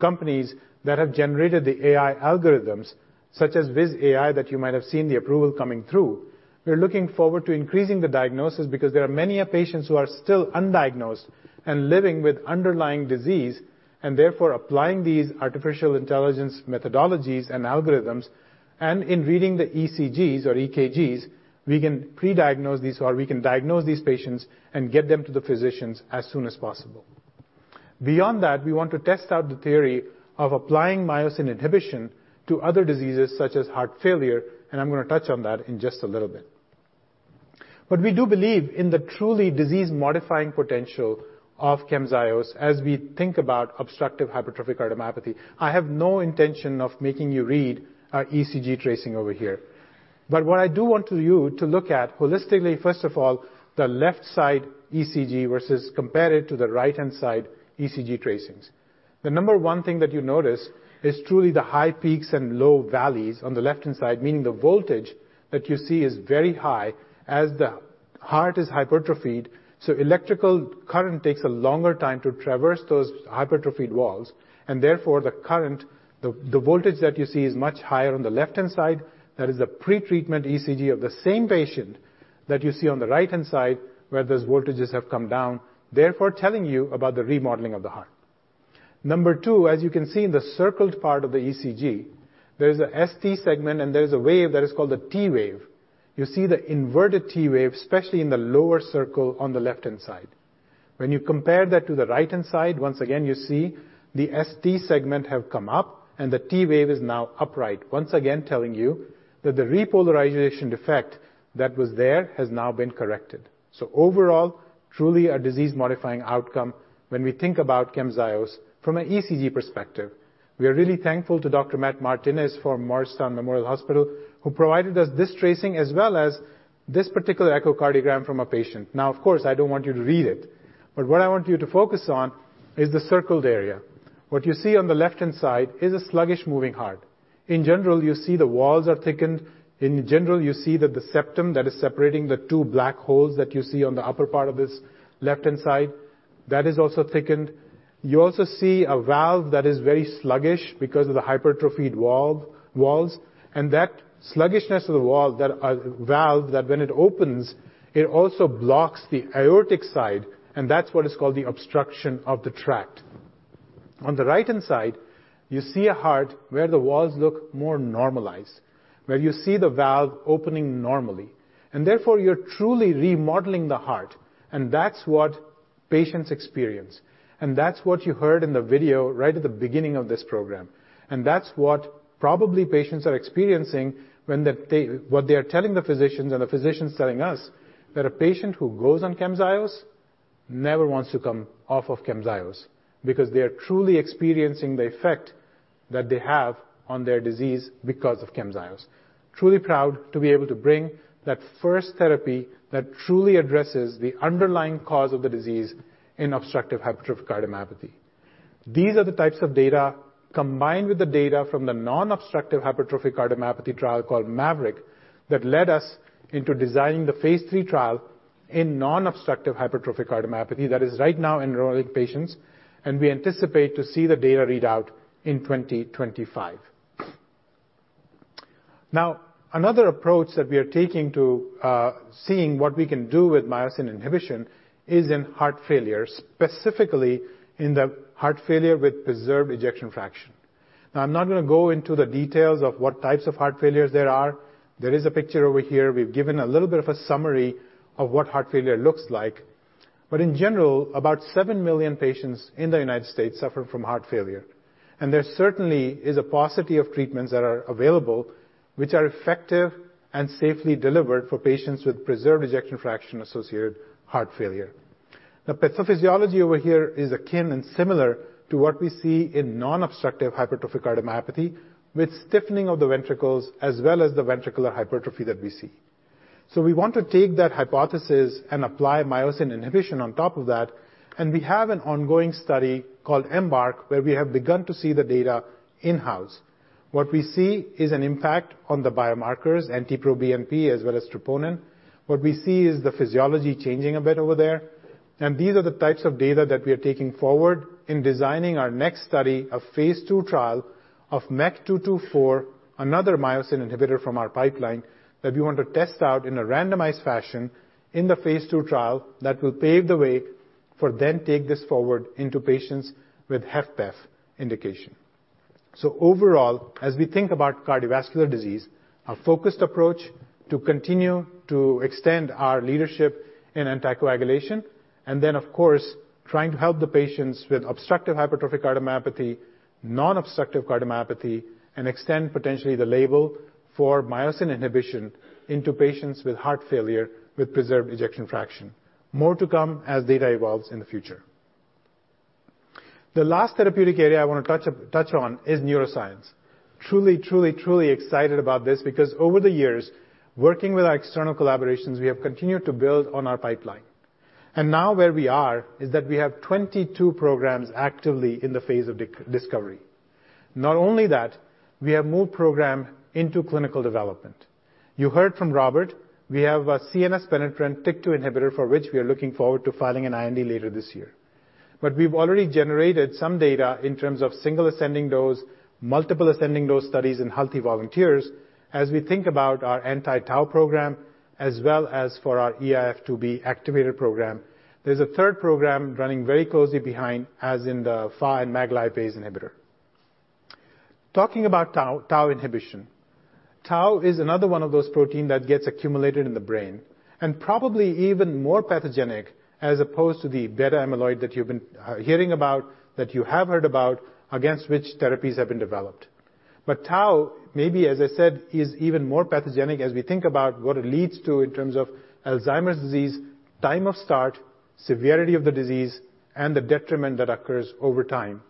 [SPEAKER 6] companies that have generated the AI algorithms, such as Viz.ai, that you might have seen the approval coming through. We are looking forward to increasing the diagnosis because there are many patients who are still undiagnosed and living with underlying disease, and therefore, applying these artificial intelligence methodologies and algorithms, and in reading the ECGs or EKGs, we can pre-diagnose these, or we can diagnose these patients and get them to the physicians as soon as possible. Beyond that, we want to test out the theory of applying myosin inhibition to other diseases such as heart failure, and I'm gonna touch on that in just a little bit. But we do believe in the truly disease-modifying potential of Camzyos as we think about obstructive hypertrophic cardiomyopathy. I have no intention of making you read our ECG tracing over here. But what I do want you to look at holistically, first of all, the left side ECG versus compare it to the right-hand side ECG tracings. The number one thing that you notice is truly the high peaks and low valleys on the left-hand side, meaning the voltage that you see is very high as the heart is hypertrophied, so electrical current takes a longer time to traverse those hypertrophied walls. And therefore, the current. The voltage that you see is much higher on the left-hand side. That is the pretreatment ECG of the same patient that you see on the right-hand side, where those voltages have come down, therefore, telling you about the remodeling of the heart. Number two, as you can see in the circled part of the ECG, there is a ST segment, and there is a wave that is called the T wave. You see the inverted T wave, especially in the lower circle on the left-hand side. When you compare that to the right-hand side, once again, you see the ST segment have come up and the T wave is now upright, once again, telling you that the repolarization defect that was there has now been corrected. So overall, truly a disease-modifying outcome when we think about Camzyos from an ECG perspective. We are really thankful to Dr. Matt Martinez from Morristown Memorial Hospital, who provided us this tracing as well as this particular echocardiogram from a patient. Now, of course, I don't want you to read it, but what I want you to focus on is the circled area. What you see on the left-hand side is a sluggish moving heart. In general, you see the walls are thickened. In general, you see that the septum that is separating the two black holes that you see on the upper part of this left-hand side... That is also thickened. You also see a valve that is very sluggish because of the hypertrophied valve, walls, and that sluggishness of the valve that valve that when it opens, it also blocks the aortic side, and that's what is called the obstruction of the tract. On the right-hand side, you see a heart where the walls look more normalized, where you see the valve opening normally, and therefore, you're truly remodeling the heart, and that's what patients experience. That's what you heard in the video right at the beginning of this program. That's what probably patients are experiencing when they what they are telling the physicians and the physicians telling us, that a patient who goes on Camzyos never wants to come off of Camzyos because they are truly experiencing the effect that they have on their disease because of Camzyos. Truly proud to be able to bring that first therapy that truly addresses the underlying cause of the disease in obstructive hypertrophic cardiomyopathy. These are the types of data, combined with the data from the non-obstructive hypertrophic cardiomyopathy trial called MAVERICK, that led us into designing the Phase 3 trial in non-obstructive hypertrophic cardiomyopathy, that is right now enrolling patients, and we anticipate to see the data readout in 2025. Now, another approach that we are taking to seeing what we can do with myosin inhibition is in heart failure, specifically in the heart failure with preserved ejection fraction. Now, I'm not gonna go into the details of what types of heart failures there are. There is a picture over here. We've given a little bit of a summary of what heart failure looks like. But in general, about 7 million patients in the United States suffer from heart failure, and there certainly is a paucity of treatments that are available, which are effective and safely delivered for patients with preserved ejection fraction-associated heart failure. The pathophysiology over here is akin and similar to what we see in non-obstructive hypertrophic cardiomyopathy, with stiffening of the ventricles as well as the ventricular hypertrophy that we see. So we want to take that hypothesis and apply myosin inhibition on top of that, and we have an ongoing study called EMBARK, where we have begun to see the data in-house. What we see is an impact on the biomarkers, NT-proBNP, as well as troponin. What we see is the physiology changing a bit over there, and these are the types of data that we are taking forward in designing our next study, a phase 2 trial of MYK-224, another myosin inhibitor from our pipeline, that we want to test out in a randomized fashion in the phase 2 trial that will pave the way for then take this forward into patients with HFpEF indication. So overall, as we think about cardiovascular disease, a focused approach to continue to extend our leadership in anticoagulation, and then, of course, trying to help the patients with obstructive hypertrophic cardiomyopathy, non-obstructive cardiomyopathy, and extend potentially the label for myosin inhibition into patients with heart failure, with preserved ejection fraction. More to come as data evolves in the future. The last therapeutic area I want to touch on is neuroscience. Truly, truly, truly excited about this because over the years, working with our external collaborations, we have continued to build on our pipeline. Now where we are is that we have 22 programs actively in the phase of discovery. Not only that, we have more programs in clinical development. You heard from Robert, we have a CNS-penetrant TYK2 inhibitor for which we are looking forward to filing an IND later this year. But we've already generated some data in terms of single ascending dose, multiple ascending dose studies in healthy volunteers, as we think about our anti-tau program, as well as for our eIF2B activator program. There's a third program running very closely behind, as in the FAAH and MAG lipase inhibitor. Talking about tau, tau inhibition. Tau is another one of those protein that gets accumulated in the brain and probably even more pathogenic as opposed to the beta amyloid that you've been hearing about, that you have heard about, against which therapies have been developed. But tau, maybe, as I said, is even more pathogenic as we think about what it leads to in terms of Alzheimer's disease, time of start, severity of the disease, and the detriment that occurs over time.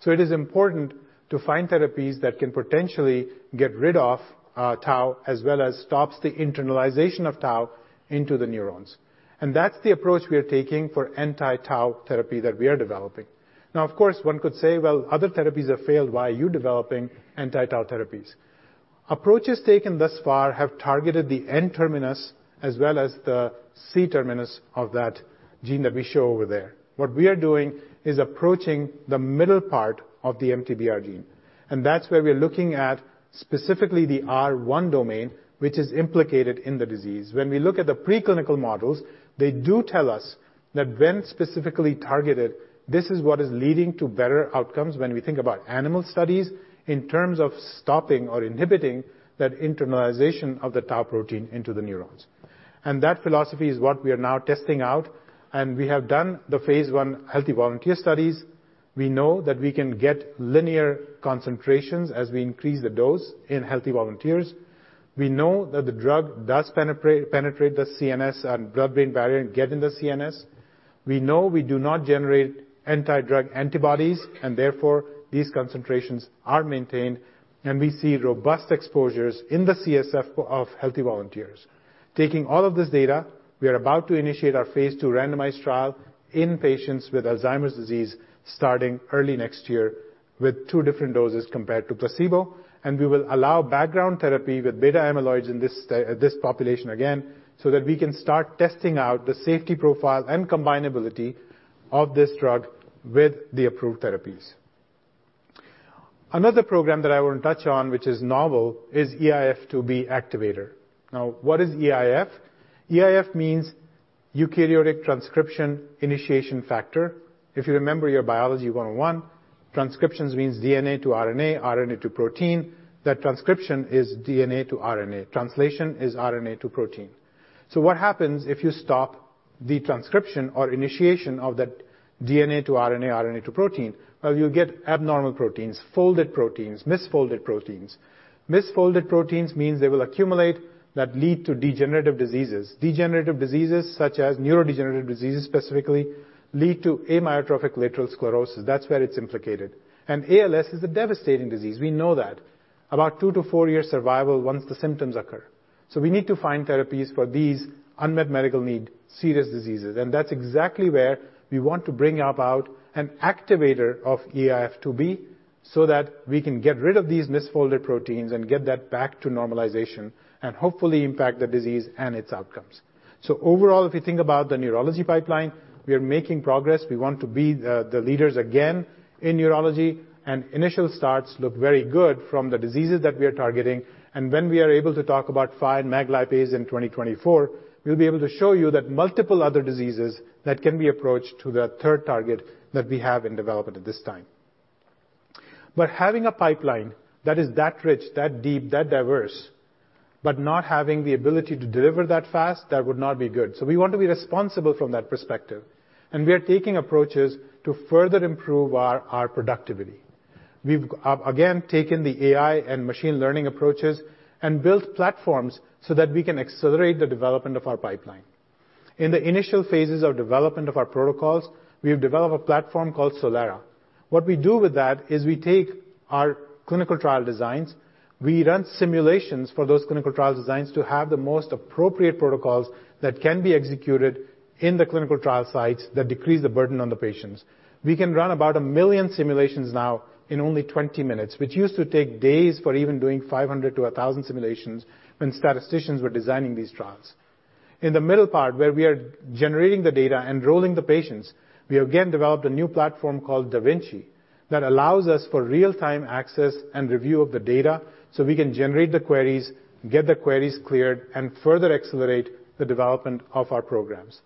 [SPEAKER 6] So it is important to find therapies that can potentially get rid of tau as well as stops the internalization of tau into the neurons. And that's the approach we are taking for anti-tau therapy that we are developing. Now, of course, one could say, "Well, other therapies have failed. Why are you developing anti-tau therapies?" Approaches taken thus far have targeted the N-terminus as well as the C-terminus of that gene that we show over there. What we are doing is approaching the middle part of the MTBR gene, and that's where we're looking at specifically the R1 domain, which is implicated in the disease. When we look at the preclinical models, they do tell us that when specifically targeted, this is what is leading to better outcomes when we think about animal studies, in terms of stopping or inhibiting that internalization of the tau protein into the neurons. And that philosophy is what we are now testing out, and we have done the phase 1 healthy volunteer studies. We know that we can get linear concentrations as we increase the dose in healthy volunteers. We know that the drug does penetrate the CNS and blood-brain barrier and get in the CNS. We know we do not generate anti-drug antibodies, and therefore, these concentrations are maintained, and we see robust exposures in the CSF of healthy volunteers. Taking all of this data, we are about to initiate our phase 2 randomized trial in patients with Alzheimer's disease, starting early next year, with two different doses compared to placebo. We will allow background therapy with beta amyloids in this population again, so that we can start testing out the safety profile and combinability of this drug with the approved therapies. Another program that I want to touch on, which is novel, is eIF2B activator. Now, what is eIF? eIF means eukaryotic transcription initiation factor. If you remember your Biology 101, transcriptions means DNA to RNA, RNA to protein. That transcription is DNA to RNA. Translation is RNA to protein. So what happens if you stop the transcription or initiation of that DNA to RNA, RNA to protein? Well, you get abnormal proteins, folded proteins, misfolded proteins. Misfolded proteins means they will accumulate that lead to degenerative diseases. Degenerative diseases, such as neurodegenerative diseases specifically, lead to amyotrophic lateral sclerosis. That's where it's implicated. ALS is a devastating disease. We know that. About 2- to 4-year survival once the symptoms occur. So we need to find therapies for these unmet medical need, serious diseases, and that's exactly where we want to bring about an activator of eIF2B so that we can get rid of these misfolded proteins and get that back to normalization, and hopefully impact the disease and its outcomes. So overall, if you think about the neurology pipeline, we are making progress. We want to be the leaders again in neurology, and initial starts look very good from the diseases that we are targeting. And when we are able to talk about 5 MAG lipase in 2024, we'll be able to show you that multiple other diseases that can be approached to the third target that we have in development at this time. But having a pipeline that is that rich, that deep, that diverse, but not having the ability to deliver that fast, that would not be good. So we want to be responsible from that perspective, and we are taking approaches to further improve our productivity. We've again taken the AI and machine learning approaches and built platforms so that we can accelerate the development of our pipeline. In the initial phases of development of our protocols, we have developed a platform called Solera. What we do with that is we take our clinical trial designs, we run simulations for those clinical trial designs to have the most appropriate protocols that can be executed in the clinical trial sites that decrease the burden on the patients. We can run about 1 million simulations now in only 20 minutes, which used to take days for even doing 500 to 1,000 simulations when statisticians were designing these trials. In the middle part, where we are generating the data, enrolling the patients, we have again developed a new platform called DaVinci, that allows us for real-time access and review of the data, so we can generate the queries, get the queries cleared, and further accelerate the development of our programs.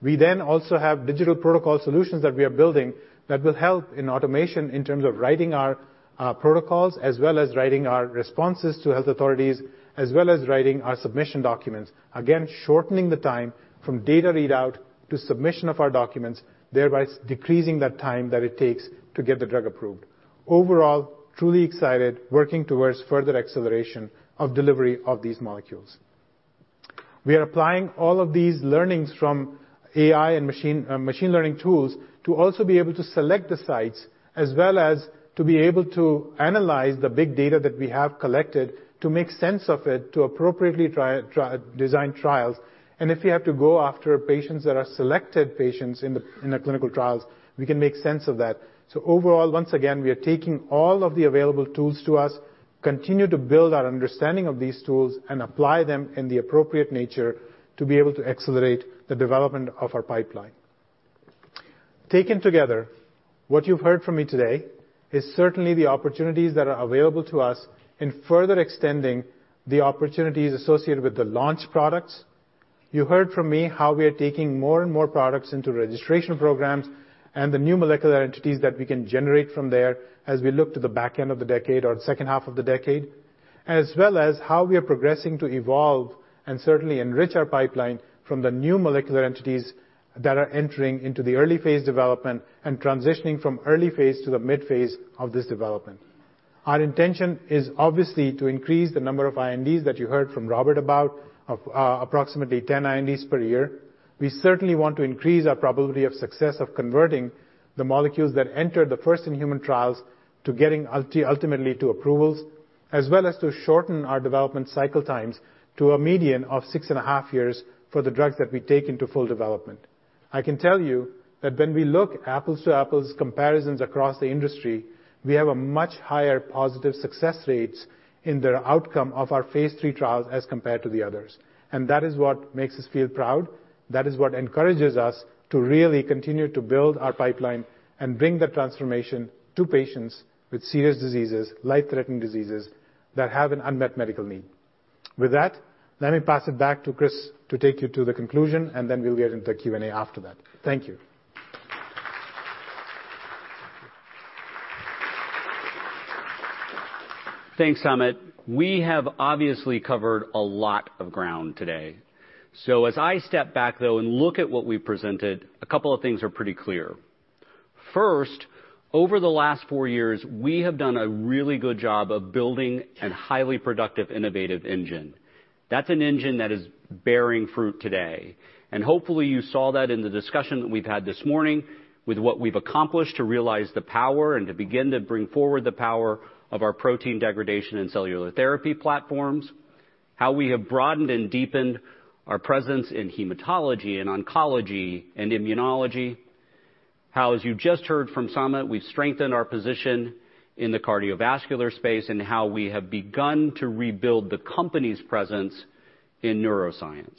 [SPEAKER 6] We then also have digital protocol solutions that we are building that will help in automation in terms of writing our protocols, as well as writing our responses to health authorities, as well as writing our submission documents. Again, shortening the time from data readout to submission of our documents, thereby decreasing the time that it takes to get the drug approved. Overall, truly excited, working towards further acceleration of delivery of these molecules. We are applying all of these learnings from AI and machine learning tools, to also be able to select the sites, as well as to be able to analyze the big data that we have collected, to make sense of it, to appropriately try to design trials. And if we have to go after patients that are selected patients in the clinical trials, we can make sense of that. So overall, once again, we are taking all of the available tools to us, continue to build our understanding of these tools, and apply them in the appropriate nature to be able to accelerate the development of our pipeline. Taken together, what you've heard from me today is certainly the opportunities that are available to us in further extending the opportunities associated with the launch products. You heard from me how we are taking more and more products into registration programs, and the new molecular entities that we can generate from there as we look to the back end of the decade or the second half of the decade, as well as how we are progressing to evolve and certainly enrich our pipeline from the new molecular entities that are entering into the early phase development and transitioning from early phase to the mid phase of this development. Our intention is obviously to increase the number of INDs that you heard from Robert about, of, approximately 10 INDs per year. We certainly want to increase our probability of success of converting the molecules that enter the first in human trials to getting ultimately to approvals, as well as to shorten our development cycle times to a median of six and a half years for the drugs that we take into full development. I can tell you that when we look apples-to-apples comparisons across the industry, we have a much higher positive success rates in the outcome of our phase 3 trials as compared to the others. That is what makes us feel proud. That is what encourages us to really continue to build our pipeline and bring the transformation to patients with serious diseases, life-threatening diseases that have an unmet medical need. With that, let me pass it back to Chris to take you to the conclusion, and then we'll get into the Q&A after that. Thank you.
[SPEAKER 4] Thanks, Amit. We have obviously covered a lot of ground today. So as I step back, though, and look at what we presented, a couple of things are pretty clear. First, over the last four years, we have done a really good job of building a highly productive, innovative engine. That's an engine that is bearing fruit today, and hopefully, you saw that in the discussion that we've had this morning with what we've accomplished to realize the power and to begin to bring forward the power of our protein degradation and cellular therapy platforms, how we have broadened and deepened our presence in hematology and oncology and immunology. How, as you just heard from Amit, we've strengthened our position in the cardiovascular space, and how we have begun to rebuild the company's presence in neuroscience...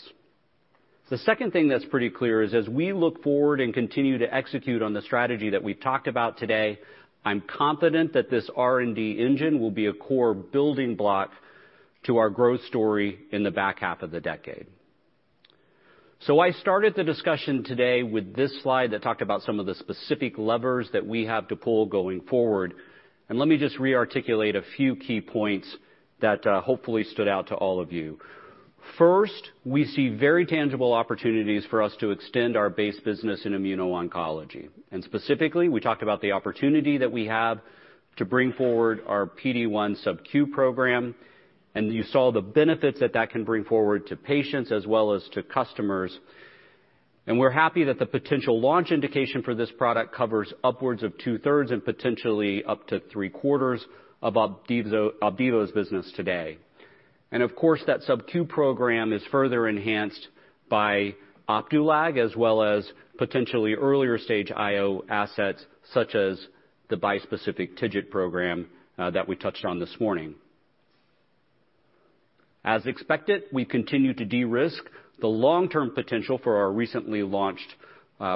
[SPEAKER 4] The second thing that's pretty clear is as we look forward and continue to execute on the strategy that we've talked about today, I'm confident that this R&D engine will be a core building block to our growth story in the back half of the decade. So I started the discussion today with this slide that talked about some of the specific levers that we have to pull going forward, and let me just rearticulate a few key points that, hopefully stood out to all of you. First, we see very tangible opportunities for us to extend our base business in immuno-oncology. And specifically, we talked about the opportunity that we have to bring forward our PD-1 subQ program, and you saw the benefits that that can bring forward to patients as well as to customers. And we're happy that the potential launch indication for this product covers upwards of two-thirds and potentially up to three-quarters of Opdivo, Opdivo's business today. And of course, that subQ program is further enhanced by Opdualag, as well as potentially earlier stage IO assets, such as the bispecific TIGIT program, that we touched on this morning. As expected, we continue to de-risk the long-term potential for our recently launched,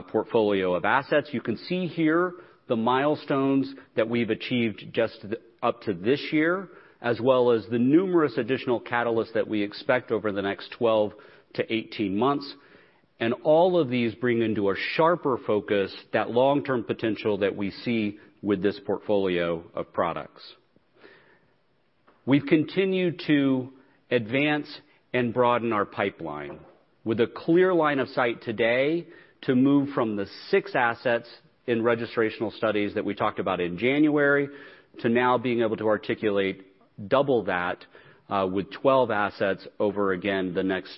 [SPEAKER 4] portfolio of assets. You can see here the milestones that we've achieved just up to this year, as well as the numerous additional catalysts that we expect over the next 12-18 months. And all of these bring into a sharper focus, that long-term potential that we see with this portfolio of products. We've continued to advance and broaden our pipeline with a clear line of sight today to move from the 6 assets in registrational studies that we talked about in January, to now being able to articulate double that, with 12 assets over again, the next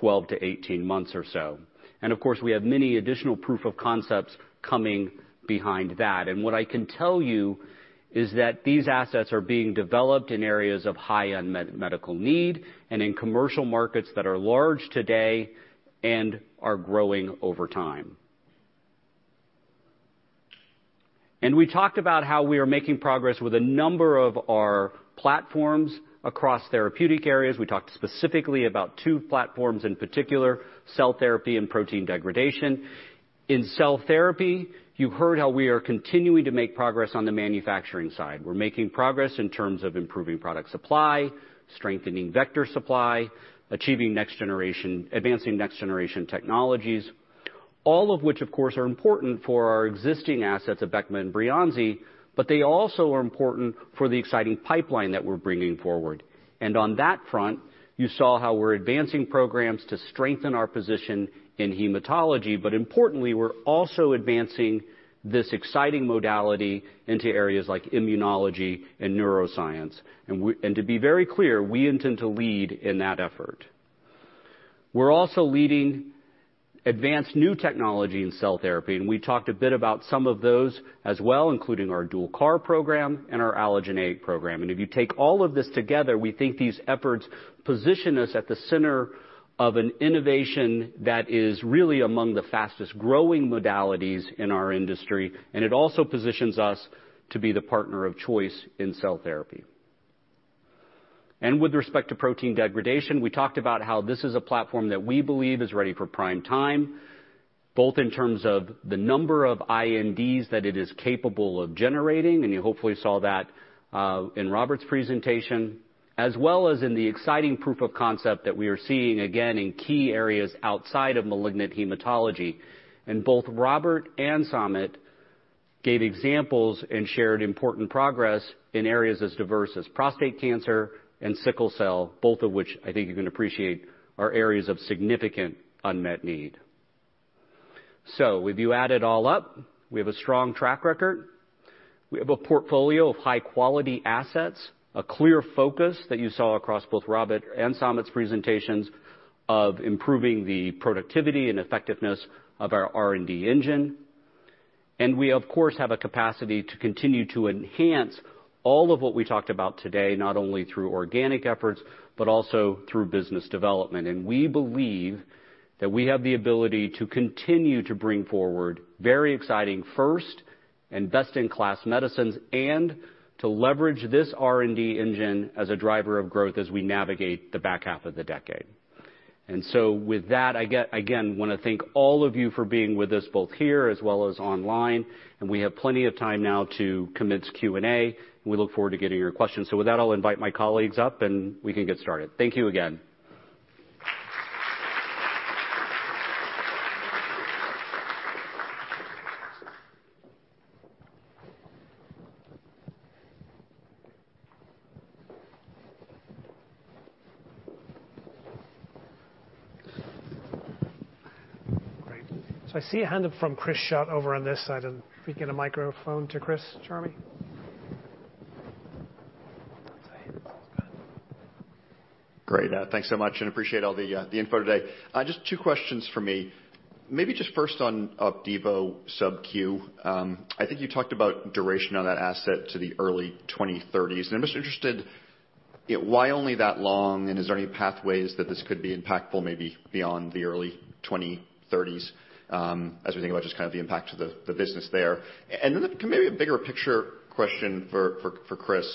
[SPEAKER 4] 12-18 months or so. And of course, we have many additional proof of concepts coming behind that. And what I can tell you is that these assets are being developed in areas of high unmet medical need and in commercial markets that are large today and are growing over time. And we talked about how we are making progress with a number of our platforms across therapeutic areas. We talked specifically about 2 platforms, in particular, cell therapy and protein degradation. In cell therapy, you heard how we are continuing to make progress on the manufacturing side. We're making progress in terms of improving product supply, strengthening vector supply, advancing next generation technologies. All of which, of course, are important for our existing assets of Abecma and Breyanzi, but they also are important for the exciting pipeline that we're bringing forward. And on that front, you saw how we're advancing programs to strengthen our position in hematology. But importantly, we're also advancing this exciting modality into areas like immunology and neuroscience. And to be very clear, we intend to lead in that effort. We're also leading advanced new technology in cell therapy, and we talked a bit about some of those as well, including our dual CAR program and our allogeneic program. And if you take all of this together, we think these efforts position us at the center of an innovation that is really among the fastest-growing modalities in our industry, and it also positions us to be the partner of choice in cell therapy. And with respect to protein degradation, we talked about how this is a platform that we believe is ready for prime time, both in terms of the number of INDs that it is capable of generating, and you hopefully saw that, in Robert's presentation, as well as in the exciting proof of concept that we are seeing again, in key areas outside of malignant hematology. And both Robert and Samit gave examples and shared important progress in areas as diverse as prostate cancer and sickle cell, both of which I think you can appreciate, are areas of significant unmet need. So if you add it all up, we have a strong track record. We have a portfolio of high-quality assets, a clear focus that you saw across both Robert and Samit's presentations of improving the productivity and effectiveness of our R&D engine. And we, of course, have a capacity to continue to enhance all of what we talked about today, not only through organic efforts, but also through business development. And we believe that we have the ability to continue to bring forward very exciting first and best-in-class medicines, and to leverage this R&D engine as a driver of growth as we navigate the back half of the decade. And so with that, again, want to thank all of you for being with us, both here as well as online, and we have plenty of time now to commence Q&A, and we look forward to getting your questions. With that, I'll invite my colleagues up, and we can get started. Thank you again.
[SPEAKER 7] Great. So I see a hand up from Chris Shutt over on this side. And can we get a microphone to Chris, Charlie?
[SPEAKER 8] Great. Thanks so much and appreciate all the info today. Just 2 questions for me. Maybe just first on Opdivo subQ. I think you talked about duration on that asset to the early 2030s, and I'm just interested, why only that long? And is there any pathways that this could be impactful, maybe beyond the early 2030s, as we think about just kind of the impact to the business there? And then maybe a bigger picture question for Chris.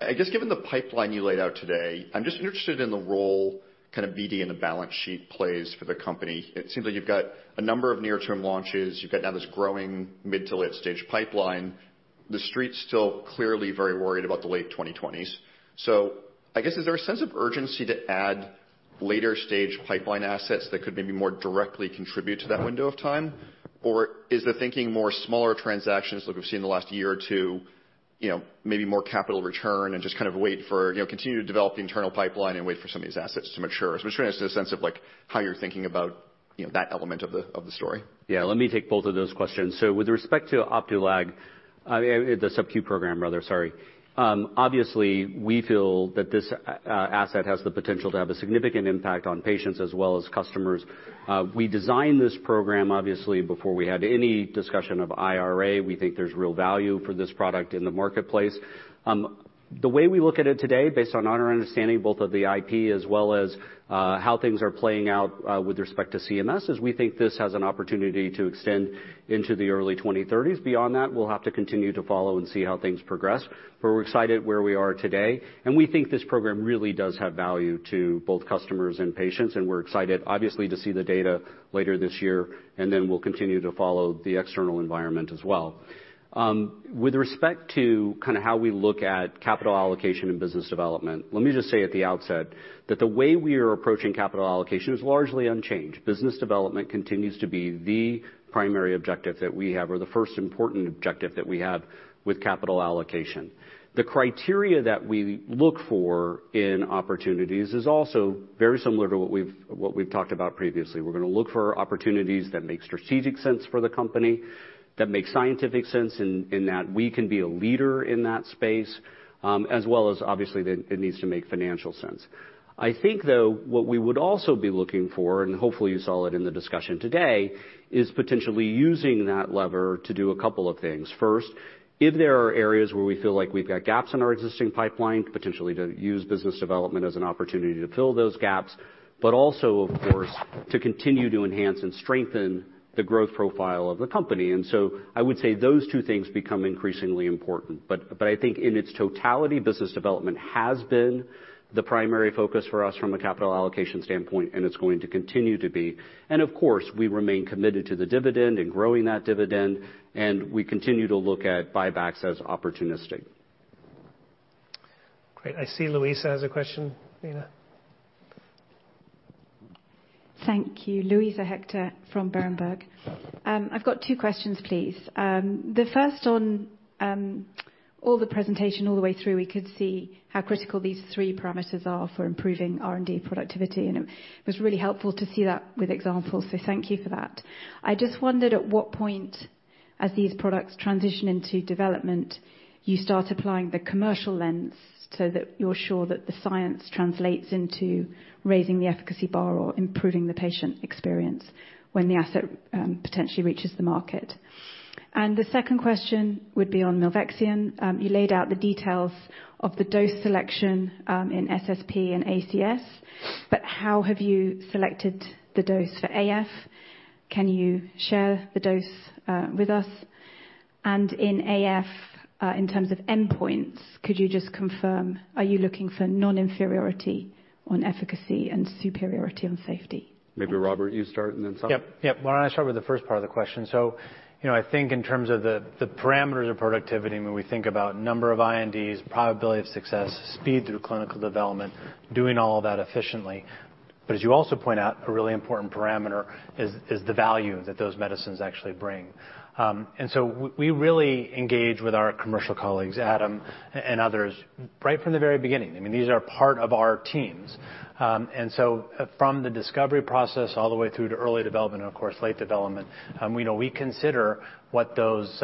[SPEAKER 8] I guess given the pipeline you laid out today, I'm just interested in the role kind of BD in the balance sheet plays for the company. It seems like you've got a number of near-term launches. You've got now this growing mid to late-stage pipeline. The street's still clearly very worried about the late 2020s. I guess, is there a sense of urgency to add later-stage pipeline assets that could maybe more directly contribute to that window of time? Or is the thinking more smaller transactions like we've seen in the last year or two, you know, maybe more capital return and just kind of wait for, you know, continue to develop the internal pipeline and wait for some of these assets to mature? I'm just trying to get a sense of, like, how you're thinking about, you know, that element of the, of the story.
[SPEAKER 1] Yeah, let me take both of those questions. So with respect to Opdualag, the subQ program, rather, sorry. Obviously, we feel that this asset has the potential to have a significant impact on patients as well as customers. We designed this program, obviously, before we had any discussion of IRA. We think there's real value for this product in the marketplace. The way we look at it today, based on our understanding, both of the IP as well as how things are playing out with respect to CMS, is we think this has an opportunity to extend into the early 2030s. Beyond that, we'll have to continue to follow and see how things progress. But we're excited where we are today, and we think this program really does have value to both customers and patients, and we're excited, obviously, to see the data later this year, and then we'll continue to follow the external environment as well. With respect to kind of how we look at capital allocation and business development, let me just say at the outset that the way we are approaching capital allocation is largely unchanged. Business development continues to be the primary objective that we have, or the first important objective that we have with capital allocation. The criteria that we look for in opportunities is also very similar to what we've talked about previously. We're gonna look for opportunities that make strategic sense for the company, that make scientific sense in that we can be a leader in that space, as well as obviously, that it needs to make financial sense. I think, though, what we would also be looking for, and hopefully you saw it in the discussion today, is potentially using that lever to do a couple of things. First, if there are areas where we feel like we've got gaps in our existing pipeline, potentially to use business development as an opportunity to fill those gaps, but also, of course, to continue to enhance and strengthen the growth profile of the company. And so I would say those two things become increasingly important. But I think in its totality, business development has been the primary focus for us from a capital allocation standpoint, and it's going to continue to be. Of course, we remain committed to the dividend and growing that dividend, and we continue to look at buybacks as opportunistic.
[SPEAKER 5] Great. I see Luisa has a question, Nina.
[SPEAKER 9] Thank you. Luisa Hector from Berenberg. I've got two questions, please. The first on all the presentation, all the way through, we could see how critical these three parameters are for improving R&D productivity, and it was really helpful to see that with examples, so thank you for that. I just wondered at what point, as these products transition into development, you start applying the commercial lens so that you're sure that the science translates into raising the efficacy bar or improving the patient experience when the asset potentially reaches the market. And the second question would be on Milvexian. You laid out the details of the dose selection in SSP and ACS, but how have you selected the dose for AF? Can you share the dose with us? In AF, in terms of endpoints, could you just confirm, are you looking for non-inferiority on efficacy and superiority on safety?
[SPEAKER 1] Maybe, Robert, you start and then some.
[SPEAKER 5] Yep. Yep. Well, I'll start with the first part of the question. So, you know, I think in terms of the parameters of productivity, when we think about number of INDs, probability of success, speed through clinical development, doing all of that efficiently. But as you also point out, a really important parameter is the value that those medicines actually bring. And so we really engage with our commercial colleagues, Adam and others, right from the very beginning. I mean, these are part of our teams. And so from the discovery process all the way through to early development, and of course, late development, we know we consider what those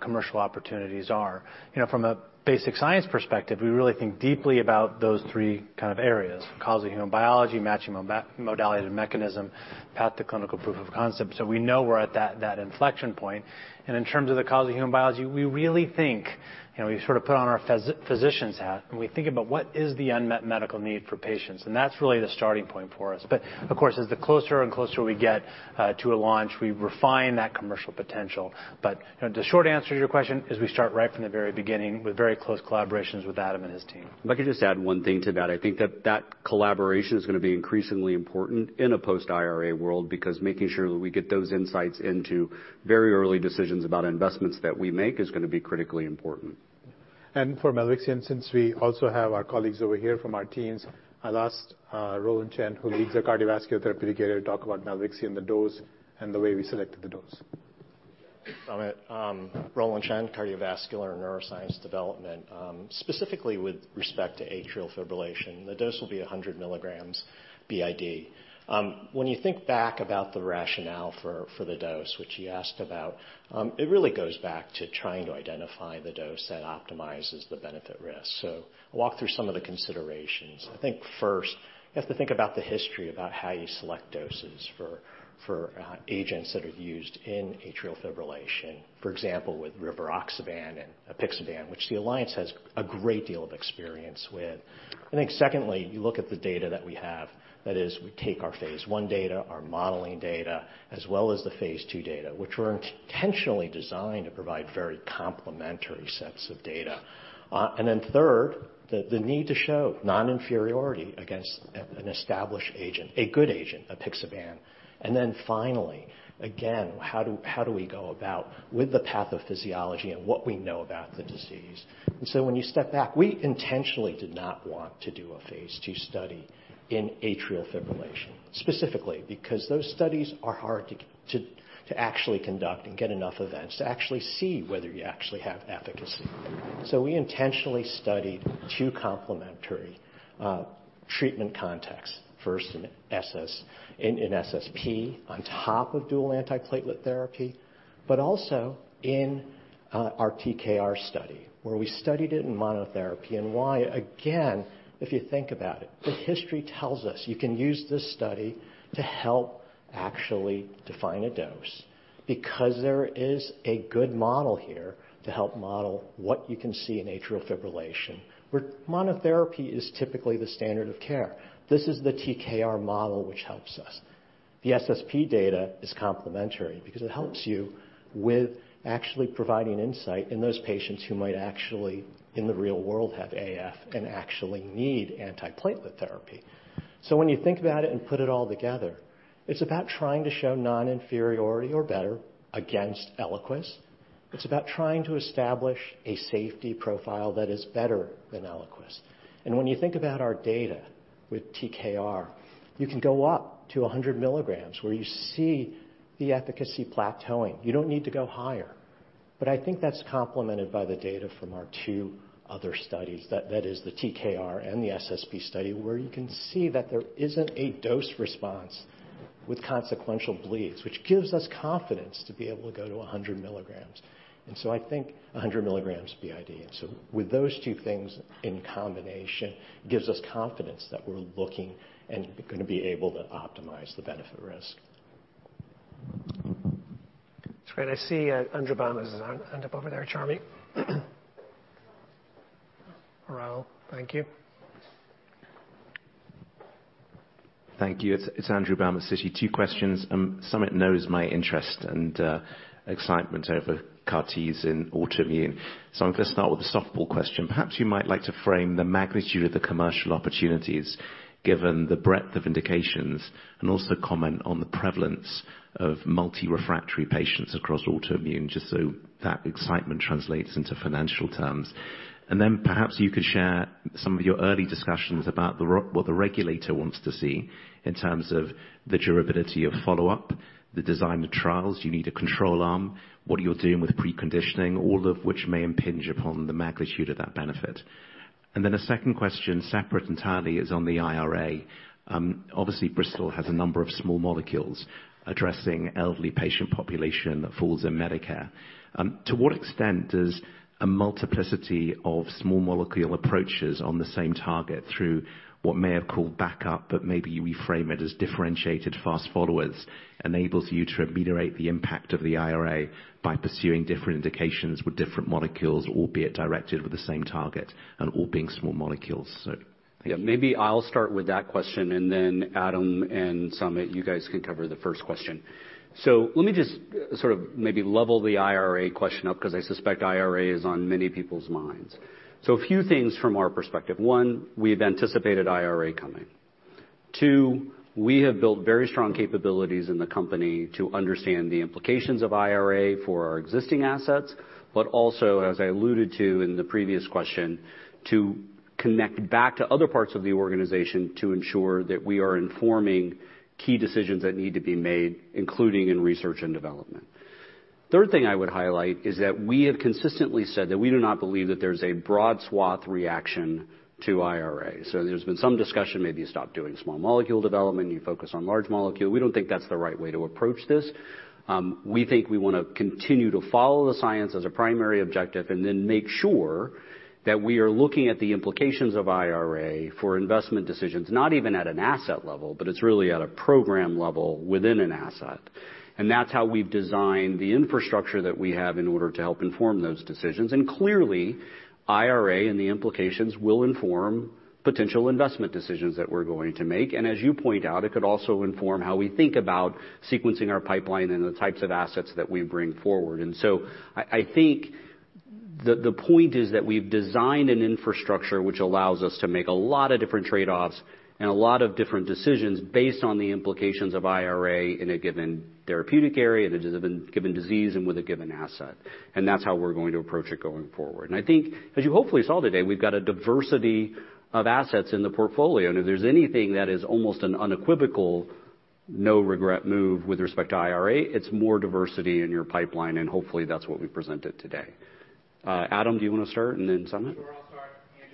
[SPEAKER 5] commercial opportunities are. You know, from a basic science perspective, we really think deeply about those three kind of areas: understanding human biology, matching modality to mechanism, path to clinical proof of concept. So we know we're at that inflection point. And in terms of the understanding human biology, we really think, you know, we sort of put on our physician's hat, and we think about what is the unmet medical need for patients, and that's really the starting point for us. But of course, as the closer and closer we get to a launch, we refine that commercial potential. But the short answer to your question is we start right from the very beginning with very close collaborations with Adam Lenkowsky and his team.
[SPEAKER 1] If I could just add one thing to that. I think that that collaboration is gonna be increasingly important in a post-IRA world, because making sure that we get those insights into very early decisions about investments that we make is gonna be critically important.
[SPEAKER 6] For Milvexian, since we also have our colleagues over here from our teams, I'll ask Roland Chen, who leads the cardiovascular therapeutic area, to talk about Milvexian, the dose, and the way we selected the dose....
[SPEAKER 10] I'm Roland Chen, Cardiovascular and Neuroscience Development. Specifically with respect to atrial fibrillation, the dose will be 100 milligrams BID. When you think back about the rationale for, for the dose, which you asked about, it really goes back to trying to identify the dose that optimizes the benefit risk. So I'll walk through some of the considerations. I think first, you have to think about the history, about how you select doses for, for agents that are used in atrial fibrillation, for example, with rivaroxaban and apixaban, which the alliance has a great deal of experience with. I think secondly, you look at the data that we have. That is, we take our phase 1 data, our modeling data, as well as the phase 2 data, which were intentionally designed to provide very complementary sets of data. And then third, the need to show non-inferiority against an established agent, a good agent, apixaban. And then finally, again, how do we go about with the pathophysiology and what we know about the disease? And so when you step back, we intentionally did not want to do a phase 2 study in atrial fibrillation. Specifically, because those studies are hard to conduct and get enough events to actually see whether you actually have efficacy. So we intentionally studied 2 complementary treatment contexts. First, in SSP on top of dual antiplatelet therapy, but also in our TKR study, where we studied it in monotherapy. Why, again, if you think about it, the history tells us you can use this study to help actually define a dose because there is a good model here to help model what you can see in atrial fibrillation, where monotherapy is typically the standard of care. This is the TKR model, which helps us. The SSP data is complementary because it helps you with actually providing insight in those patients who might actually, in the real world, have AF and actually need antiplatelet therapy. So when you think about it and put it all together, it's about trying to show non-inferiority or better against Eliquis. It's about trying to establish a safety profile that is better than Eliquis. And when you think about our data with TKR, you can go up to 100 milligrams, where you see the efficacy plateauing. You don't need to go higher. But I think that's complemented by the data from our two other studies, that is the TKR and the SSP study, where you can see that there isn't a dose response with consequential bleeds, which gives us confidence to be able to go to 100 milligrams. And so I think 100 milligrams BID. And so with those two things in combination, gives us confidence that we're looking and gonna be able to optimize the benefit risk.
[SPEAKER 7] It's great. I see Andrew Bana's hand up over there, Charmi. Raul, thank you.
[SPEAKER 11] Thank you. It's Andrew Baum, Citi. Two questions. Samit knows my interest and excitement over CAR-Ts in autoimmune. So I'm gonna start with a softball question. Perhaps you might like to frame the magnitude of the commercial opportunities, given the breadth of indications, and also comment on the prevalence of multi-refractory patients across autoimmune, just so that excitement translates into financial terms. And then perhaps you could share some of your early discussions about what the regulator wants to see in terms of the durability of follow-up, the design of trials. Do you need a control arm? What are you doing with preconditioning? All of which may impinge upon the magnitude of that benefit. And then a second question, separate entirely, is on the IRA. Obviously, Bristol has a number of small molecules addressing elderly patient population that falls in Medicare. To what extent does a multiplicity of small molecule approaches on the same target through what may have called backup, but maybe you reframe it as differentiated fast followers, enables you to ameliorate the impact of the IRA by pursuing different indications with different molecules, albeit directed with the same target and all being small molecules? So thank you.
[SPEAKER 10] Yeah, maybe I'll start with that question, and then Adam and Samit, you guys can cover the first question. So let me just sort of maybe level the IRA question up, 'cause I suspect IRA is on many people's minds. So a few things from our perspective. One, we've anticipated IRA coming. Two, we have built very strong capabilities in the company to understand the implications of IRA for our existing assets, but also, as I alluded to in the previous question, to connect back to other parts of the organization to ensure that we are informing key decisions that need to be made, including in research and development. Third thing I would highlight is that we have consistently said that we do not believe that there's a broad swath reaction to IRA. So there's been some discussion, maybe you stop doing small molecule development, you focus on large molecule. We don't think that's the right way to approach this. We think we wanna continue to follow the science as a primary objective, and then make sure that we are looking at the implications of IRA for investment decisions, not even at an asset level, but it's really at a program level within an asset. And that's how we've designed the infrastructure that we have in order to help inform those decisions. And clearly, IRA and the implications will inform potential investment decisions that we're going to make. And as you point out, it could also inform how we think about sequencing our pipeline and the types of assets that we bring forward. I think the point is that we've designed an infrastructure which allows us to make a lot of different trade-offs and a lot of different decisions based on the implications of IRA in a given therapeutic area, in a given disease, and with a given asset. That's how we're going to approach it going forward. I think, as you hopefully saw today, we've got a diversity of assets in the portfolio, and if there's anything that is almost an unequivocal no-regret move with respect to IRA, it's more diversity in your pipeline, and hopefully, that's what we presented today. Adam, do you wanna start and then Samit?...
[SPEAKER 12] Thank you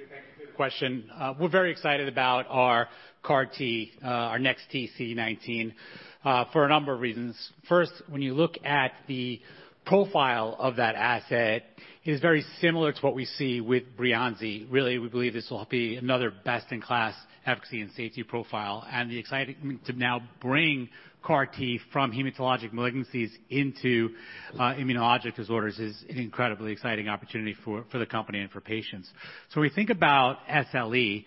[SPEAKER 12] for the question. We're very excited about our CAR-T, our Next T CD19, for a number of reasons. First, when you look at the profile of that asset, it is very similar to what we see with Breyanzi. Really, we believe this will be another best-in-class efficacy and safety profile, and it's exciting to now bring CAR-T from hematologic malignancies into, immunologic disorders is an incredibly exciting opportunity for the company and for patients. So when we think about SLE,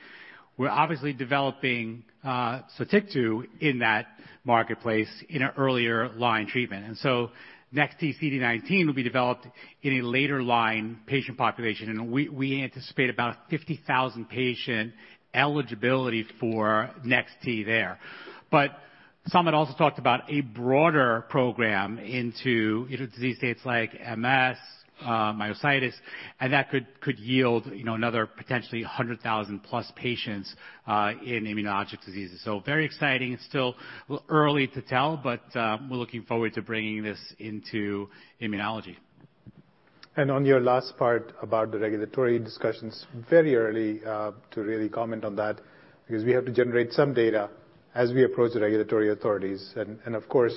[SPEAKER 12] we're obviously developing, Sotyktu in that marketplace in an earlier line treatment. And so Next T CD19 will be developed in a later line patient population, and we anticipate about 50,000 patient eligibility for Next T there. But Samit also talked about a broader program into auto disease states like MS, myositis, and that could yield, you know, another potentially 100,000+ patients in immunologic diseases. So very exciting. It's still early to tell, but we're looking forward to bringing this into immunology.
[SPEAKER 6] On your last part about the regulatory discussions, very early to really comment on that, because we have to generate some data as we approach the regulatory authorities. And of course,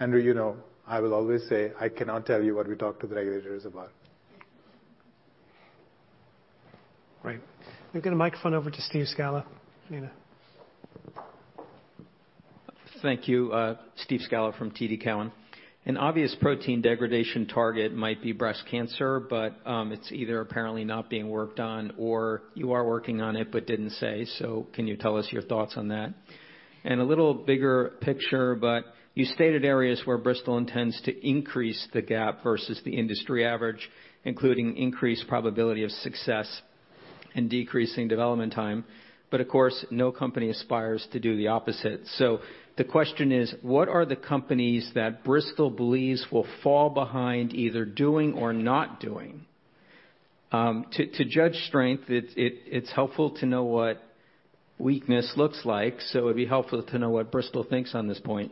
[SPEAKER 6] Andrew, you know, I will always say, I cannot tell you what we talked to the regulators about.
[SPEAKER 7] Right. We've got a microphone over to Steve Scala. Nina.
[SPEAKER 13] Thank you. Steve Scala from TD Cowen. An obvious protein degradation target might be breast cancer, but it's either apparently not being worked on or you are working on it, but didn't say so. Can you tell us your thoughts on that? And a little bigger picture, but you stated areas where Bristol intends to increase the gap versus the industry average, including increased probability of success and decreasing development time. But of course, no company aspires to do the opposite. So the question is, what are the companies that Bristol believes will fall behind, either doing or not doing? To judge strength, it's helpful to know what weakness looks like, so it'd be helpful to know what Bristol thinks on this point.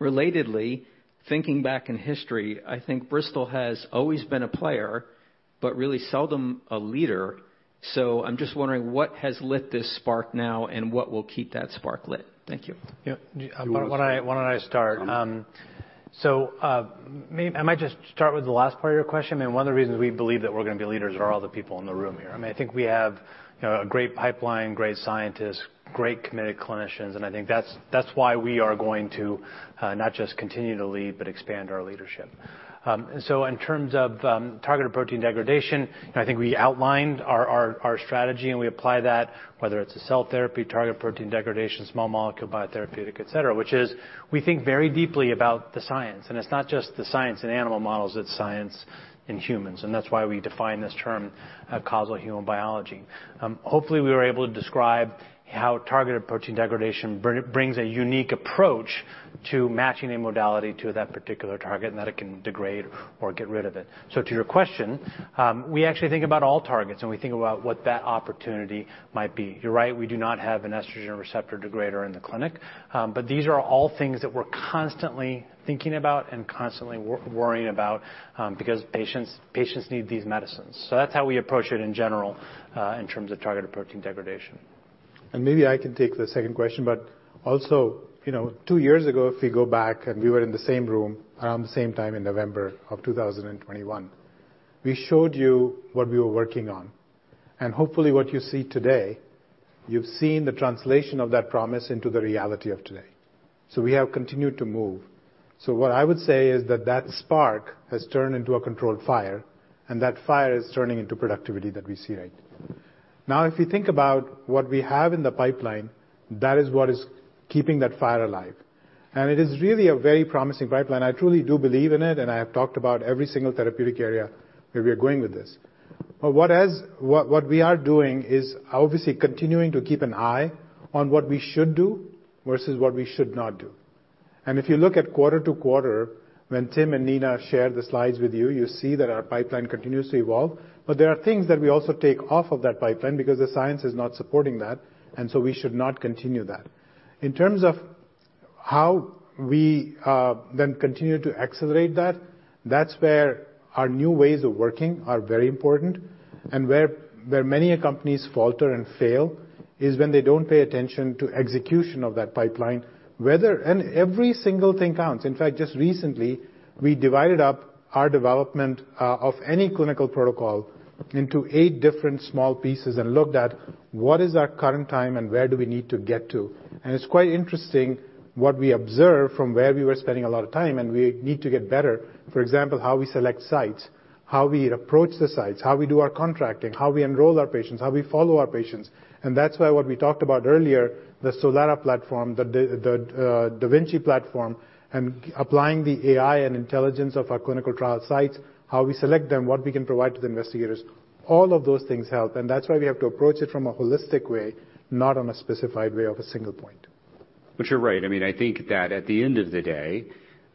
[SPEAKER 13] Relatedly, thinking back in history, I think Bristol has always been a player, but really seldom a leader. I'm just wondering, what has lit this spark now, and what will keep that spark lit? Thank you.
[SPEAKER 12] Yeah. Why don't I, why don't I start? I might just start with the last part of your question. I mean, one of the reasons we believe that we're gonna be leaders are all the people in the room here. I mean, I think we have, you know, a great pipeline, great scientists, great committed clinicians, and I think that's, that's why we are going to, not just continue to lead, but expand our leadership. And so in terms of targeted protein degradation, I think we outlined our, our, our strategy, and we apply that, whether it's a cell therapy, targeted protein degradation, small molecule, biotherapeutic, et cetera, which is we think very deeply about the science. And it's not just the science in animal models, it's science in humans, and that's why we define this term, causal human biology. Hopefully, we were able to describe how targeted protein degradation brings a unique approach to matching a modality to that particular target, and that it can degrade or get rid of it. So to your question, we actually think about all targets, and we think about what that opportunity might be. You're right, we do not have an estrogen receptor degrader in the clinic, but these are all things that we're constantly thinking about and constantly worrying about, because patients need these medicines. So that's how we approach it in general, in terms of targeted protein degradation.
[SPEAKER 6] And maybe I can take the second question, but also, you know, two years ago, if we go back and we were in the same room around the same time in November of 2021, we showed you what we were working on. And hopefully, what you see today, you've seen the translation of that promise into the reality of today. So we have continued to move. So what I would say is that that spark has turned into a controlled fire, and that fire is turning into productivity that we see right now. If you think about what we have in the pipeline, that is what is keeping that fire alive. And it is really a very promising pipeline. I truly do believe in it, and I have talked about every single therapeutic area where we are going with this. But what, what we are doing is obviously continuing to keep an eye on what we should do versus what we should not do. And if you look at quarter to quarter, when Tim and Nina shared the slides with you, you see that our pipeline continues to evolve. But there are things that we also take off of that pipeline because the science is not supporting that, and so we should not continue that. In terms of how we, then continue to accelerate that, that's where our new ways of working are very important. And where, where many companies falter and fail is when they don't pay attention to execution of that pipeline, whether... And every single thing counts. In fact, just recently, we divided up our development of any clinical protocol into eight different small pieces and looked at what is our current time and where do we need to get to. It's quite interesting what we observed from where we were spending a lot of time, and we need to get better. For example, how we select sites, how we approach the sites, how we do our contracting, how we enroll our patients, how we follow our patients. That's why what we talked about earlier, the Solara platform, the Da Vinci platform, and applying the AI and intelligence of our clinical trial sites, how we select them, what we can provide to the investigators, all of those things help, and that's why we have to approach it from a holistic way, not on a specified way of a single point....
[SPEAKER 4] But you're right. I mean, I think that at the end of the day,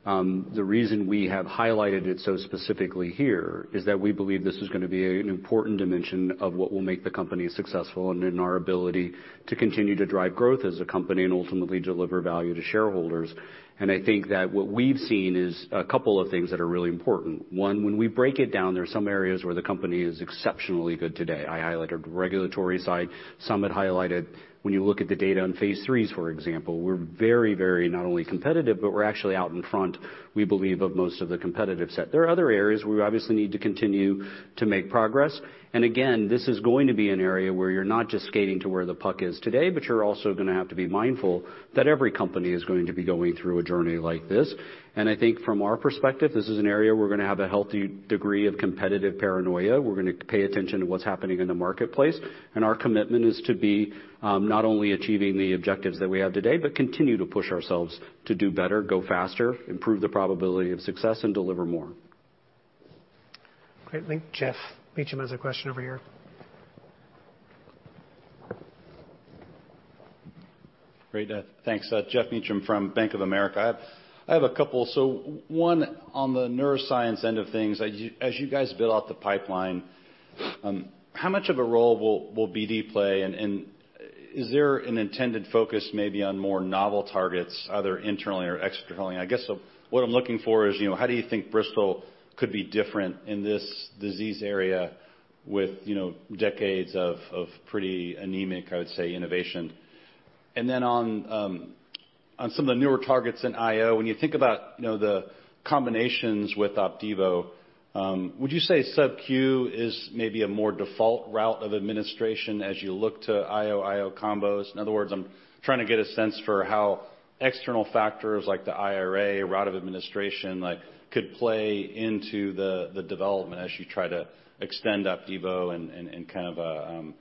[SPEAKER 4] the reason we have highlighted it so specifically here is that we believe this is gonna be an important dimension of what will make the company successful, and in our ability to continue to drive growth as a company and ultimately deliver value to shareholders. I think that what we've seen is a couple of things that are really important. One, when we break it down, there are some areas where the company is exceptionally good today. I highlighted our regulatory side. Some had highlighted when you look at the data on phase 3s, for example, we're very, very, not only competitive, but we're actually out in front, we believe, of most of the competitive set. There are other areas we obviously need to continue to make progress. Again, this is going to be an area where you're not just skating to where the puck is today, but you're also gonna have to be mindful that every company is going to be going through a journey like this. I think from our perspective, this is an area we're gonna have a healthy degree of competitive paranoia. We're gonna pay attention to what's happening in the marketplace, and our commitment is to be not only achieving the objectives that we have today, but continue to push ourselves to do better, go faster, improve the probability of success, and deliver more.
[SPEAKER 7] Great. Thank you. Geoff Meacham has a question over here.
[SPEAKER 14] Great. Thanks. Geoff Meacham from Bank of America. I have a couple. So one, on the neuroscience end of things, as you guys build out the pipeline, how much of a role will BD play, and is there an intended focus maybe on more novel targets, either internally or externally? I guess, so what I'm looking for is, you know, how do you think Bristol could be different in this disease area with, you know, decades of pretty anemic, I would say, innovation? And then on some of the newer targets in IO, when you think about, you know, the combinations with Opdivo, would you say subQ is maybe a more default route of administration as you look to IO combos? In other words, I'm trying to get a sense for how external factors like the IRA, route of administration, like, could play into the development as you try to extend Opdivo and kind of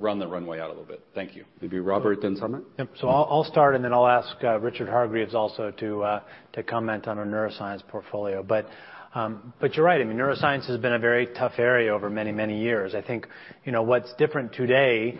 [SPEAKER 14] run the runway out a little bit. Thank you.
[SPEAKER 4] Maybe Robert, then Samit?
[SPEAKER 5] Yep. So I'll start, and then I'll ask Richard Hargreaves also to comment on our neuroscience portfolio. But you're right, I mean, neuroscience has been a very tough area over many, many years. I think, you know, what's different today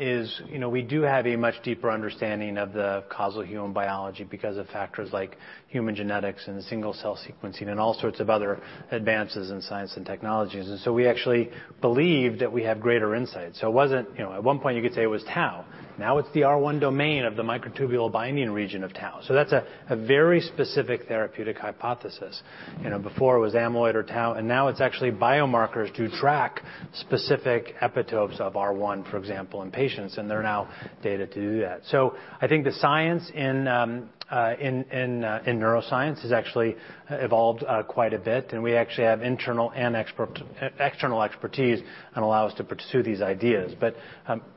[SPEAKER 5] is, you know, we do have a much deeper understanding of the causal human biology because of factors like human genetics and single-cell sequencing and all sorts of other advances in science and technologies. And so we actually believe that we have greater insight. So it wasn't... You know, at one point, you could say it was tau. Now it's the R1 domain of the microtubule binding region of tau. So that's a very specific therapeutic hypothesis. You know, before it was amyloid or tau, and now it's actually biomarkers to track specific epitopes of R1, for example, in patients, and there are now data to do that. So I think the science in neuroscience has actually evolved quite a bit, and we actually have internal and expert external expertise and allow us to pursue these ideas. But,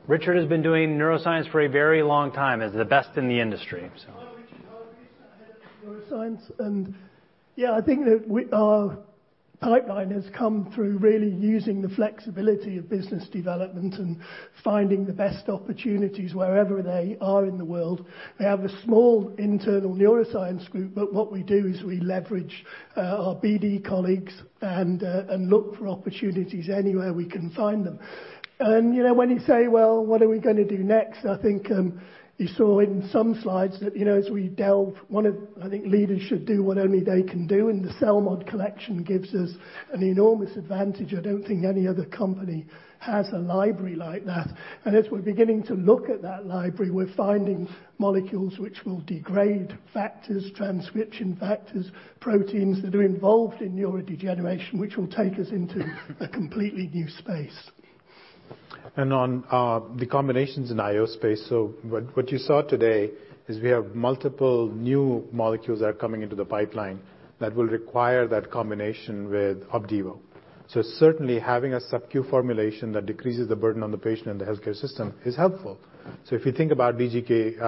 [SPEAKER 5] Richard has been doing neuroscience for a very long time, as the best in the industry, so.
[SPEAKER 15] I'm Richard Hargreaves, the Head of Neuroscience. And yeah, I think that we—our pipeline has come through really using the flexibility of business development and finding the best opportunities wherever they are in the world. We have a small internal neuroscience group, but what we do is we leverage our BD colleagues and look for opportunities anywhere we can find them. And, you know, when you say, "Well, what are we gonna do next?" I think you saw in some slides that, you know, as we delve, one of—I think leaders should do what only they can do, and the CELMoD collection gives us an enormous advantage. I don't think any other company has a library like that. As we're beginning to look at that library, we're finding molecules which will degrade factors, transcription factors, proteins that are involved in neurodegeneration, which will take us into a completely new space.
[SPEAKER 4] On the combinations in IO space, so what you saw today is we have multiple new molecules that are coming into the pipeline that will require that combination with Opdivo. So certainly, having a subQ formulation that decreases the burden on the patient and the healthcare system is helpful. So if you think about DGK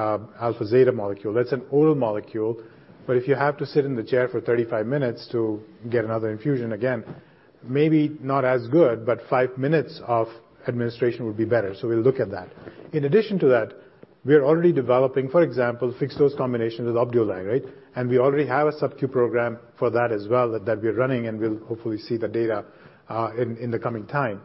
[SPEAKER 4] alpha/zeta molecule, that's an oral molecule, but if you have to sit in the chair for 35 minutes to get another infusion again, maybe not as good, but 5 minutes of administration would be better. So we'll look at that. In addition to that, we are already developing, for example, fixed-dose combinations with Opdualag, right? And we already have a subQ program for that as well, that we're running, and we'll hopefully see the data in the coming time.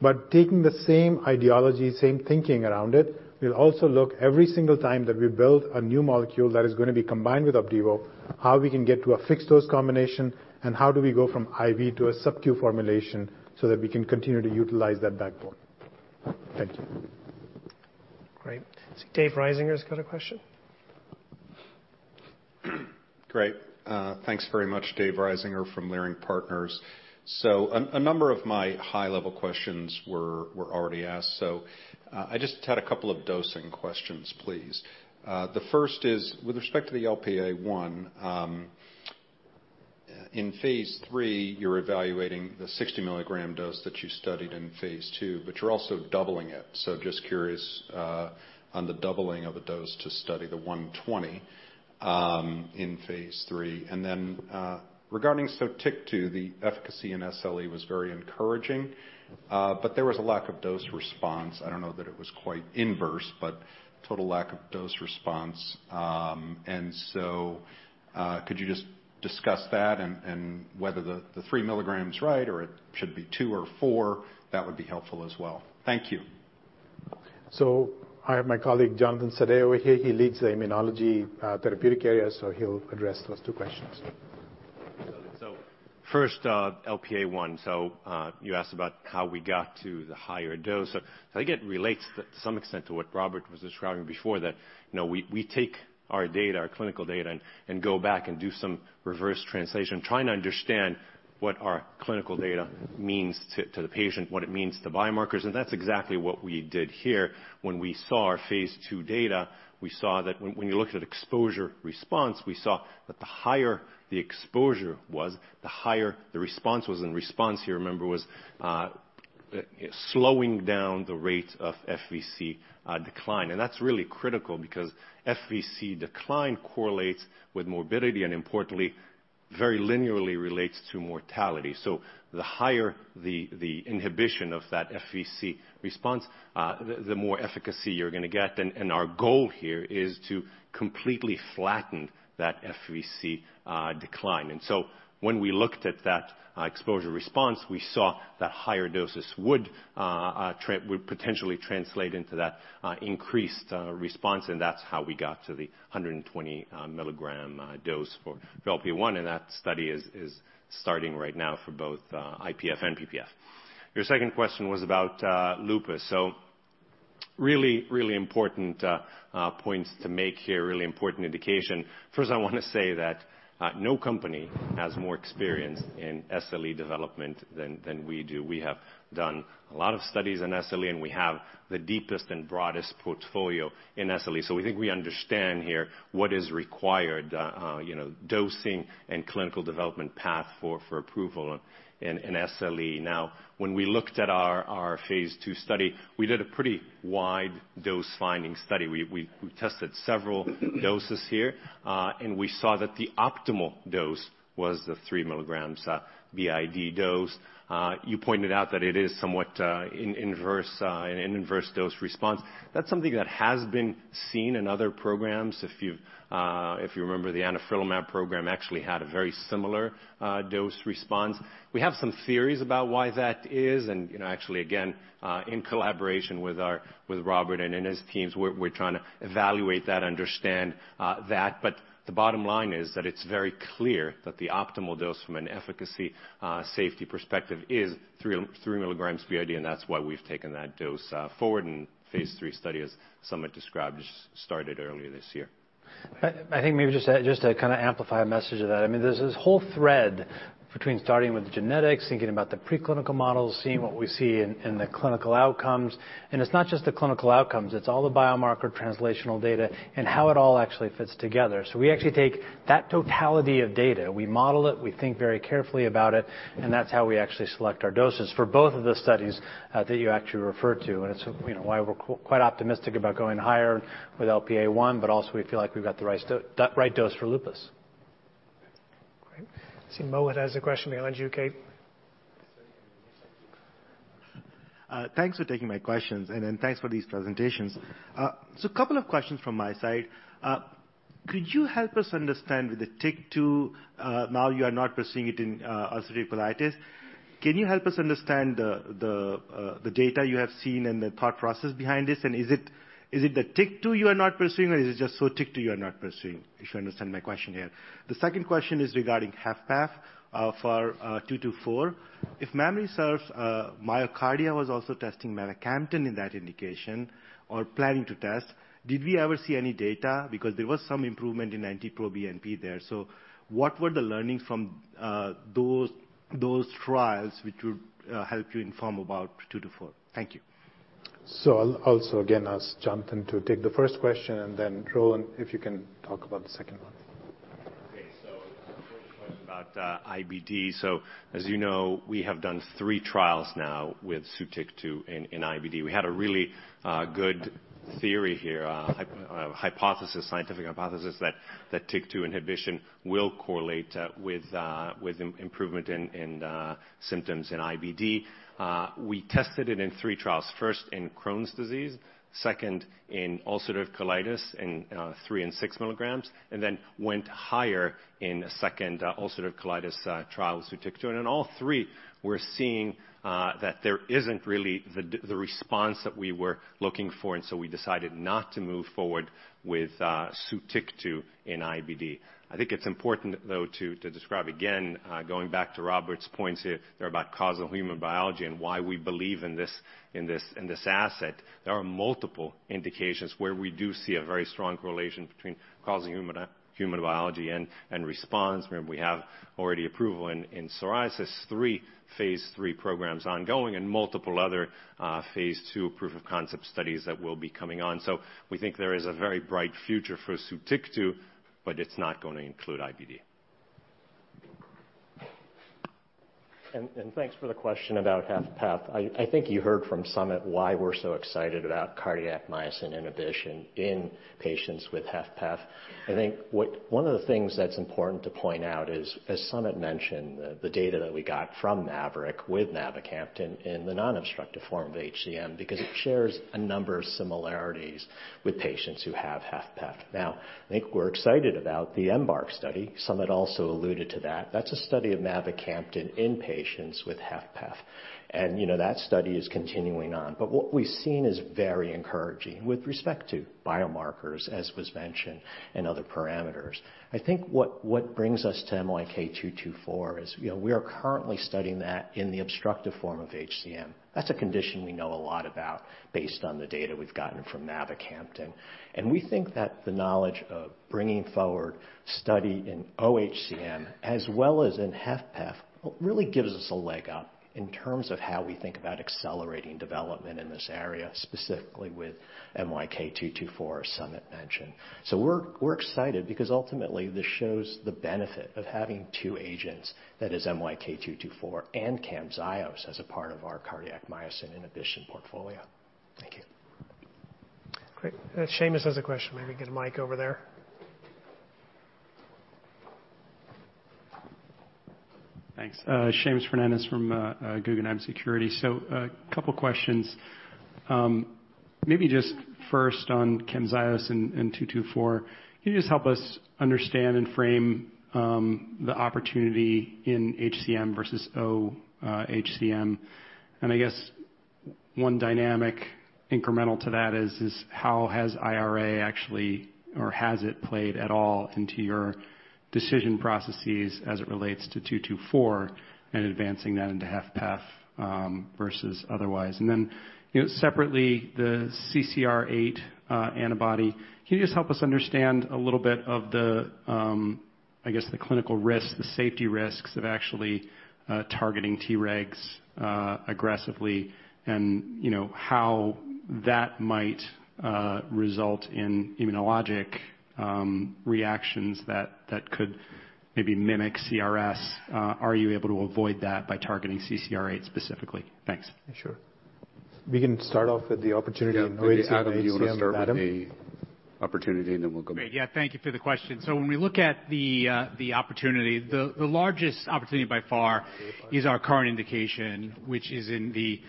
[SPEAKER 4] But taking the same ideology, same thinking around it, we'll also look every single time that we build a new molecule that is gonna be combined with Opdivo, how we can get to a fixed dose combination, and how do we go from IV to a subQ formulation so that we can continue to utilize that backbone. Thank you.
[SPEAKER 7] Great. Dave Risinger's got a question.
[SPEAKER 16] Great. Thanks very much. Dave Risinger from Leerink Partners. So a number of my high-level questions were already asked, so I just had a couple of dosing questions, please. The first is, with respect to the LPA1, in phase 3, you're evaluating the 60 milligram dose that you studied in phase 2, but you're also doubling it. So just curious, on the doubling of the dose to study the 120, in phase 3. And then, regarding Sotyktu-2, the efficacy in SLE was very encouraging, but there was a lack of dose response. I don't know that it was quite inverse, but total lack of dose response. Could you just discuss that and whether the 3 milligrams is right, or it should be 2 or 4? That would be helpful as well. Thank you.
[SPEAKER 6] I have my colleague, Jonathan Sadeh over here. He leads the immunology therapeutic area, so he'll address those two questions.
[SPEAKER 17] So first, LPA1. So, you asked about how we got to the higher dose. So I think it relates to some extent to what Robert was describing before, that, you know, we, we take our data, our clinical data, and, and go back and do some reverse translation, trying to understand what our clinical data means to, to the patient, what it means to biomarkers. And that's exactly what we did here. When we saw our phase 2 data, we saw that when, when you looked at exposure response, we saw that the higher the exposure was, the higher the response was. And response, you remember, was, slowing down the rate of FVC decline. And that's really critical because FVC decline correlates with morbidity, and importantly, very linearly relates to mortality. So the higher the inhibition of that FVC response, the more efficacy you're gonna get, and our goal here is to completely flatten that FVC decline. So when we looked at that exposure response, we saw that higher doses would potentially translate into that increased response, and that's how we got to the 120 mg dose for LPA1, and that study is starting right now for both IPF and PPF. Your second question was about lupus. So really important points to make here, really important indication. First, I wanna say that no company has more experience in SLE development than we do. We have done a lot of studies in SLE, and we have the deepest and broadest portfolio in SLE. So we think we understand here what is required, you know, dosing and clinical development path for approval in SLE. Now, when we looked at our phase 2 study, we did a pretty wide dose-finding study. We tested several doses here, and we saw that the optimal dose was the 3 milligrams BID dose. You pointed out that it is somewhat in inverse an inverse dose response. That's something that has been seen in other programs. If you've if you remember, the Anifrolumab program actually had a very similar dose response. We have some theories about why that is, and, you know, actually, again, in collaboration with our-- with Robert and his teams, we're trying to evaluate that, understand that. But the bottom line is that it's very clear that the optimal dose from an efficacy, safety perspective is 3, 3 milligrams BID, and that's why we've taken that dose forward, and phase three study, as Samit described, which started earlier this year.
[SPEAKER 5] I think maybe just to kinda amplify a message of that, I mean, there's this whole thread between starting with the genetics, thinking about the preclinical models, seeing what we see in the clinical outcomes. And it's not just the clinical outcomes, it's all the biomarker translational data and how it all actually fits together. So we actually take that totality of data, we model it, we think very carefully about it, and that's how we actually select our doses for both of the studies that you actually referred to. And it's, you know, why we're quite optimistic about going higher with LPA-1, but also we feel like we've got the right dose for lupus.
[SPEAKER 7] Great. I see Mohit has a question behind you, Kate.
[SPEAKER 8] Thanks for taking my questions, and then thanks for these presentations. So a couple of questions from my side. Could you help us understand with the TYK2, now you are not pursuing it in ulcerative colitis. Can you help us understand the data you have seen and the thought process behind this? And is it the TYK2 you are not pursuing, or is it just so TYK2 you are not pursuing? If you understand my question here. The second question is regarding HFpEF for 2, 2, 4. If memory serves, MyoKardia was also testing mavacamten in that indication or planning to test. Did we ever see any data? Because there was some improvement in NT-proBNP there. So what were the learnings from those trials, which would help you inform about 2 to 4? Thank you.
[SPEAKER 6] So I'll also again ask Jonathan to take the first question, and then Rohan, if you can talk about the second one.
[SPEAKER 17] Okay. So the first question about IBD. So as you know, we have done three trials now with Sotyktu in IBD. We had a really good theory here, hypothesis, scientific hypothesis, that TYK2 inhibition will correlate with improvement in symptoms in IBD. We tested it in three trials, first in Crohn's disease, second in ulcerative colitis, in three and six milligrams, and then went higher in a second ulcerative colitis trial, Sotyktu. And in all three, we're seeing that there isn't really the response that we were looking for, and so we decided not to move forward with Sotyktu in IBD. I think it's important, though, to describe, again, going back to Robert's points here, they're about causal human biology and why we believe in this, in this, in this asset. There are multiple indications where we do see a very strong correlation between causing human biology and response. Remember, we have already approval in psoriasis, three phase three programs ongoing and multiple other phase two proof of concept studies that will be coming on. So we think there is a very bright future for Sotyktu, but it's not gonna include IBD.
[SPEAKER 5] Thanks for the question about HFpEF. I think you heard from Summit why we're so excited about cardiac myosin inhibition in patients with HFpEF....
[SPEAKER 10] I think what, one of the things that's important to point out is, as Summit mentioned, the, the data that we got from Maverick with mavacamten in the non-obstructive form of HCM, because it shares a number of similarities with patients who have HFpEF. Now, I think we're excited about the EMBARK study. Summit also alluded to that. That's a study of mavacamten in patients with HFpEF. And, you know, that study is continuing on. But what we've seen is very encouraging with respect to biomarkers, as was mentioned, and other parameters. I think what, what brings us to MYK-224 is, you know, we are currently studying that in the obstructive form of HCM. That's a condition we know a lot about based on the data we've gotten from mavacamten. We think that the knowledge of bringing forward study in oHCM, as well as in HFpEF, really gives us a leg up in terms of how we think about accelerating development in this area, specifically with MYK-224, as Samit mentioned. We're, we're excited because ultimately, this shows the benefit of having two agents, that is MYK-224 and Camzyos, as a part of our cardiac myosin inhibition portfolio. Thank you.
[SPEAKER 7] Great. Seamus has a question. Maybe get a mic over there.
[SPEAKER 18] Thanks. Seamus Fernandez from Guggenheim Securities. So, a couple questions. Maybe just first on Camzyos and 224. Can you just help us understand and frame the opportunity in HCM versus oHCM? And I guess one dynamic incremental to that is how has IRA actually-- or has it played at all into your decision processes as it relates to 224 and advancing that into HFpEF versus otherwise? And then, you know, separately, the CCR8 antibody, can you just help us understand a little bit of the, I guess, the clinical risks, the safety risks of actually targeting Tregs aggressively, and, you know, how that might result in immunologic reactions that could maybe mimic CRS? Are you able to avoid that by targeting CCR8 specifically? Thanks.
[SPEAKER 6] Sure. We can start off with the opportunity-
[SPEAKER 5] Yeah. Adam, do you want to start with the opportunity, and then we'll go-
[SPEAKER 12] Great, yeah. Thank you for the question. So when we look at the opportunity, the largest opportunity by far is our current indication, which is in the,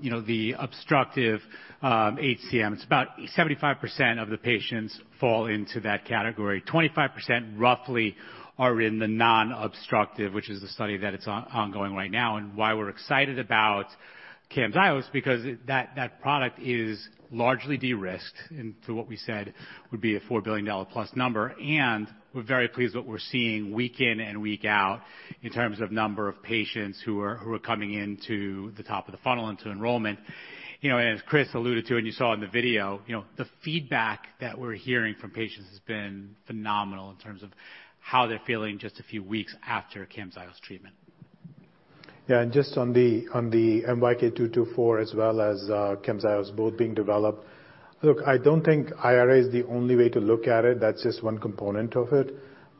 [SPEAKER 12] you know, the obstructive HCM. It's about 75% of the patients fall into that category. 25%, roughly, are in the non-obstructive, which is the study that it's ongoing right now, and why we're excited about Camzyos, because that product is largely de-risked into what we said would be a $4 billion plus number. And we're very pleased what we're seeing week in and week out in terms of number of patients who are coming into the top of the funnel into enrollment. You know, as Chris alluded to, and you saw in the video, you know, the feedback that we're hearing from patients has been phenomenal in terms of how they're feeling just a few weeks after Camzyos treatment.
[SPEAKER 6] Yeah, and just on the MYK-224, as well as Camzyos both being developed. Look, I don't think IRA is the only way to look at it, that's just one component of it.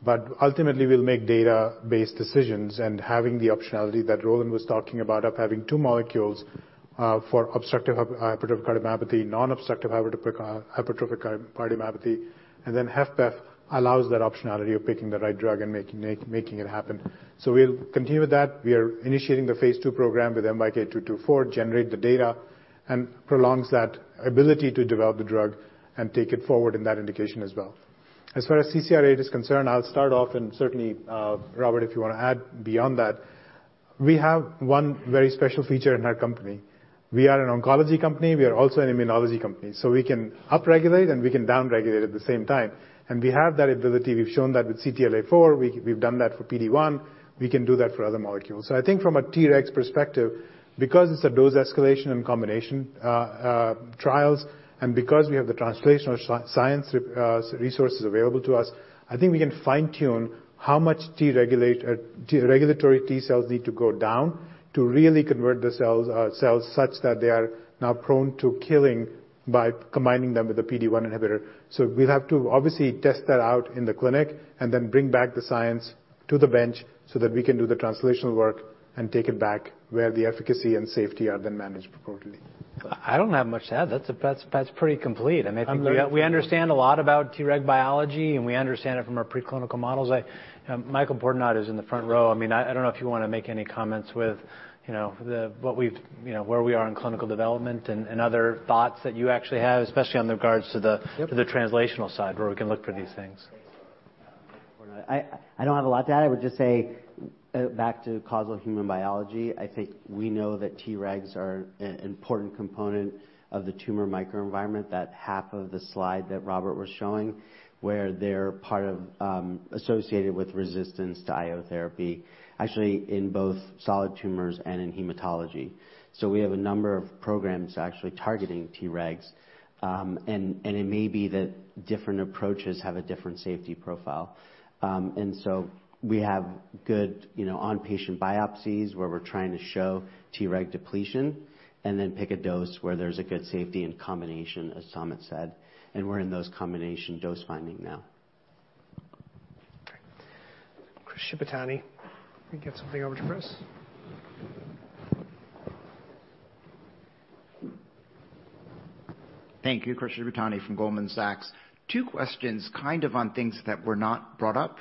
[SPEAKER 6] But ultimately, we'll make data-based decisions, and having the optionality that Roland was talking about, of having two molecules for obstructive hypertrophic cardiomyopathy, non-obstructive hypertrophic cardiomyopathy, and then HFpEF allows that optionality of picking the right drug and making, making it happen. So we'll continue with that. We are initiating the phase 2 program with MYK-224, generate the data, and prolongs that ability to develop the drug and take it forward in that indication as well. As far as CCR8 is concerned, I'll start off, and certainly Robert, if you want to add beyond that. We have one very special feature in our company. We are an oncology company, we are also an immunology company, so we can upregulate and we can downregulate at the same time. We have that ability. We've shown that with CTLA-4, we, we've done that for PD-1, we can do that for other molecules. So I think from a T reg perspective, because it's a dose escalation and combination trials, and because we have the translational science resources available to us, I think we can fine-tune how much regulatory T cells need to go down to really convert the cells, cells such that they are now prone to killing by combining them with a PD-1 inhibitor. So we'll have to obviously test that out in the clinic and then bring back the science to the bench so that we can do the translational work and take it back where the efficacy and safety are then managed appropriately.
[SPEAKER 10] I don't have much to add. That's, that's, that's pretty complete. I think we understand a lot about Treg biology, and we understand it from our preclinical models. I, Michael Burgess is in the front row. I mean, I don't know if you want to make any comments with, you know, the, what we've, you know, where we are in clinical development and, and other thoughts that you actually have, especially on regards to the-
[SPEAKER 7] Yep.
[SPEAKER 10] to the translational side, where we can look for these things.
[SPEAKER 19] I don't have a lot to add. I would just say, back to causal human biology, I think we know that T regs are an important component of the tumor microenvironment, that half of the slide that Robert was showing, where they're part of, associated with resistance to IO therapy, actually in both solid tumors and in hematology. So we have a number of programs actually targeting T regs, and it may be that different approaches have a different safety profile. And so we have good, you know, on-patient biopsies where we're trying to show T reg depletion, and then pick a dose where there's a good safety and combination, as Samit said, and we're in those combination dose finding now.
[SPEAKER 7] Chris Shibutani. Let me get something over to Chris.
[SPEAKER 20] Thank you. Chris Shibutani from Goldman Sachs. Two questions kind of on things that were not brought up,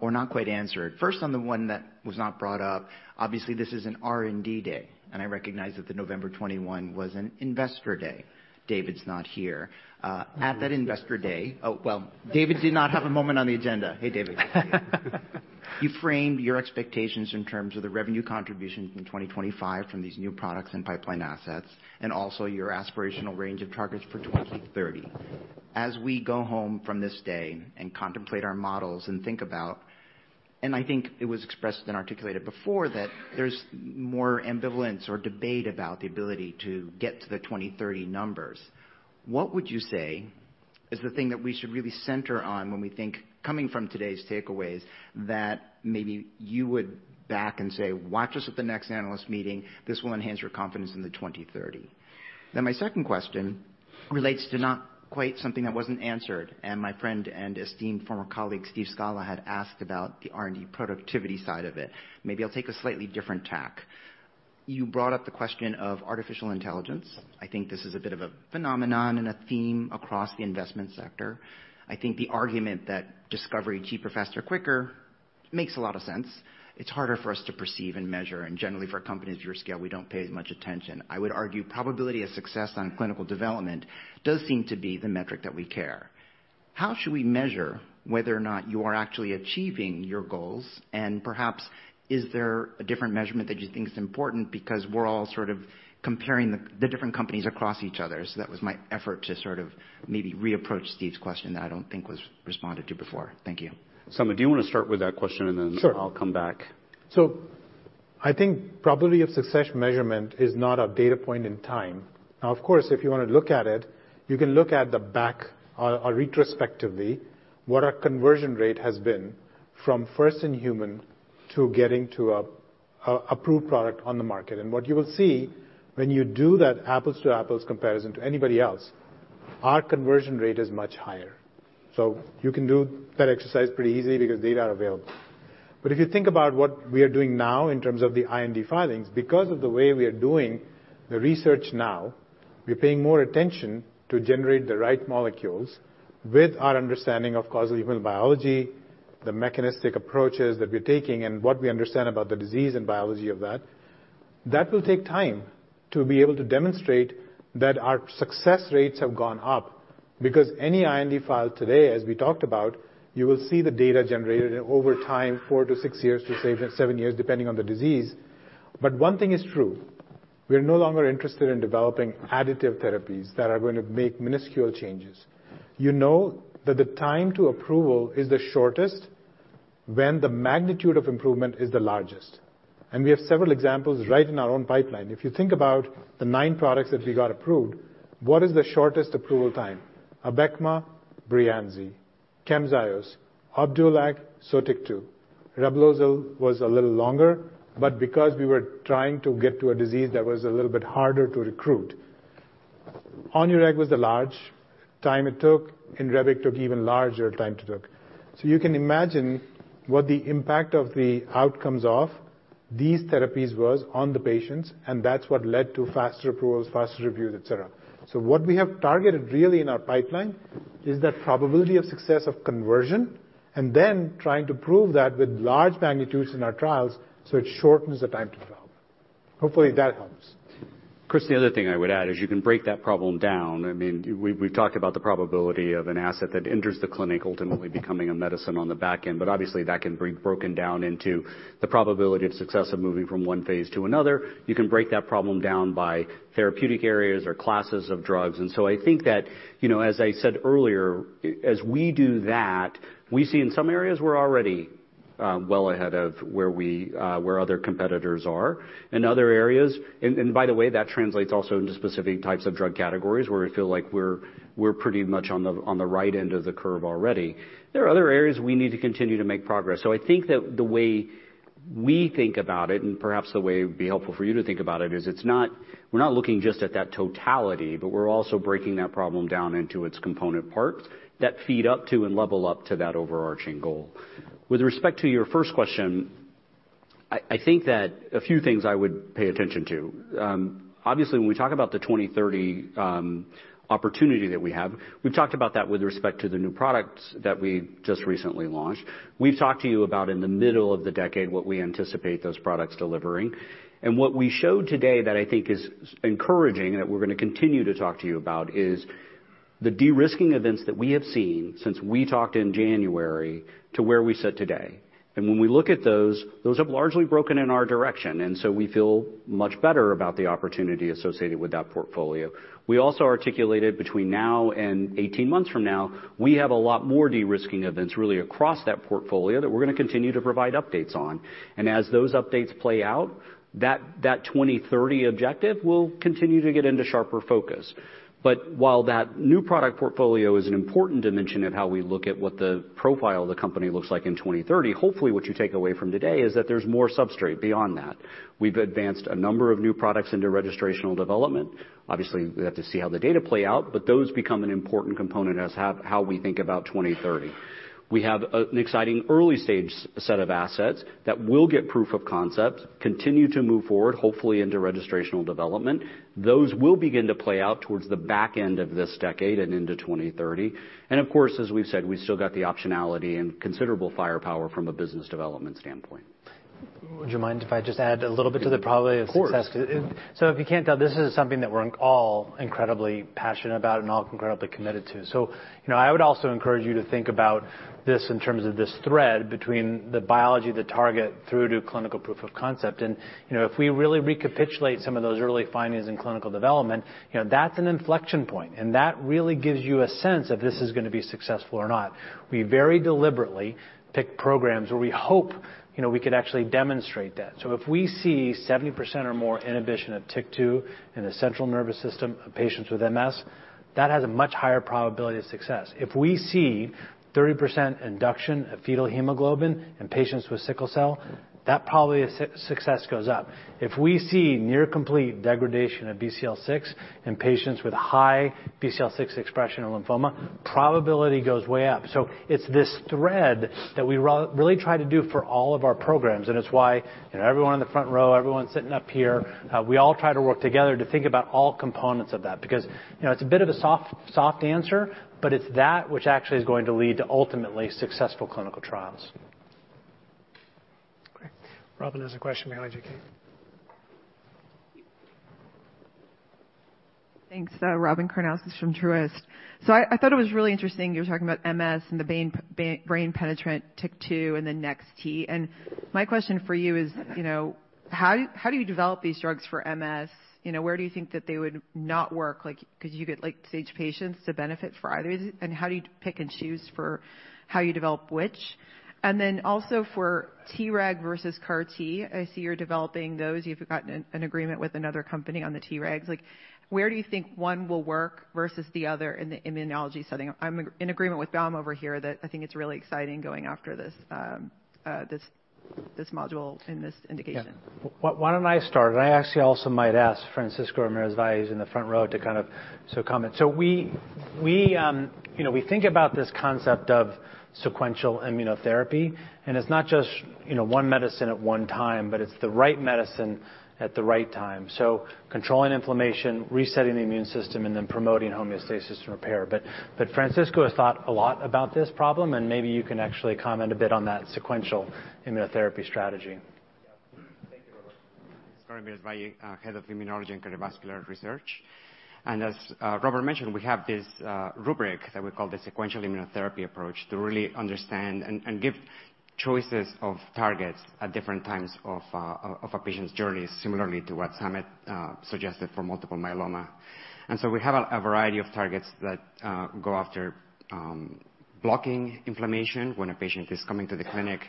[SPEAKER 20] or not quite answered. First, on the one that was not brought up. Obviously, this is an R&D day, and I recognize that the November 21 was an investor day. David's not here. At that investor day—oh, well, David did not have a moment on the agenda. Hey, David. You framed your expectations in terms of the revenue contribution in 2025 from these new products and pipeline assets, and also your aspirational range of targets for 2030. As we go home from this day and contemplate our models and think about, and I think it was expressed and articulated before, that there's more ambivalence or debate about the ability to get to the 2030 numbers. What would you say is the thing that we should really center on when we think, coming from today's takeaways, that maybe you would back and say, "Watch us at the next analyst meeting, this will enhance your confidence in the 2030?" Then my second question relates to not quite something that wasn't answered, and my friend and esteemed former colleague, Steve Scala, had asked about the R&D productivity side of it. Maybe I'll take a slightly different tack. You brought up the question of artificial intelligence. I think this is a bit of a phenomenon and a theme across the investment sector. I think the argument that discovery cheaper, faster, quicker makes a lot of sense. It's harder for us to perceive and measure, and generally, for companies of your scale, we don't pay as much attention. I would argue probability of success on clinical development does seem to be the metric that we care. How should we measure whether or not you are actually achieving your goals? And perhaps, is there a different measurement that you think is important? Because we're all sort of comparing the different companies across each other. So that was my effort to sort of maybe reapproach Steve's question that I don't think was responded to before. Thank you.
[SPEAKER 1] Samit, do you want to start with that question, and then-
[SPEAKER 6] Sure.
[SPEAKER 1] I'll come back.
[SPEAKER 6] So I think probability of success measurement is not a data point in time. Now, of course, if you want to look at it, you can look at the back or, or retrospectively, what our conversion rate has been from first in human to getting to a, a approved product on the market. And what you will see when you do that apples-to-apples comparison to anybody else, our conversion rate is much higher. So you can do that exercise pretty easily because data are available. But if you think about what we are doing now in terms of the IND filings, because of the way we are doing the research now, we're paying more attention to generate the right molecules with our understanding of causal human biology, the mechanistic approaches that we're taking, and what we understand about the disease and biology of that. That will take time to be able to demonstrate that our success rates have gone up, because any IND file today, as we talked about, you will see the data generated over time, 4-6 years, to say 7 years, depending on the disease. But one thing is true: we are no longer interested in developing additive therapies that are going to make minuscule changes. You know that the time to approval is the shortest when the magnitude of improvement is the largest, and we have several examples right in our own pipeline. If you think about the 9 products that we got approved, what is the shortest approval time? Abecma, Breyanzi, Camzyos, Opdualag, Zeposia. Reblozyl was a little longer, but because we were trying to get to a disease that was a little bit harder to recruit. Onureg was the large time it took, and Revlimid took even larger time to took. So you can imagine what the impact of the outcomes of these therapies was on the patients, and that's what led to faster approvals, faster reviews, et cetera. So what we have targeted really in our pipeline is that probability of success of conversion, and then trying to prove that with large magnitudes in our trials, so it shortens the time to develop. Hopefully, that helps.
[SPEAKER 1] Chris, the other thing I would add is you can break that problem down. I mean, we've talked about the probability of an asset that enters the clinic, ultimately becoming a medicine on the back end, but obviously, that can be broken down into the probability of success of moving from one phase to another. You can break that problem down by therapeutic areas or classes of drugs. And so I think that, you know, as I said earlier, as we do that, we see in some areas we're already well ahead of where other competitors are. In other areas... And by the way, that translates also into specific types of drug categories, where we feel like we're pretty much on the right end of the curve already. There are other areas we need to continue to make progress. So I think that the way we think about it, and perhaps the way it would be helpful for you to think about it, is it's not, we're not looking just at that totality, but we're also breaking that problem down into its component parts that feed up to and level up to that overarching goal. With respect to your first question, I think that a few things I would pay attention to. Obviously, when we talk about the 2030 opportunity that we have, we've talked about that with respect to the new products that we just recently launched. We've talked to you about, in the middle of the decade, what we anticipate those products delivering. What we showed today that I think is encouraging, and that we're gonna continue to talk to you about, is the de-risking events that we have seen since we talked in January to where we sit today. When we look at those, those have largely broken in our direction, and so we feel much better about the opportunity associated with that portfolio. We also articulated between now and 18 months from now, we have a lot more de-risking events really across that portfolio that we're gonna continue to provide updates on. As those updates play out, that, that 2030 objective will continue to get into sharper focus. But while that new product portfolio is an important dimension of how we look at what the profile of the company looks like in 2030, hopefully, what you take away from today is that there's more substrate beyond that. We've advanced a number of new products into registrational development. Obviously, we have to see how the data play out, but those become an important component as how, how we think about 2030. We have an exciting early stage set of assets that will get proof of concept, continue to move forward, hopefully into registrational development. Those will begin to play out towards the back end of this decade and into 2030. And of course, as we've said, we've still got the optionality and considerable firepower from a business development standpoint. ...
[SPEAKER 5] Would you mind if I just add a little bit to the probability of success?
[SPEAKER 4] Of course.
[SPEAKER 5] So if you can't tell, this is something that we're all incredibly passionate about and all incredibly committed to. So, you know, I would also encourage you to think about this in terms of this thread between the biology, the target, through to clinical proof of concept. And, you know, if we really recapitulate some of those early findings in clinical development, you know, that's an inflection point, and that really gives you a sense if this is gonna be successful or not. We very deliberately pick programs where we hope, you know, we could actually demonstrate that. So if we see 70% or more inhibition of TYK2 in the central nervous system of patients with MS, that has a much higher probability of success. If we see 30% induction of fetal hemoglobin in patients with sickle cell, that probability of success goes up. If we see near complete degradation of BCL-6 in patients with high BCL-6 expression of lymphoma, probability goes way up. So it's this thread that we really try to do for all of our programs, and it's why, you know, everyone in the front row, everyone sitting up here, we all try to work together to think about all components of that. Because, you know, it's a bit of a soft, soft answer, but it's that which actually is going to lead to ultimately successful clinical trials.
[SPEAKER 7] Okay. Robyn has a question behind you, Kate.
[SPEAKER 21] Thanks. Robin Karnauskas from Truist. So I thought it was really interesting, you were talking about MS and the brain penetrant TYK2 and the next T. And my question for you is, you know, how do you develop these drugs for MS? You know, where do you think that they would not work? Like, could you get, like, stage patients to benefit for either of these, and how do you pick and choose for how you develop which? And then also for TREG versus CAR T, I see you're developing those. You've gotten an agreement with another company on the TREGs. Like, where do you think one will work versus the other in the immunology setting? I'm in agreement with Baum over here that I think it's really exciting going after this module and this indication.
[SPEAKER 5] Yeah. Why, why don't I start? I actually also might ask Francisco Ramirez-Valle in the front row to kind of, so comment. So we, we, you know, we think about this concept of sequential immunotherapy, and it's not just, you know, one medicine at one time, but it's the right medicine at the right time. So controlling inflammation, resetting the immune system, and then promoting homeostasis and repair. But, but Francisco has thought a lot about this problem, and maybe you can actually comment a bit on that sequential immunotherapy strategy.
[SPEAKER 22] Yeah. Thank you, Robert. Francisco Ramirez-Valle, Head of Immunology and Cardiovascular Research. And as Robert mentioned, we have this rubric that we call the sequential immunotherapy approach to really understand and give choices of targets at different times of a patient's journey, similarly to what Samit suggested for multiple myeloma. And so we have a variety of targets that go after blocking inflammation when a patient is coming to the clinic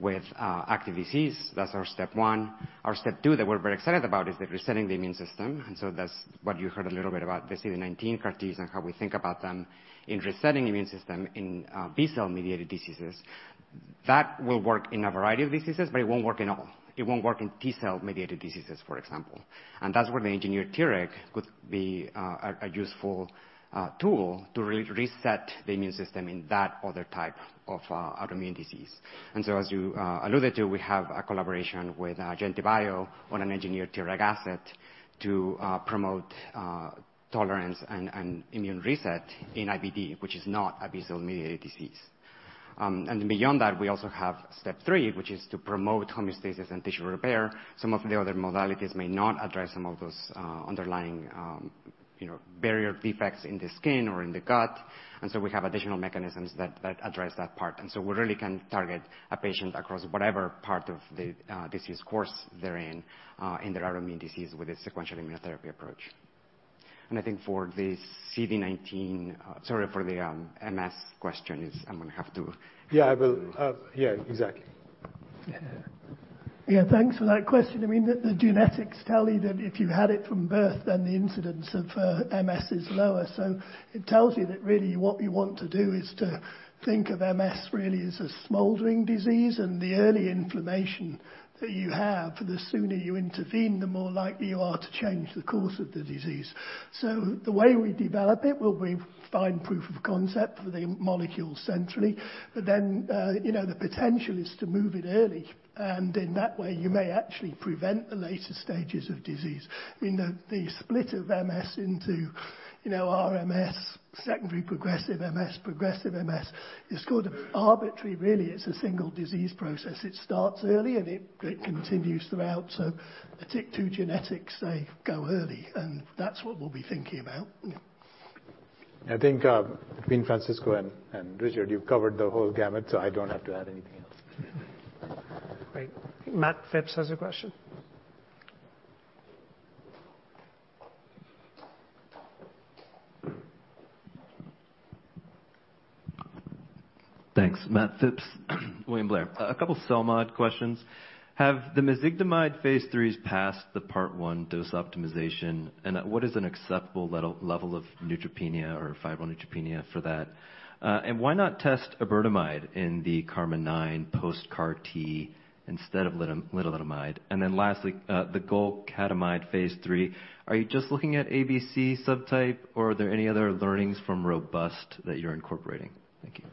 [SPEAKER 22] with active disease. That's our step one. Our step two, that we're very excited about, is the resetting the immune system, and so that's what you heard a little bit about the CD19 CAR-Ts and how we think about them in resetting the immune system in B-cell mediated diseases. That will work in a variety of diseases, but it won't work in all. It won't work in T-cell mediated diseases, for example. And that's where the engineered TREG could be a useful tool to reset the immune system in that other type of autoimmune disease. And so, as you alluded to, we have a collaboration with GentiBio on an engineered TREG asset to promote tolerance and immune reset in IBD, which is not a B-cell mediated disease. And beyond that, we also have step three, which is to promote homeostasis and tissue repair. Some of the other modalities may not address some of those underlying, you know, barrier defects in the skin or in the gut, and so we have additional mechanisms that address that part. And so we really can target a patient across whatever part of the disease course they're in in their autoimmune disease with a sequential immunotherapy approach. And I think for the CD19... sorry, for the MS question, is I'm gonna have to-
[SPEAKER 15] Yeah, I will-
[SPEAKER 22] Uh.
[SPEAKER 7] Yeah, exactly.
[SPEAKER 15] Yeah. Yeah, thanks for that question. I mean, the, the genetics tell you that if you had it from birth, then the incidence of MS is lower. So it tells you that really what we want to do is to think of MS really as a smoldering disease, and the early inflammation that you have, the sooner you intervene, the more likely you are to change the course of the disease. So the way we develop it will be find proof of concept for the molecule centrally, but then, you know, the potential is to move it early, and in that way, you may actually prevent the later stages of disease. I mean, the, the split of MS into, you know, RRMS, secondary progressive MS, progressive MS, is sort of arbitrary, really. It's a single disease process. It starts early, and it, it continues throughout. The TYK2 genetics, they go early, and that's what we'll be thinking about.
[SPEAKER 4] I think, between Francisco and Richard, you've covered the whole gamut, so I don't have to add anything else.
[SPEAKER 7] Great. Matt Phipps has a question.
[SPEAKER 23] Thanks. Matt Phipps, William Blair. A couple cell mod questions. Have the mezigdomide phase IIIs passed the Part I dose optimization? And what is an acceptable level of neutropenia or febrile neutropenia for that? And why not test iberdomide in the KARMM-9 post CAR T instead of lenalidomide? And then lastly, the golcatamide phase III, are you just looking at ABC subtype, or are there any other learnings from robust that you're incorporating? Thank you.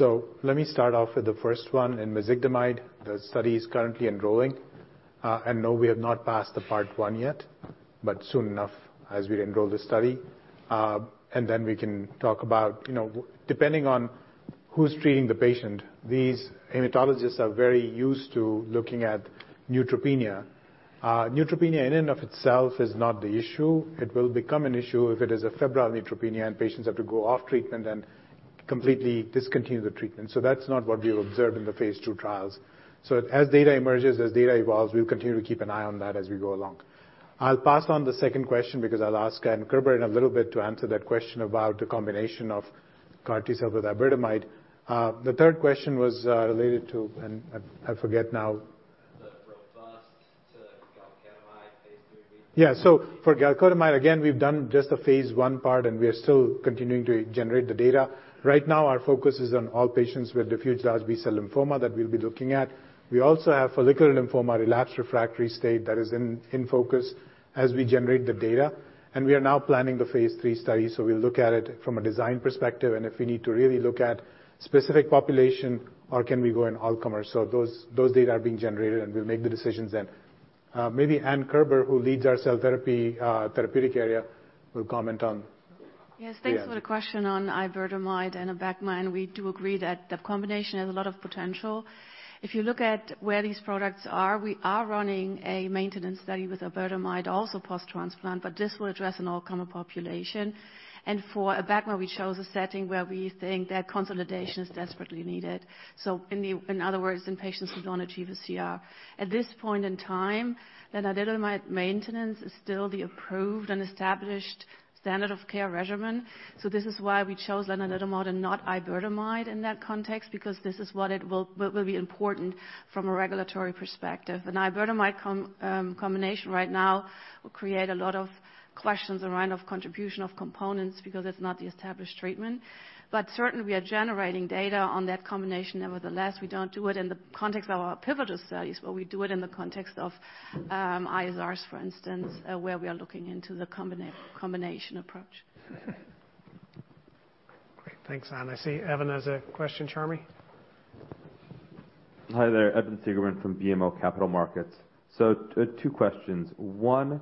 [SPEAKER 6] Let me start off with the first one. In Mezigdomide, the study is currently enrolling.... and no, we have not passed the part one yet, but soon enough as we enroll the study. And then we can talk about, you know, depending on who's treating the patient, these hematologists are very used to looking at neutropenia. Neutropenia in and of itself is not the issue. It will become an issue if it is a febrile neutropenia, and patients have to go off treatment and completely discontinue the treatment. So that's not what we observed in the phase two trials. So as data emerges, as data evolves, we'll continue to keep an eye on that as we go along. I'll pass on the second question because I'll ask Anne Kerber in a little bit to answer that question about the combination of CAR T-cell with Iberdomide. The third question was related to, and I forget now.
[SPEAKER 3] The robust to Golcadomide phase 3-
[SPEAKER 6] Yeah. So for Golcatamide, again, we've done just a phase one part, and we are still continuing to generate the data. Right now, our focus is on all patients with Diffuse Large B-Cell Lymphoma that we'll be looking at. We also have Follicular Lymphoma, relapsed refractory state that is in focus as we generate the data, and we are now planning the phase three study. So we'll look at it from a design perspective, and if we need to really look at specific population or can we go in all comers. So those data are being generated, and we'll make the decisions then. Maybe Anne Kerber, who leads our cell therapy therapeutic area, will comment on.
[SPEAKER 24] Yes, thanks for the question on Iberdomide and Abemaciclib. We do agree that the combination has a lot of potential. If you look at where these products are, we are running a maintenance study with Iberdomide, also post-transplant, but this will address an all-comer population. And for Abemaciclib, we chose a setting where we think that consolidation is desperately needed. So in other words, in patients who don't achieve a CR. At this point in time, lenalidomide maintenance is still the approved and established standard of care regimen. So this is why we chose lenalidomide and not Iberdomide in that context, because this is what will be important from a regulatory perspective. An Iberdomide combination right now will create a lot of questions around contribution of components because it's not the established treatment. But certainly, we are generating data on that combination. Nevertheless, we don't do it in the context of our pivotal studies, but we do it in the context of ISRs, for instance, where we are looking into the combination approach.
[SPEAKER 7] Great. Thanks, Anne. I see Evan has a question, Sharmi?
[SPEAKER 25] Hi there, Evan Seigerman from BMO Capital Markets. So two questions. One,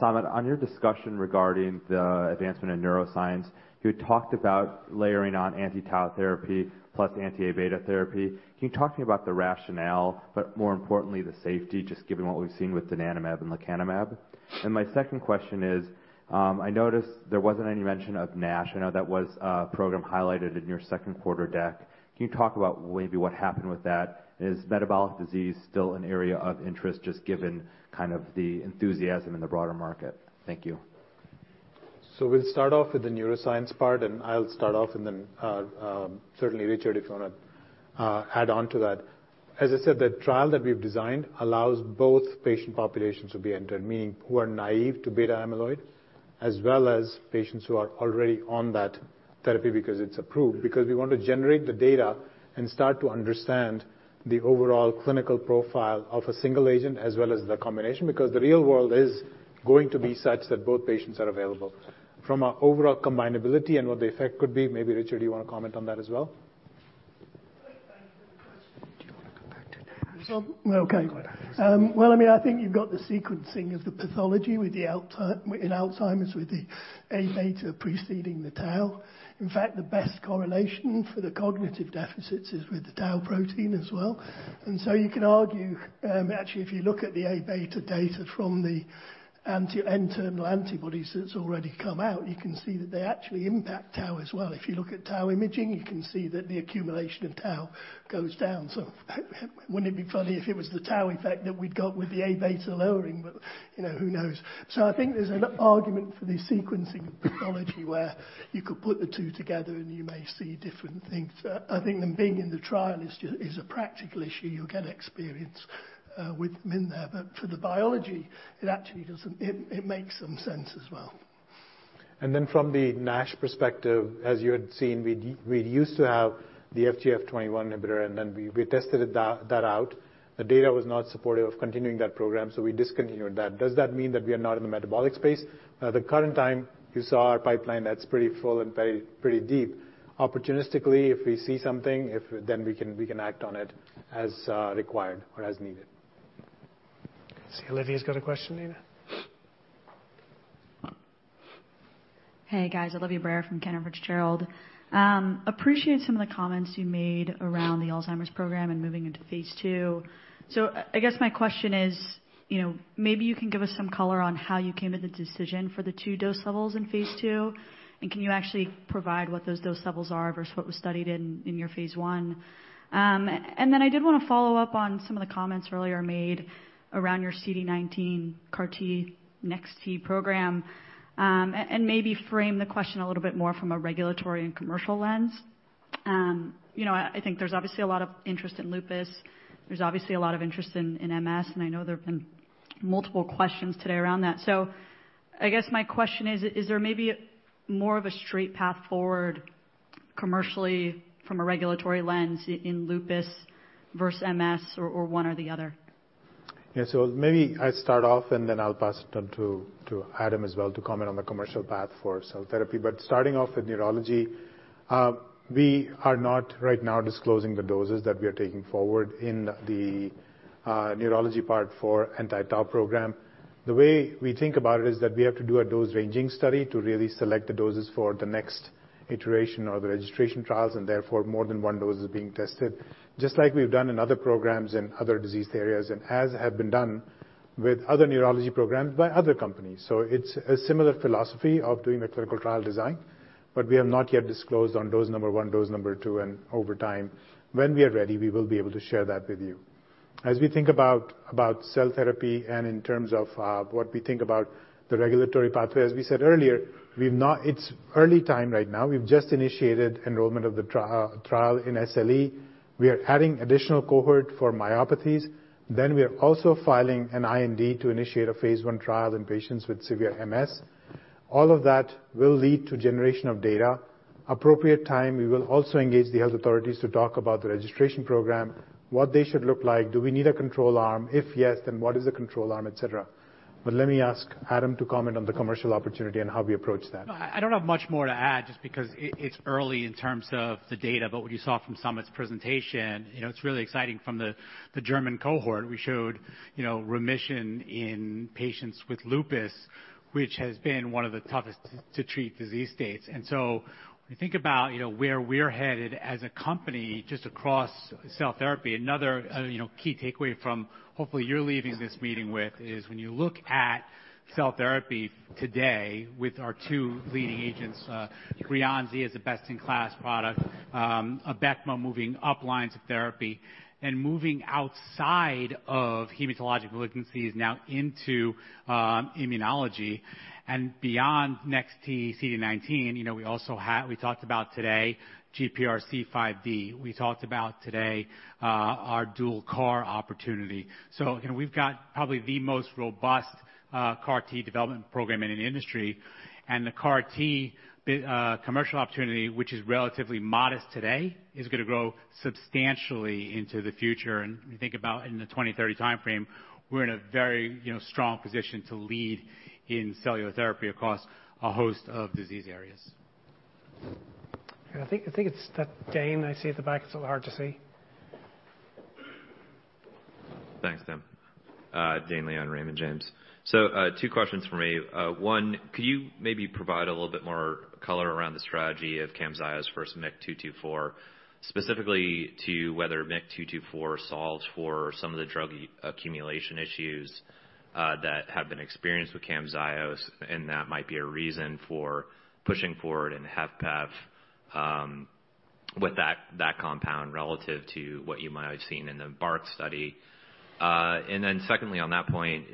[SPEAKER 25] Samit, on your discussion regarding the advancement in neuroscience, you talked about layering on anti-tau therapy plus anti-Abeta therapy. Can you talk to me about the rationale, but more importantly, the safety, just given what we've seen with donanemab and lecanemab? And my second question is, I noticed there wasn't any mention of NASH. I know that was a program highlighted in your second quarter deck. Can you talk about maybe what happened with that? Is metabolic disease still an area of interest, just given kind of the enthusiasm in the broader market? Thank you.
[SPEAKER 6] So we'll start off with the neuroscience part, and I'll start off and then certainly, Richard, if you want to add on to that. As I said, the trial that we've designed allows both patient populations to be entered, meaning who are naive to beta amyloid, as well as patients who are already on that therapy because it's approved. Because we want to generate the data and start to understand the overall clinical profile of a single agent as well as the combination, because the real world is going to be such that both patients are available. From our overall combinability and what the effect could be, maybe, Richard, you want to comment on that as well?
[SPEAKER 7] Do you want to come back to NASH?
[SPEAKER 15] Well, okay.
[SPEAKER 3] Go ahead.
[SPEAKER 15] Well, I mean, I think you've got the sequencing of the pathology with the Alzheimer's, with the A beta preceding the tau. In fact, the best correlation for the cognitive deficits is with the tau protein as well. And so you can argue, actually, if you look at the A beta data from the anti-N-terminal antibodies that's already come out, you can see that they actually impact tau as well. If you look at tau imaging, you can see that the accumulation of tau goes down. So wouldn't it be funny if it was the tau effect that we'd got with the A beta lowering? But, you know, who knows. So I think there's an argument for the sequencing of pathology, where you could put the two together, and you may see different things. I think them being in the trial is just is a practical issue. You'll get experience with them in there, but for the biology, it actually doesn't. It, it makes some sense as well.
[SPEAKER 6] And then from the NASH perspective, as you had seen, we used to have the FGF21 inhibitor, and then we tested it out. The data was not supportive of continuing that program, so we discontinued that. Does that mean that we are not in the metabolic space? At the current time, you saw our pipeline, that's pretty full and very pretty deep. Opportunistically, if we see something, if then we can act on it as required or as needed.
[SPEAKER 7] I see Olivia's got a question. Nina?
[SPEAKER 26] Hey, guys. Olivia Bennett from Brenneth Richardson. Appreciate some of the comments you made around the Alzheimer's program and moving into phase 2. So, I guess my question is, you know, maybe you can give us some color on how you came to the decision for the 2 dose levels in phase 2, and can you actually provide what those dose levels are versus what was studied in your phase 1? And then I did want to follow up on some of the comments earlier made around your CD19 CAR-T Next T program, and maybe frame the question a little bit more from a regulatory and commercial lens. You know, I think there's obviously a lot of interest in lupus. There's obviously a lot of interest in MS, and I know there have been multiple questions today around that. I guess my question is: Is there maybe more of a straight path forward commercially from a regulatory lens in lupus versus MS or one or the other? ...
[SPEAKER 6] Yeah, so maybe I start off, and then I'll pass it on to, to Adam as well, to comment on the commercial path for cell therapy. But starting off with neurology, we are not right now disclosing the doses that we are taking forward in the neurology part for anti-tau program. The way we think about it is that we have to do a dose-ranging study to really select the doses for the next iteration or the registration trials, and therefore, more than one dose is being tested. Just like we've done in other programs and other disease areas, and as have been done with other neurology programs by other companies. So it's a similar philosophy of doing a clinical trial design, but we have not yet disclosed on dose number 1, dose number 2, and over time, when we are ready, we will be able to share that with you. As we think about cell therapy and in terms of what we think about the regulatory pathway, as we said earlier, we've not—it's early time right now. We've just initiated enrollment of the trial in SLE. We are adding additional cohort for myopathies. Then we are also filing an IND to initiate a phase 1 trial in patients with severe MS. All of that will lead to generation of data. Appropriate time, we will also engage the health authorities to talk about the registration program, what they should look like. Do we need a control arm? If yes, then what is the control arm, et cetera. But let me ask Adam to comment on the commercial opportunity and how we approach that.
[SPEAKER 1] No, I don't have much more to add, just because it's early in terms of the data, but what you saw from Samit's presentation, you know, it's really exciting from the German cohort. We showed, you know, remission in patients with lupus, which has been one of the toughest to treat disease states. And so when we think about, you know, where we're headed as a company, just across cell therapy, another, you know, key takeaway from hopefully you're leaving this meeting with, is when you look at cell therapy today with our two leading agents, Breyanzi is a best-in-class product, Abecma moving up lines of therapy and moving outside of hematologic malignancies now into immunology and beyond Next T CD19, you know, we also have. We talked about today, GPRC5D. We talked about today our dual CAR opportunity. So, you know, we've got probably the most robust CAR T development program in the industry, and the CAR T commercial opportunity, which is relatively modest today, is gonna grow substantially into the future. And when you think about in the 2030 timeframe, we're in a very, you know, strong position to lead in cellular therapy across a host of disease areas.
[SPEAKER 7] I think, I think it's that Dane I see at the back. It's a little hard to see.
[SPEAKER 27] Thanks, Tim. Dane Leone, Raymond James. So, two questions for me. One, could you maybe provide a little bit more color around the strategy of Camzyos versus MYK-224, specifically to whether MYK-224 solves for some of the drug accumulation issues that have been experienced with Camzyos, and that might be a reason for pushing forward in HFpEF with that compound relative to what you might have seen in the BARC study. And then secondly, on that point,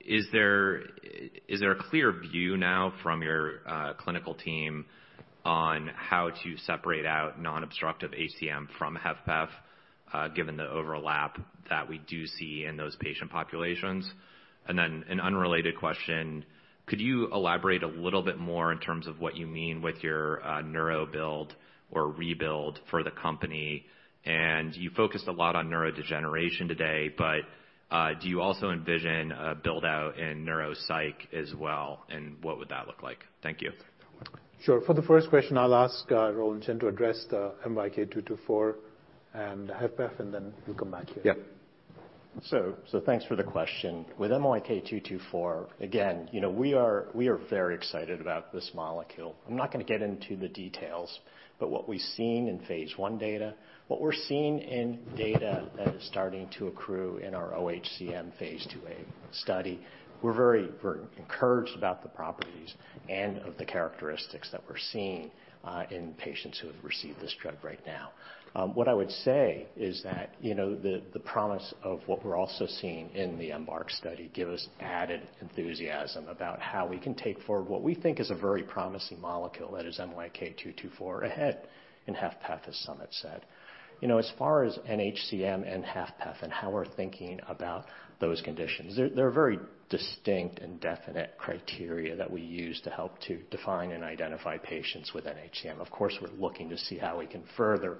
[SPEAKER 27] is there a clear view now from your clinical team on how to separate out non-obstructive HCM from HFpEF, given the overlap that we do see in those patient populations? And then an unrelated question, could you elaborate a little bit more in terms of what you mean with your neuro build or rebuild for the company? You focused a lot on neurodegeneration today, but do you also envision a build-out in neuropsych as well, and what would that look like? Thank you.
[SPEAKER 6] Sure. For the first question, I'll ask Roland Chen to address the MYK-224 and HFpEF, and then we'll come back here.
[SPEAKER 1] Yeah.
[SPEAKER 10] So, so thanks for the question. With MYK-224, again, you know, we are, we are very excited about this molecule. I'm not gonna get into the details, but what we've seen in phase 1 data, what we're seeing in data that is starting to accrue in our oHCM Phase 2a study, we're very, we're encouraged about the properties and of the characteristics that we're seeing in patients who have received this drug right now. What I would say is that, you know, the, the promise of what we're also seeing in the EMBARC study, give us added enthusiasm about how we can take forward what we think is a very promising molecule that is MYK-224 ahead in HFpEF, as Samit said. You know, as far as nHCM and HFpEF and how we're thinking about those conditions, they're very distinct and definite criteria that we use to help to define and identify patients with nHCM. Of course, we're looking to see how we can further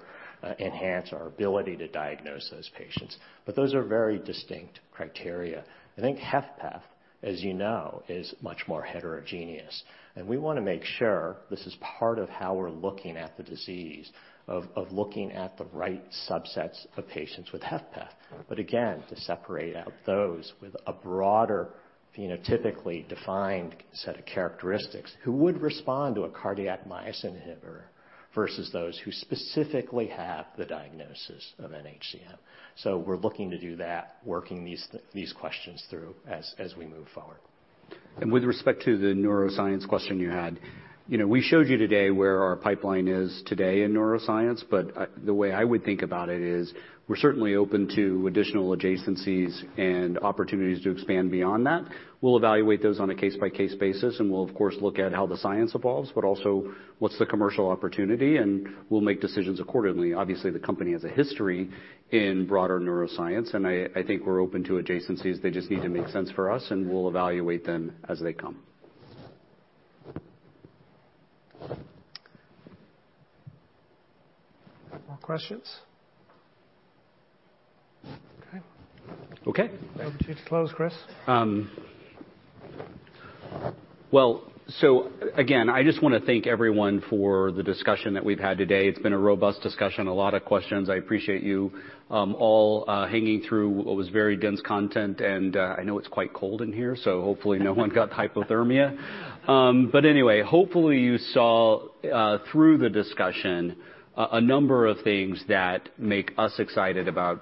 [SPEAKER 10] enhance our ability to diagnose those patients, but those are very distinct criteria. I think HFpEF, as you know, is much more heterogeneous, and we wanna make sure this is part of how we're looking at the disease, of looking at the right subsets of patients with HFpEF. But again, to separate out those with a broader phenotypically defined set of characteristics, who would respond to a cardiac myosin inhibitor versus those who specifically have the diagnosis of nHCM. So we're looking to do that, working these questions through as we move forward.
[SPEAKER 1] With respect to the neuroscience question you had, you know, we showed you today where our pipeline is today in neuroscience, but the way I would think about it is, we're certainly open to additional adjacencies and opportunities to expand beyond that. We'll evaluate those on a case-by-case basis, and we'll, of course, look at how the science evolves, but also what's the commercial opportunity, and we'll make decisions accordingly. Obviously, the company has a history in broader neuroscience, and I, I think we're open to adjacencies. They just need to make sense for us, and we'll evaluate them as they come.
[SPEAKER 7] More questions? Okay.
[SPEAKER 1] Okay.
[SPEAKER 7] Over to you to close, Chris.
[SPEAKER 4] Well, so again, I just wanna thank everyone for the discussion that we've had today. It's been a robust discussion, a lot of questions. I appreciate you all hanging through what was very dense content, and I know it's quite cold in here, so hopefully no one got hypothermia. But anyway, hopefully you saw through the discussion a number of things that make us excited about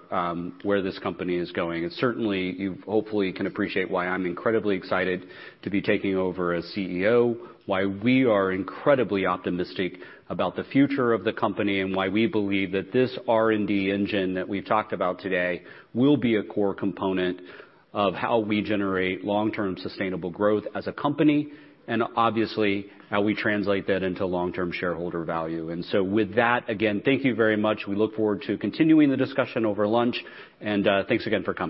[SPEAKER 4] where this company is going. And certainly, you hopefully can appreciate why I'm incredibly excited to be taking over as CEO, why we are incredibly optimistic about the future of the company, and why we believe that this R&D engine that we've talked about today will be a core component of how we generate long-term sustainable growth as a company, and obviously, how we translate that into long-term shareholder value. With that, again, thank you very much. We look forward to continuing the discussion over lunch, and thanks again for coming.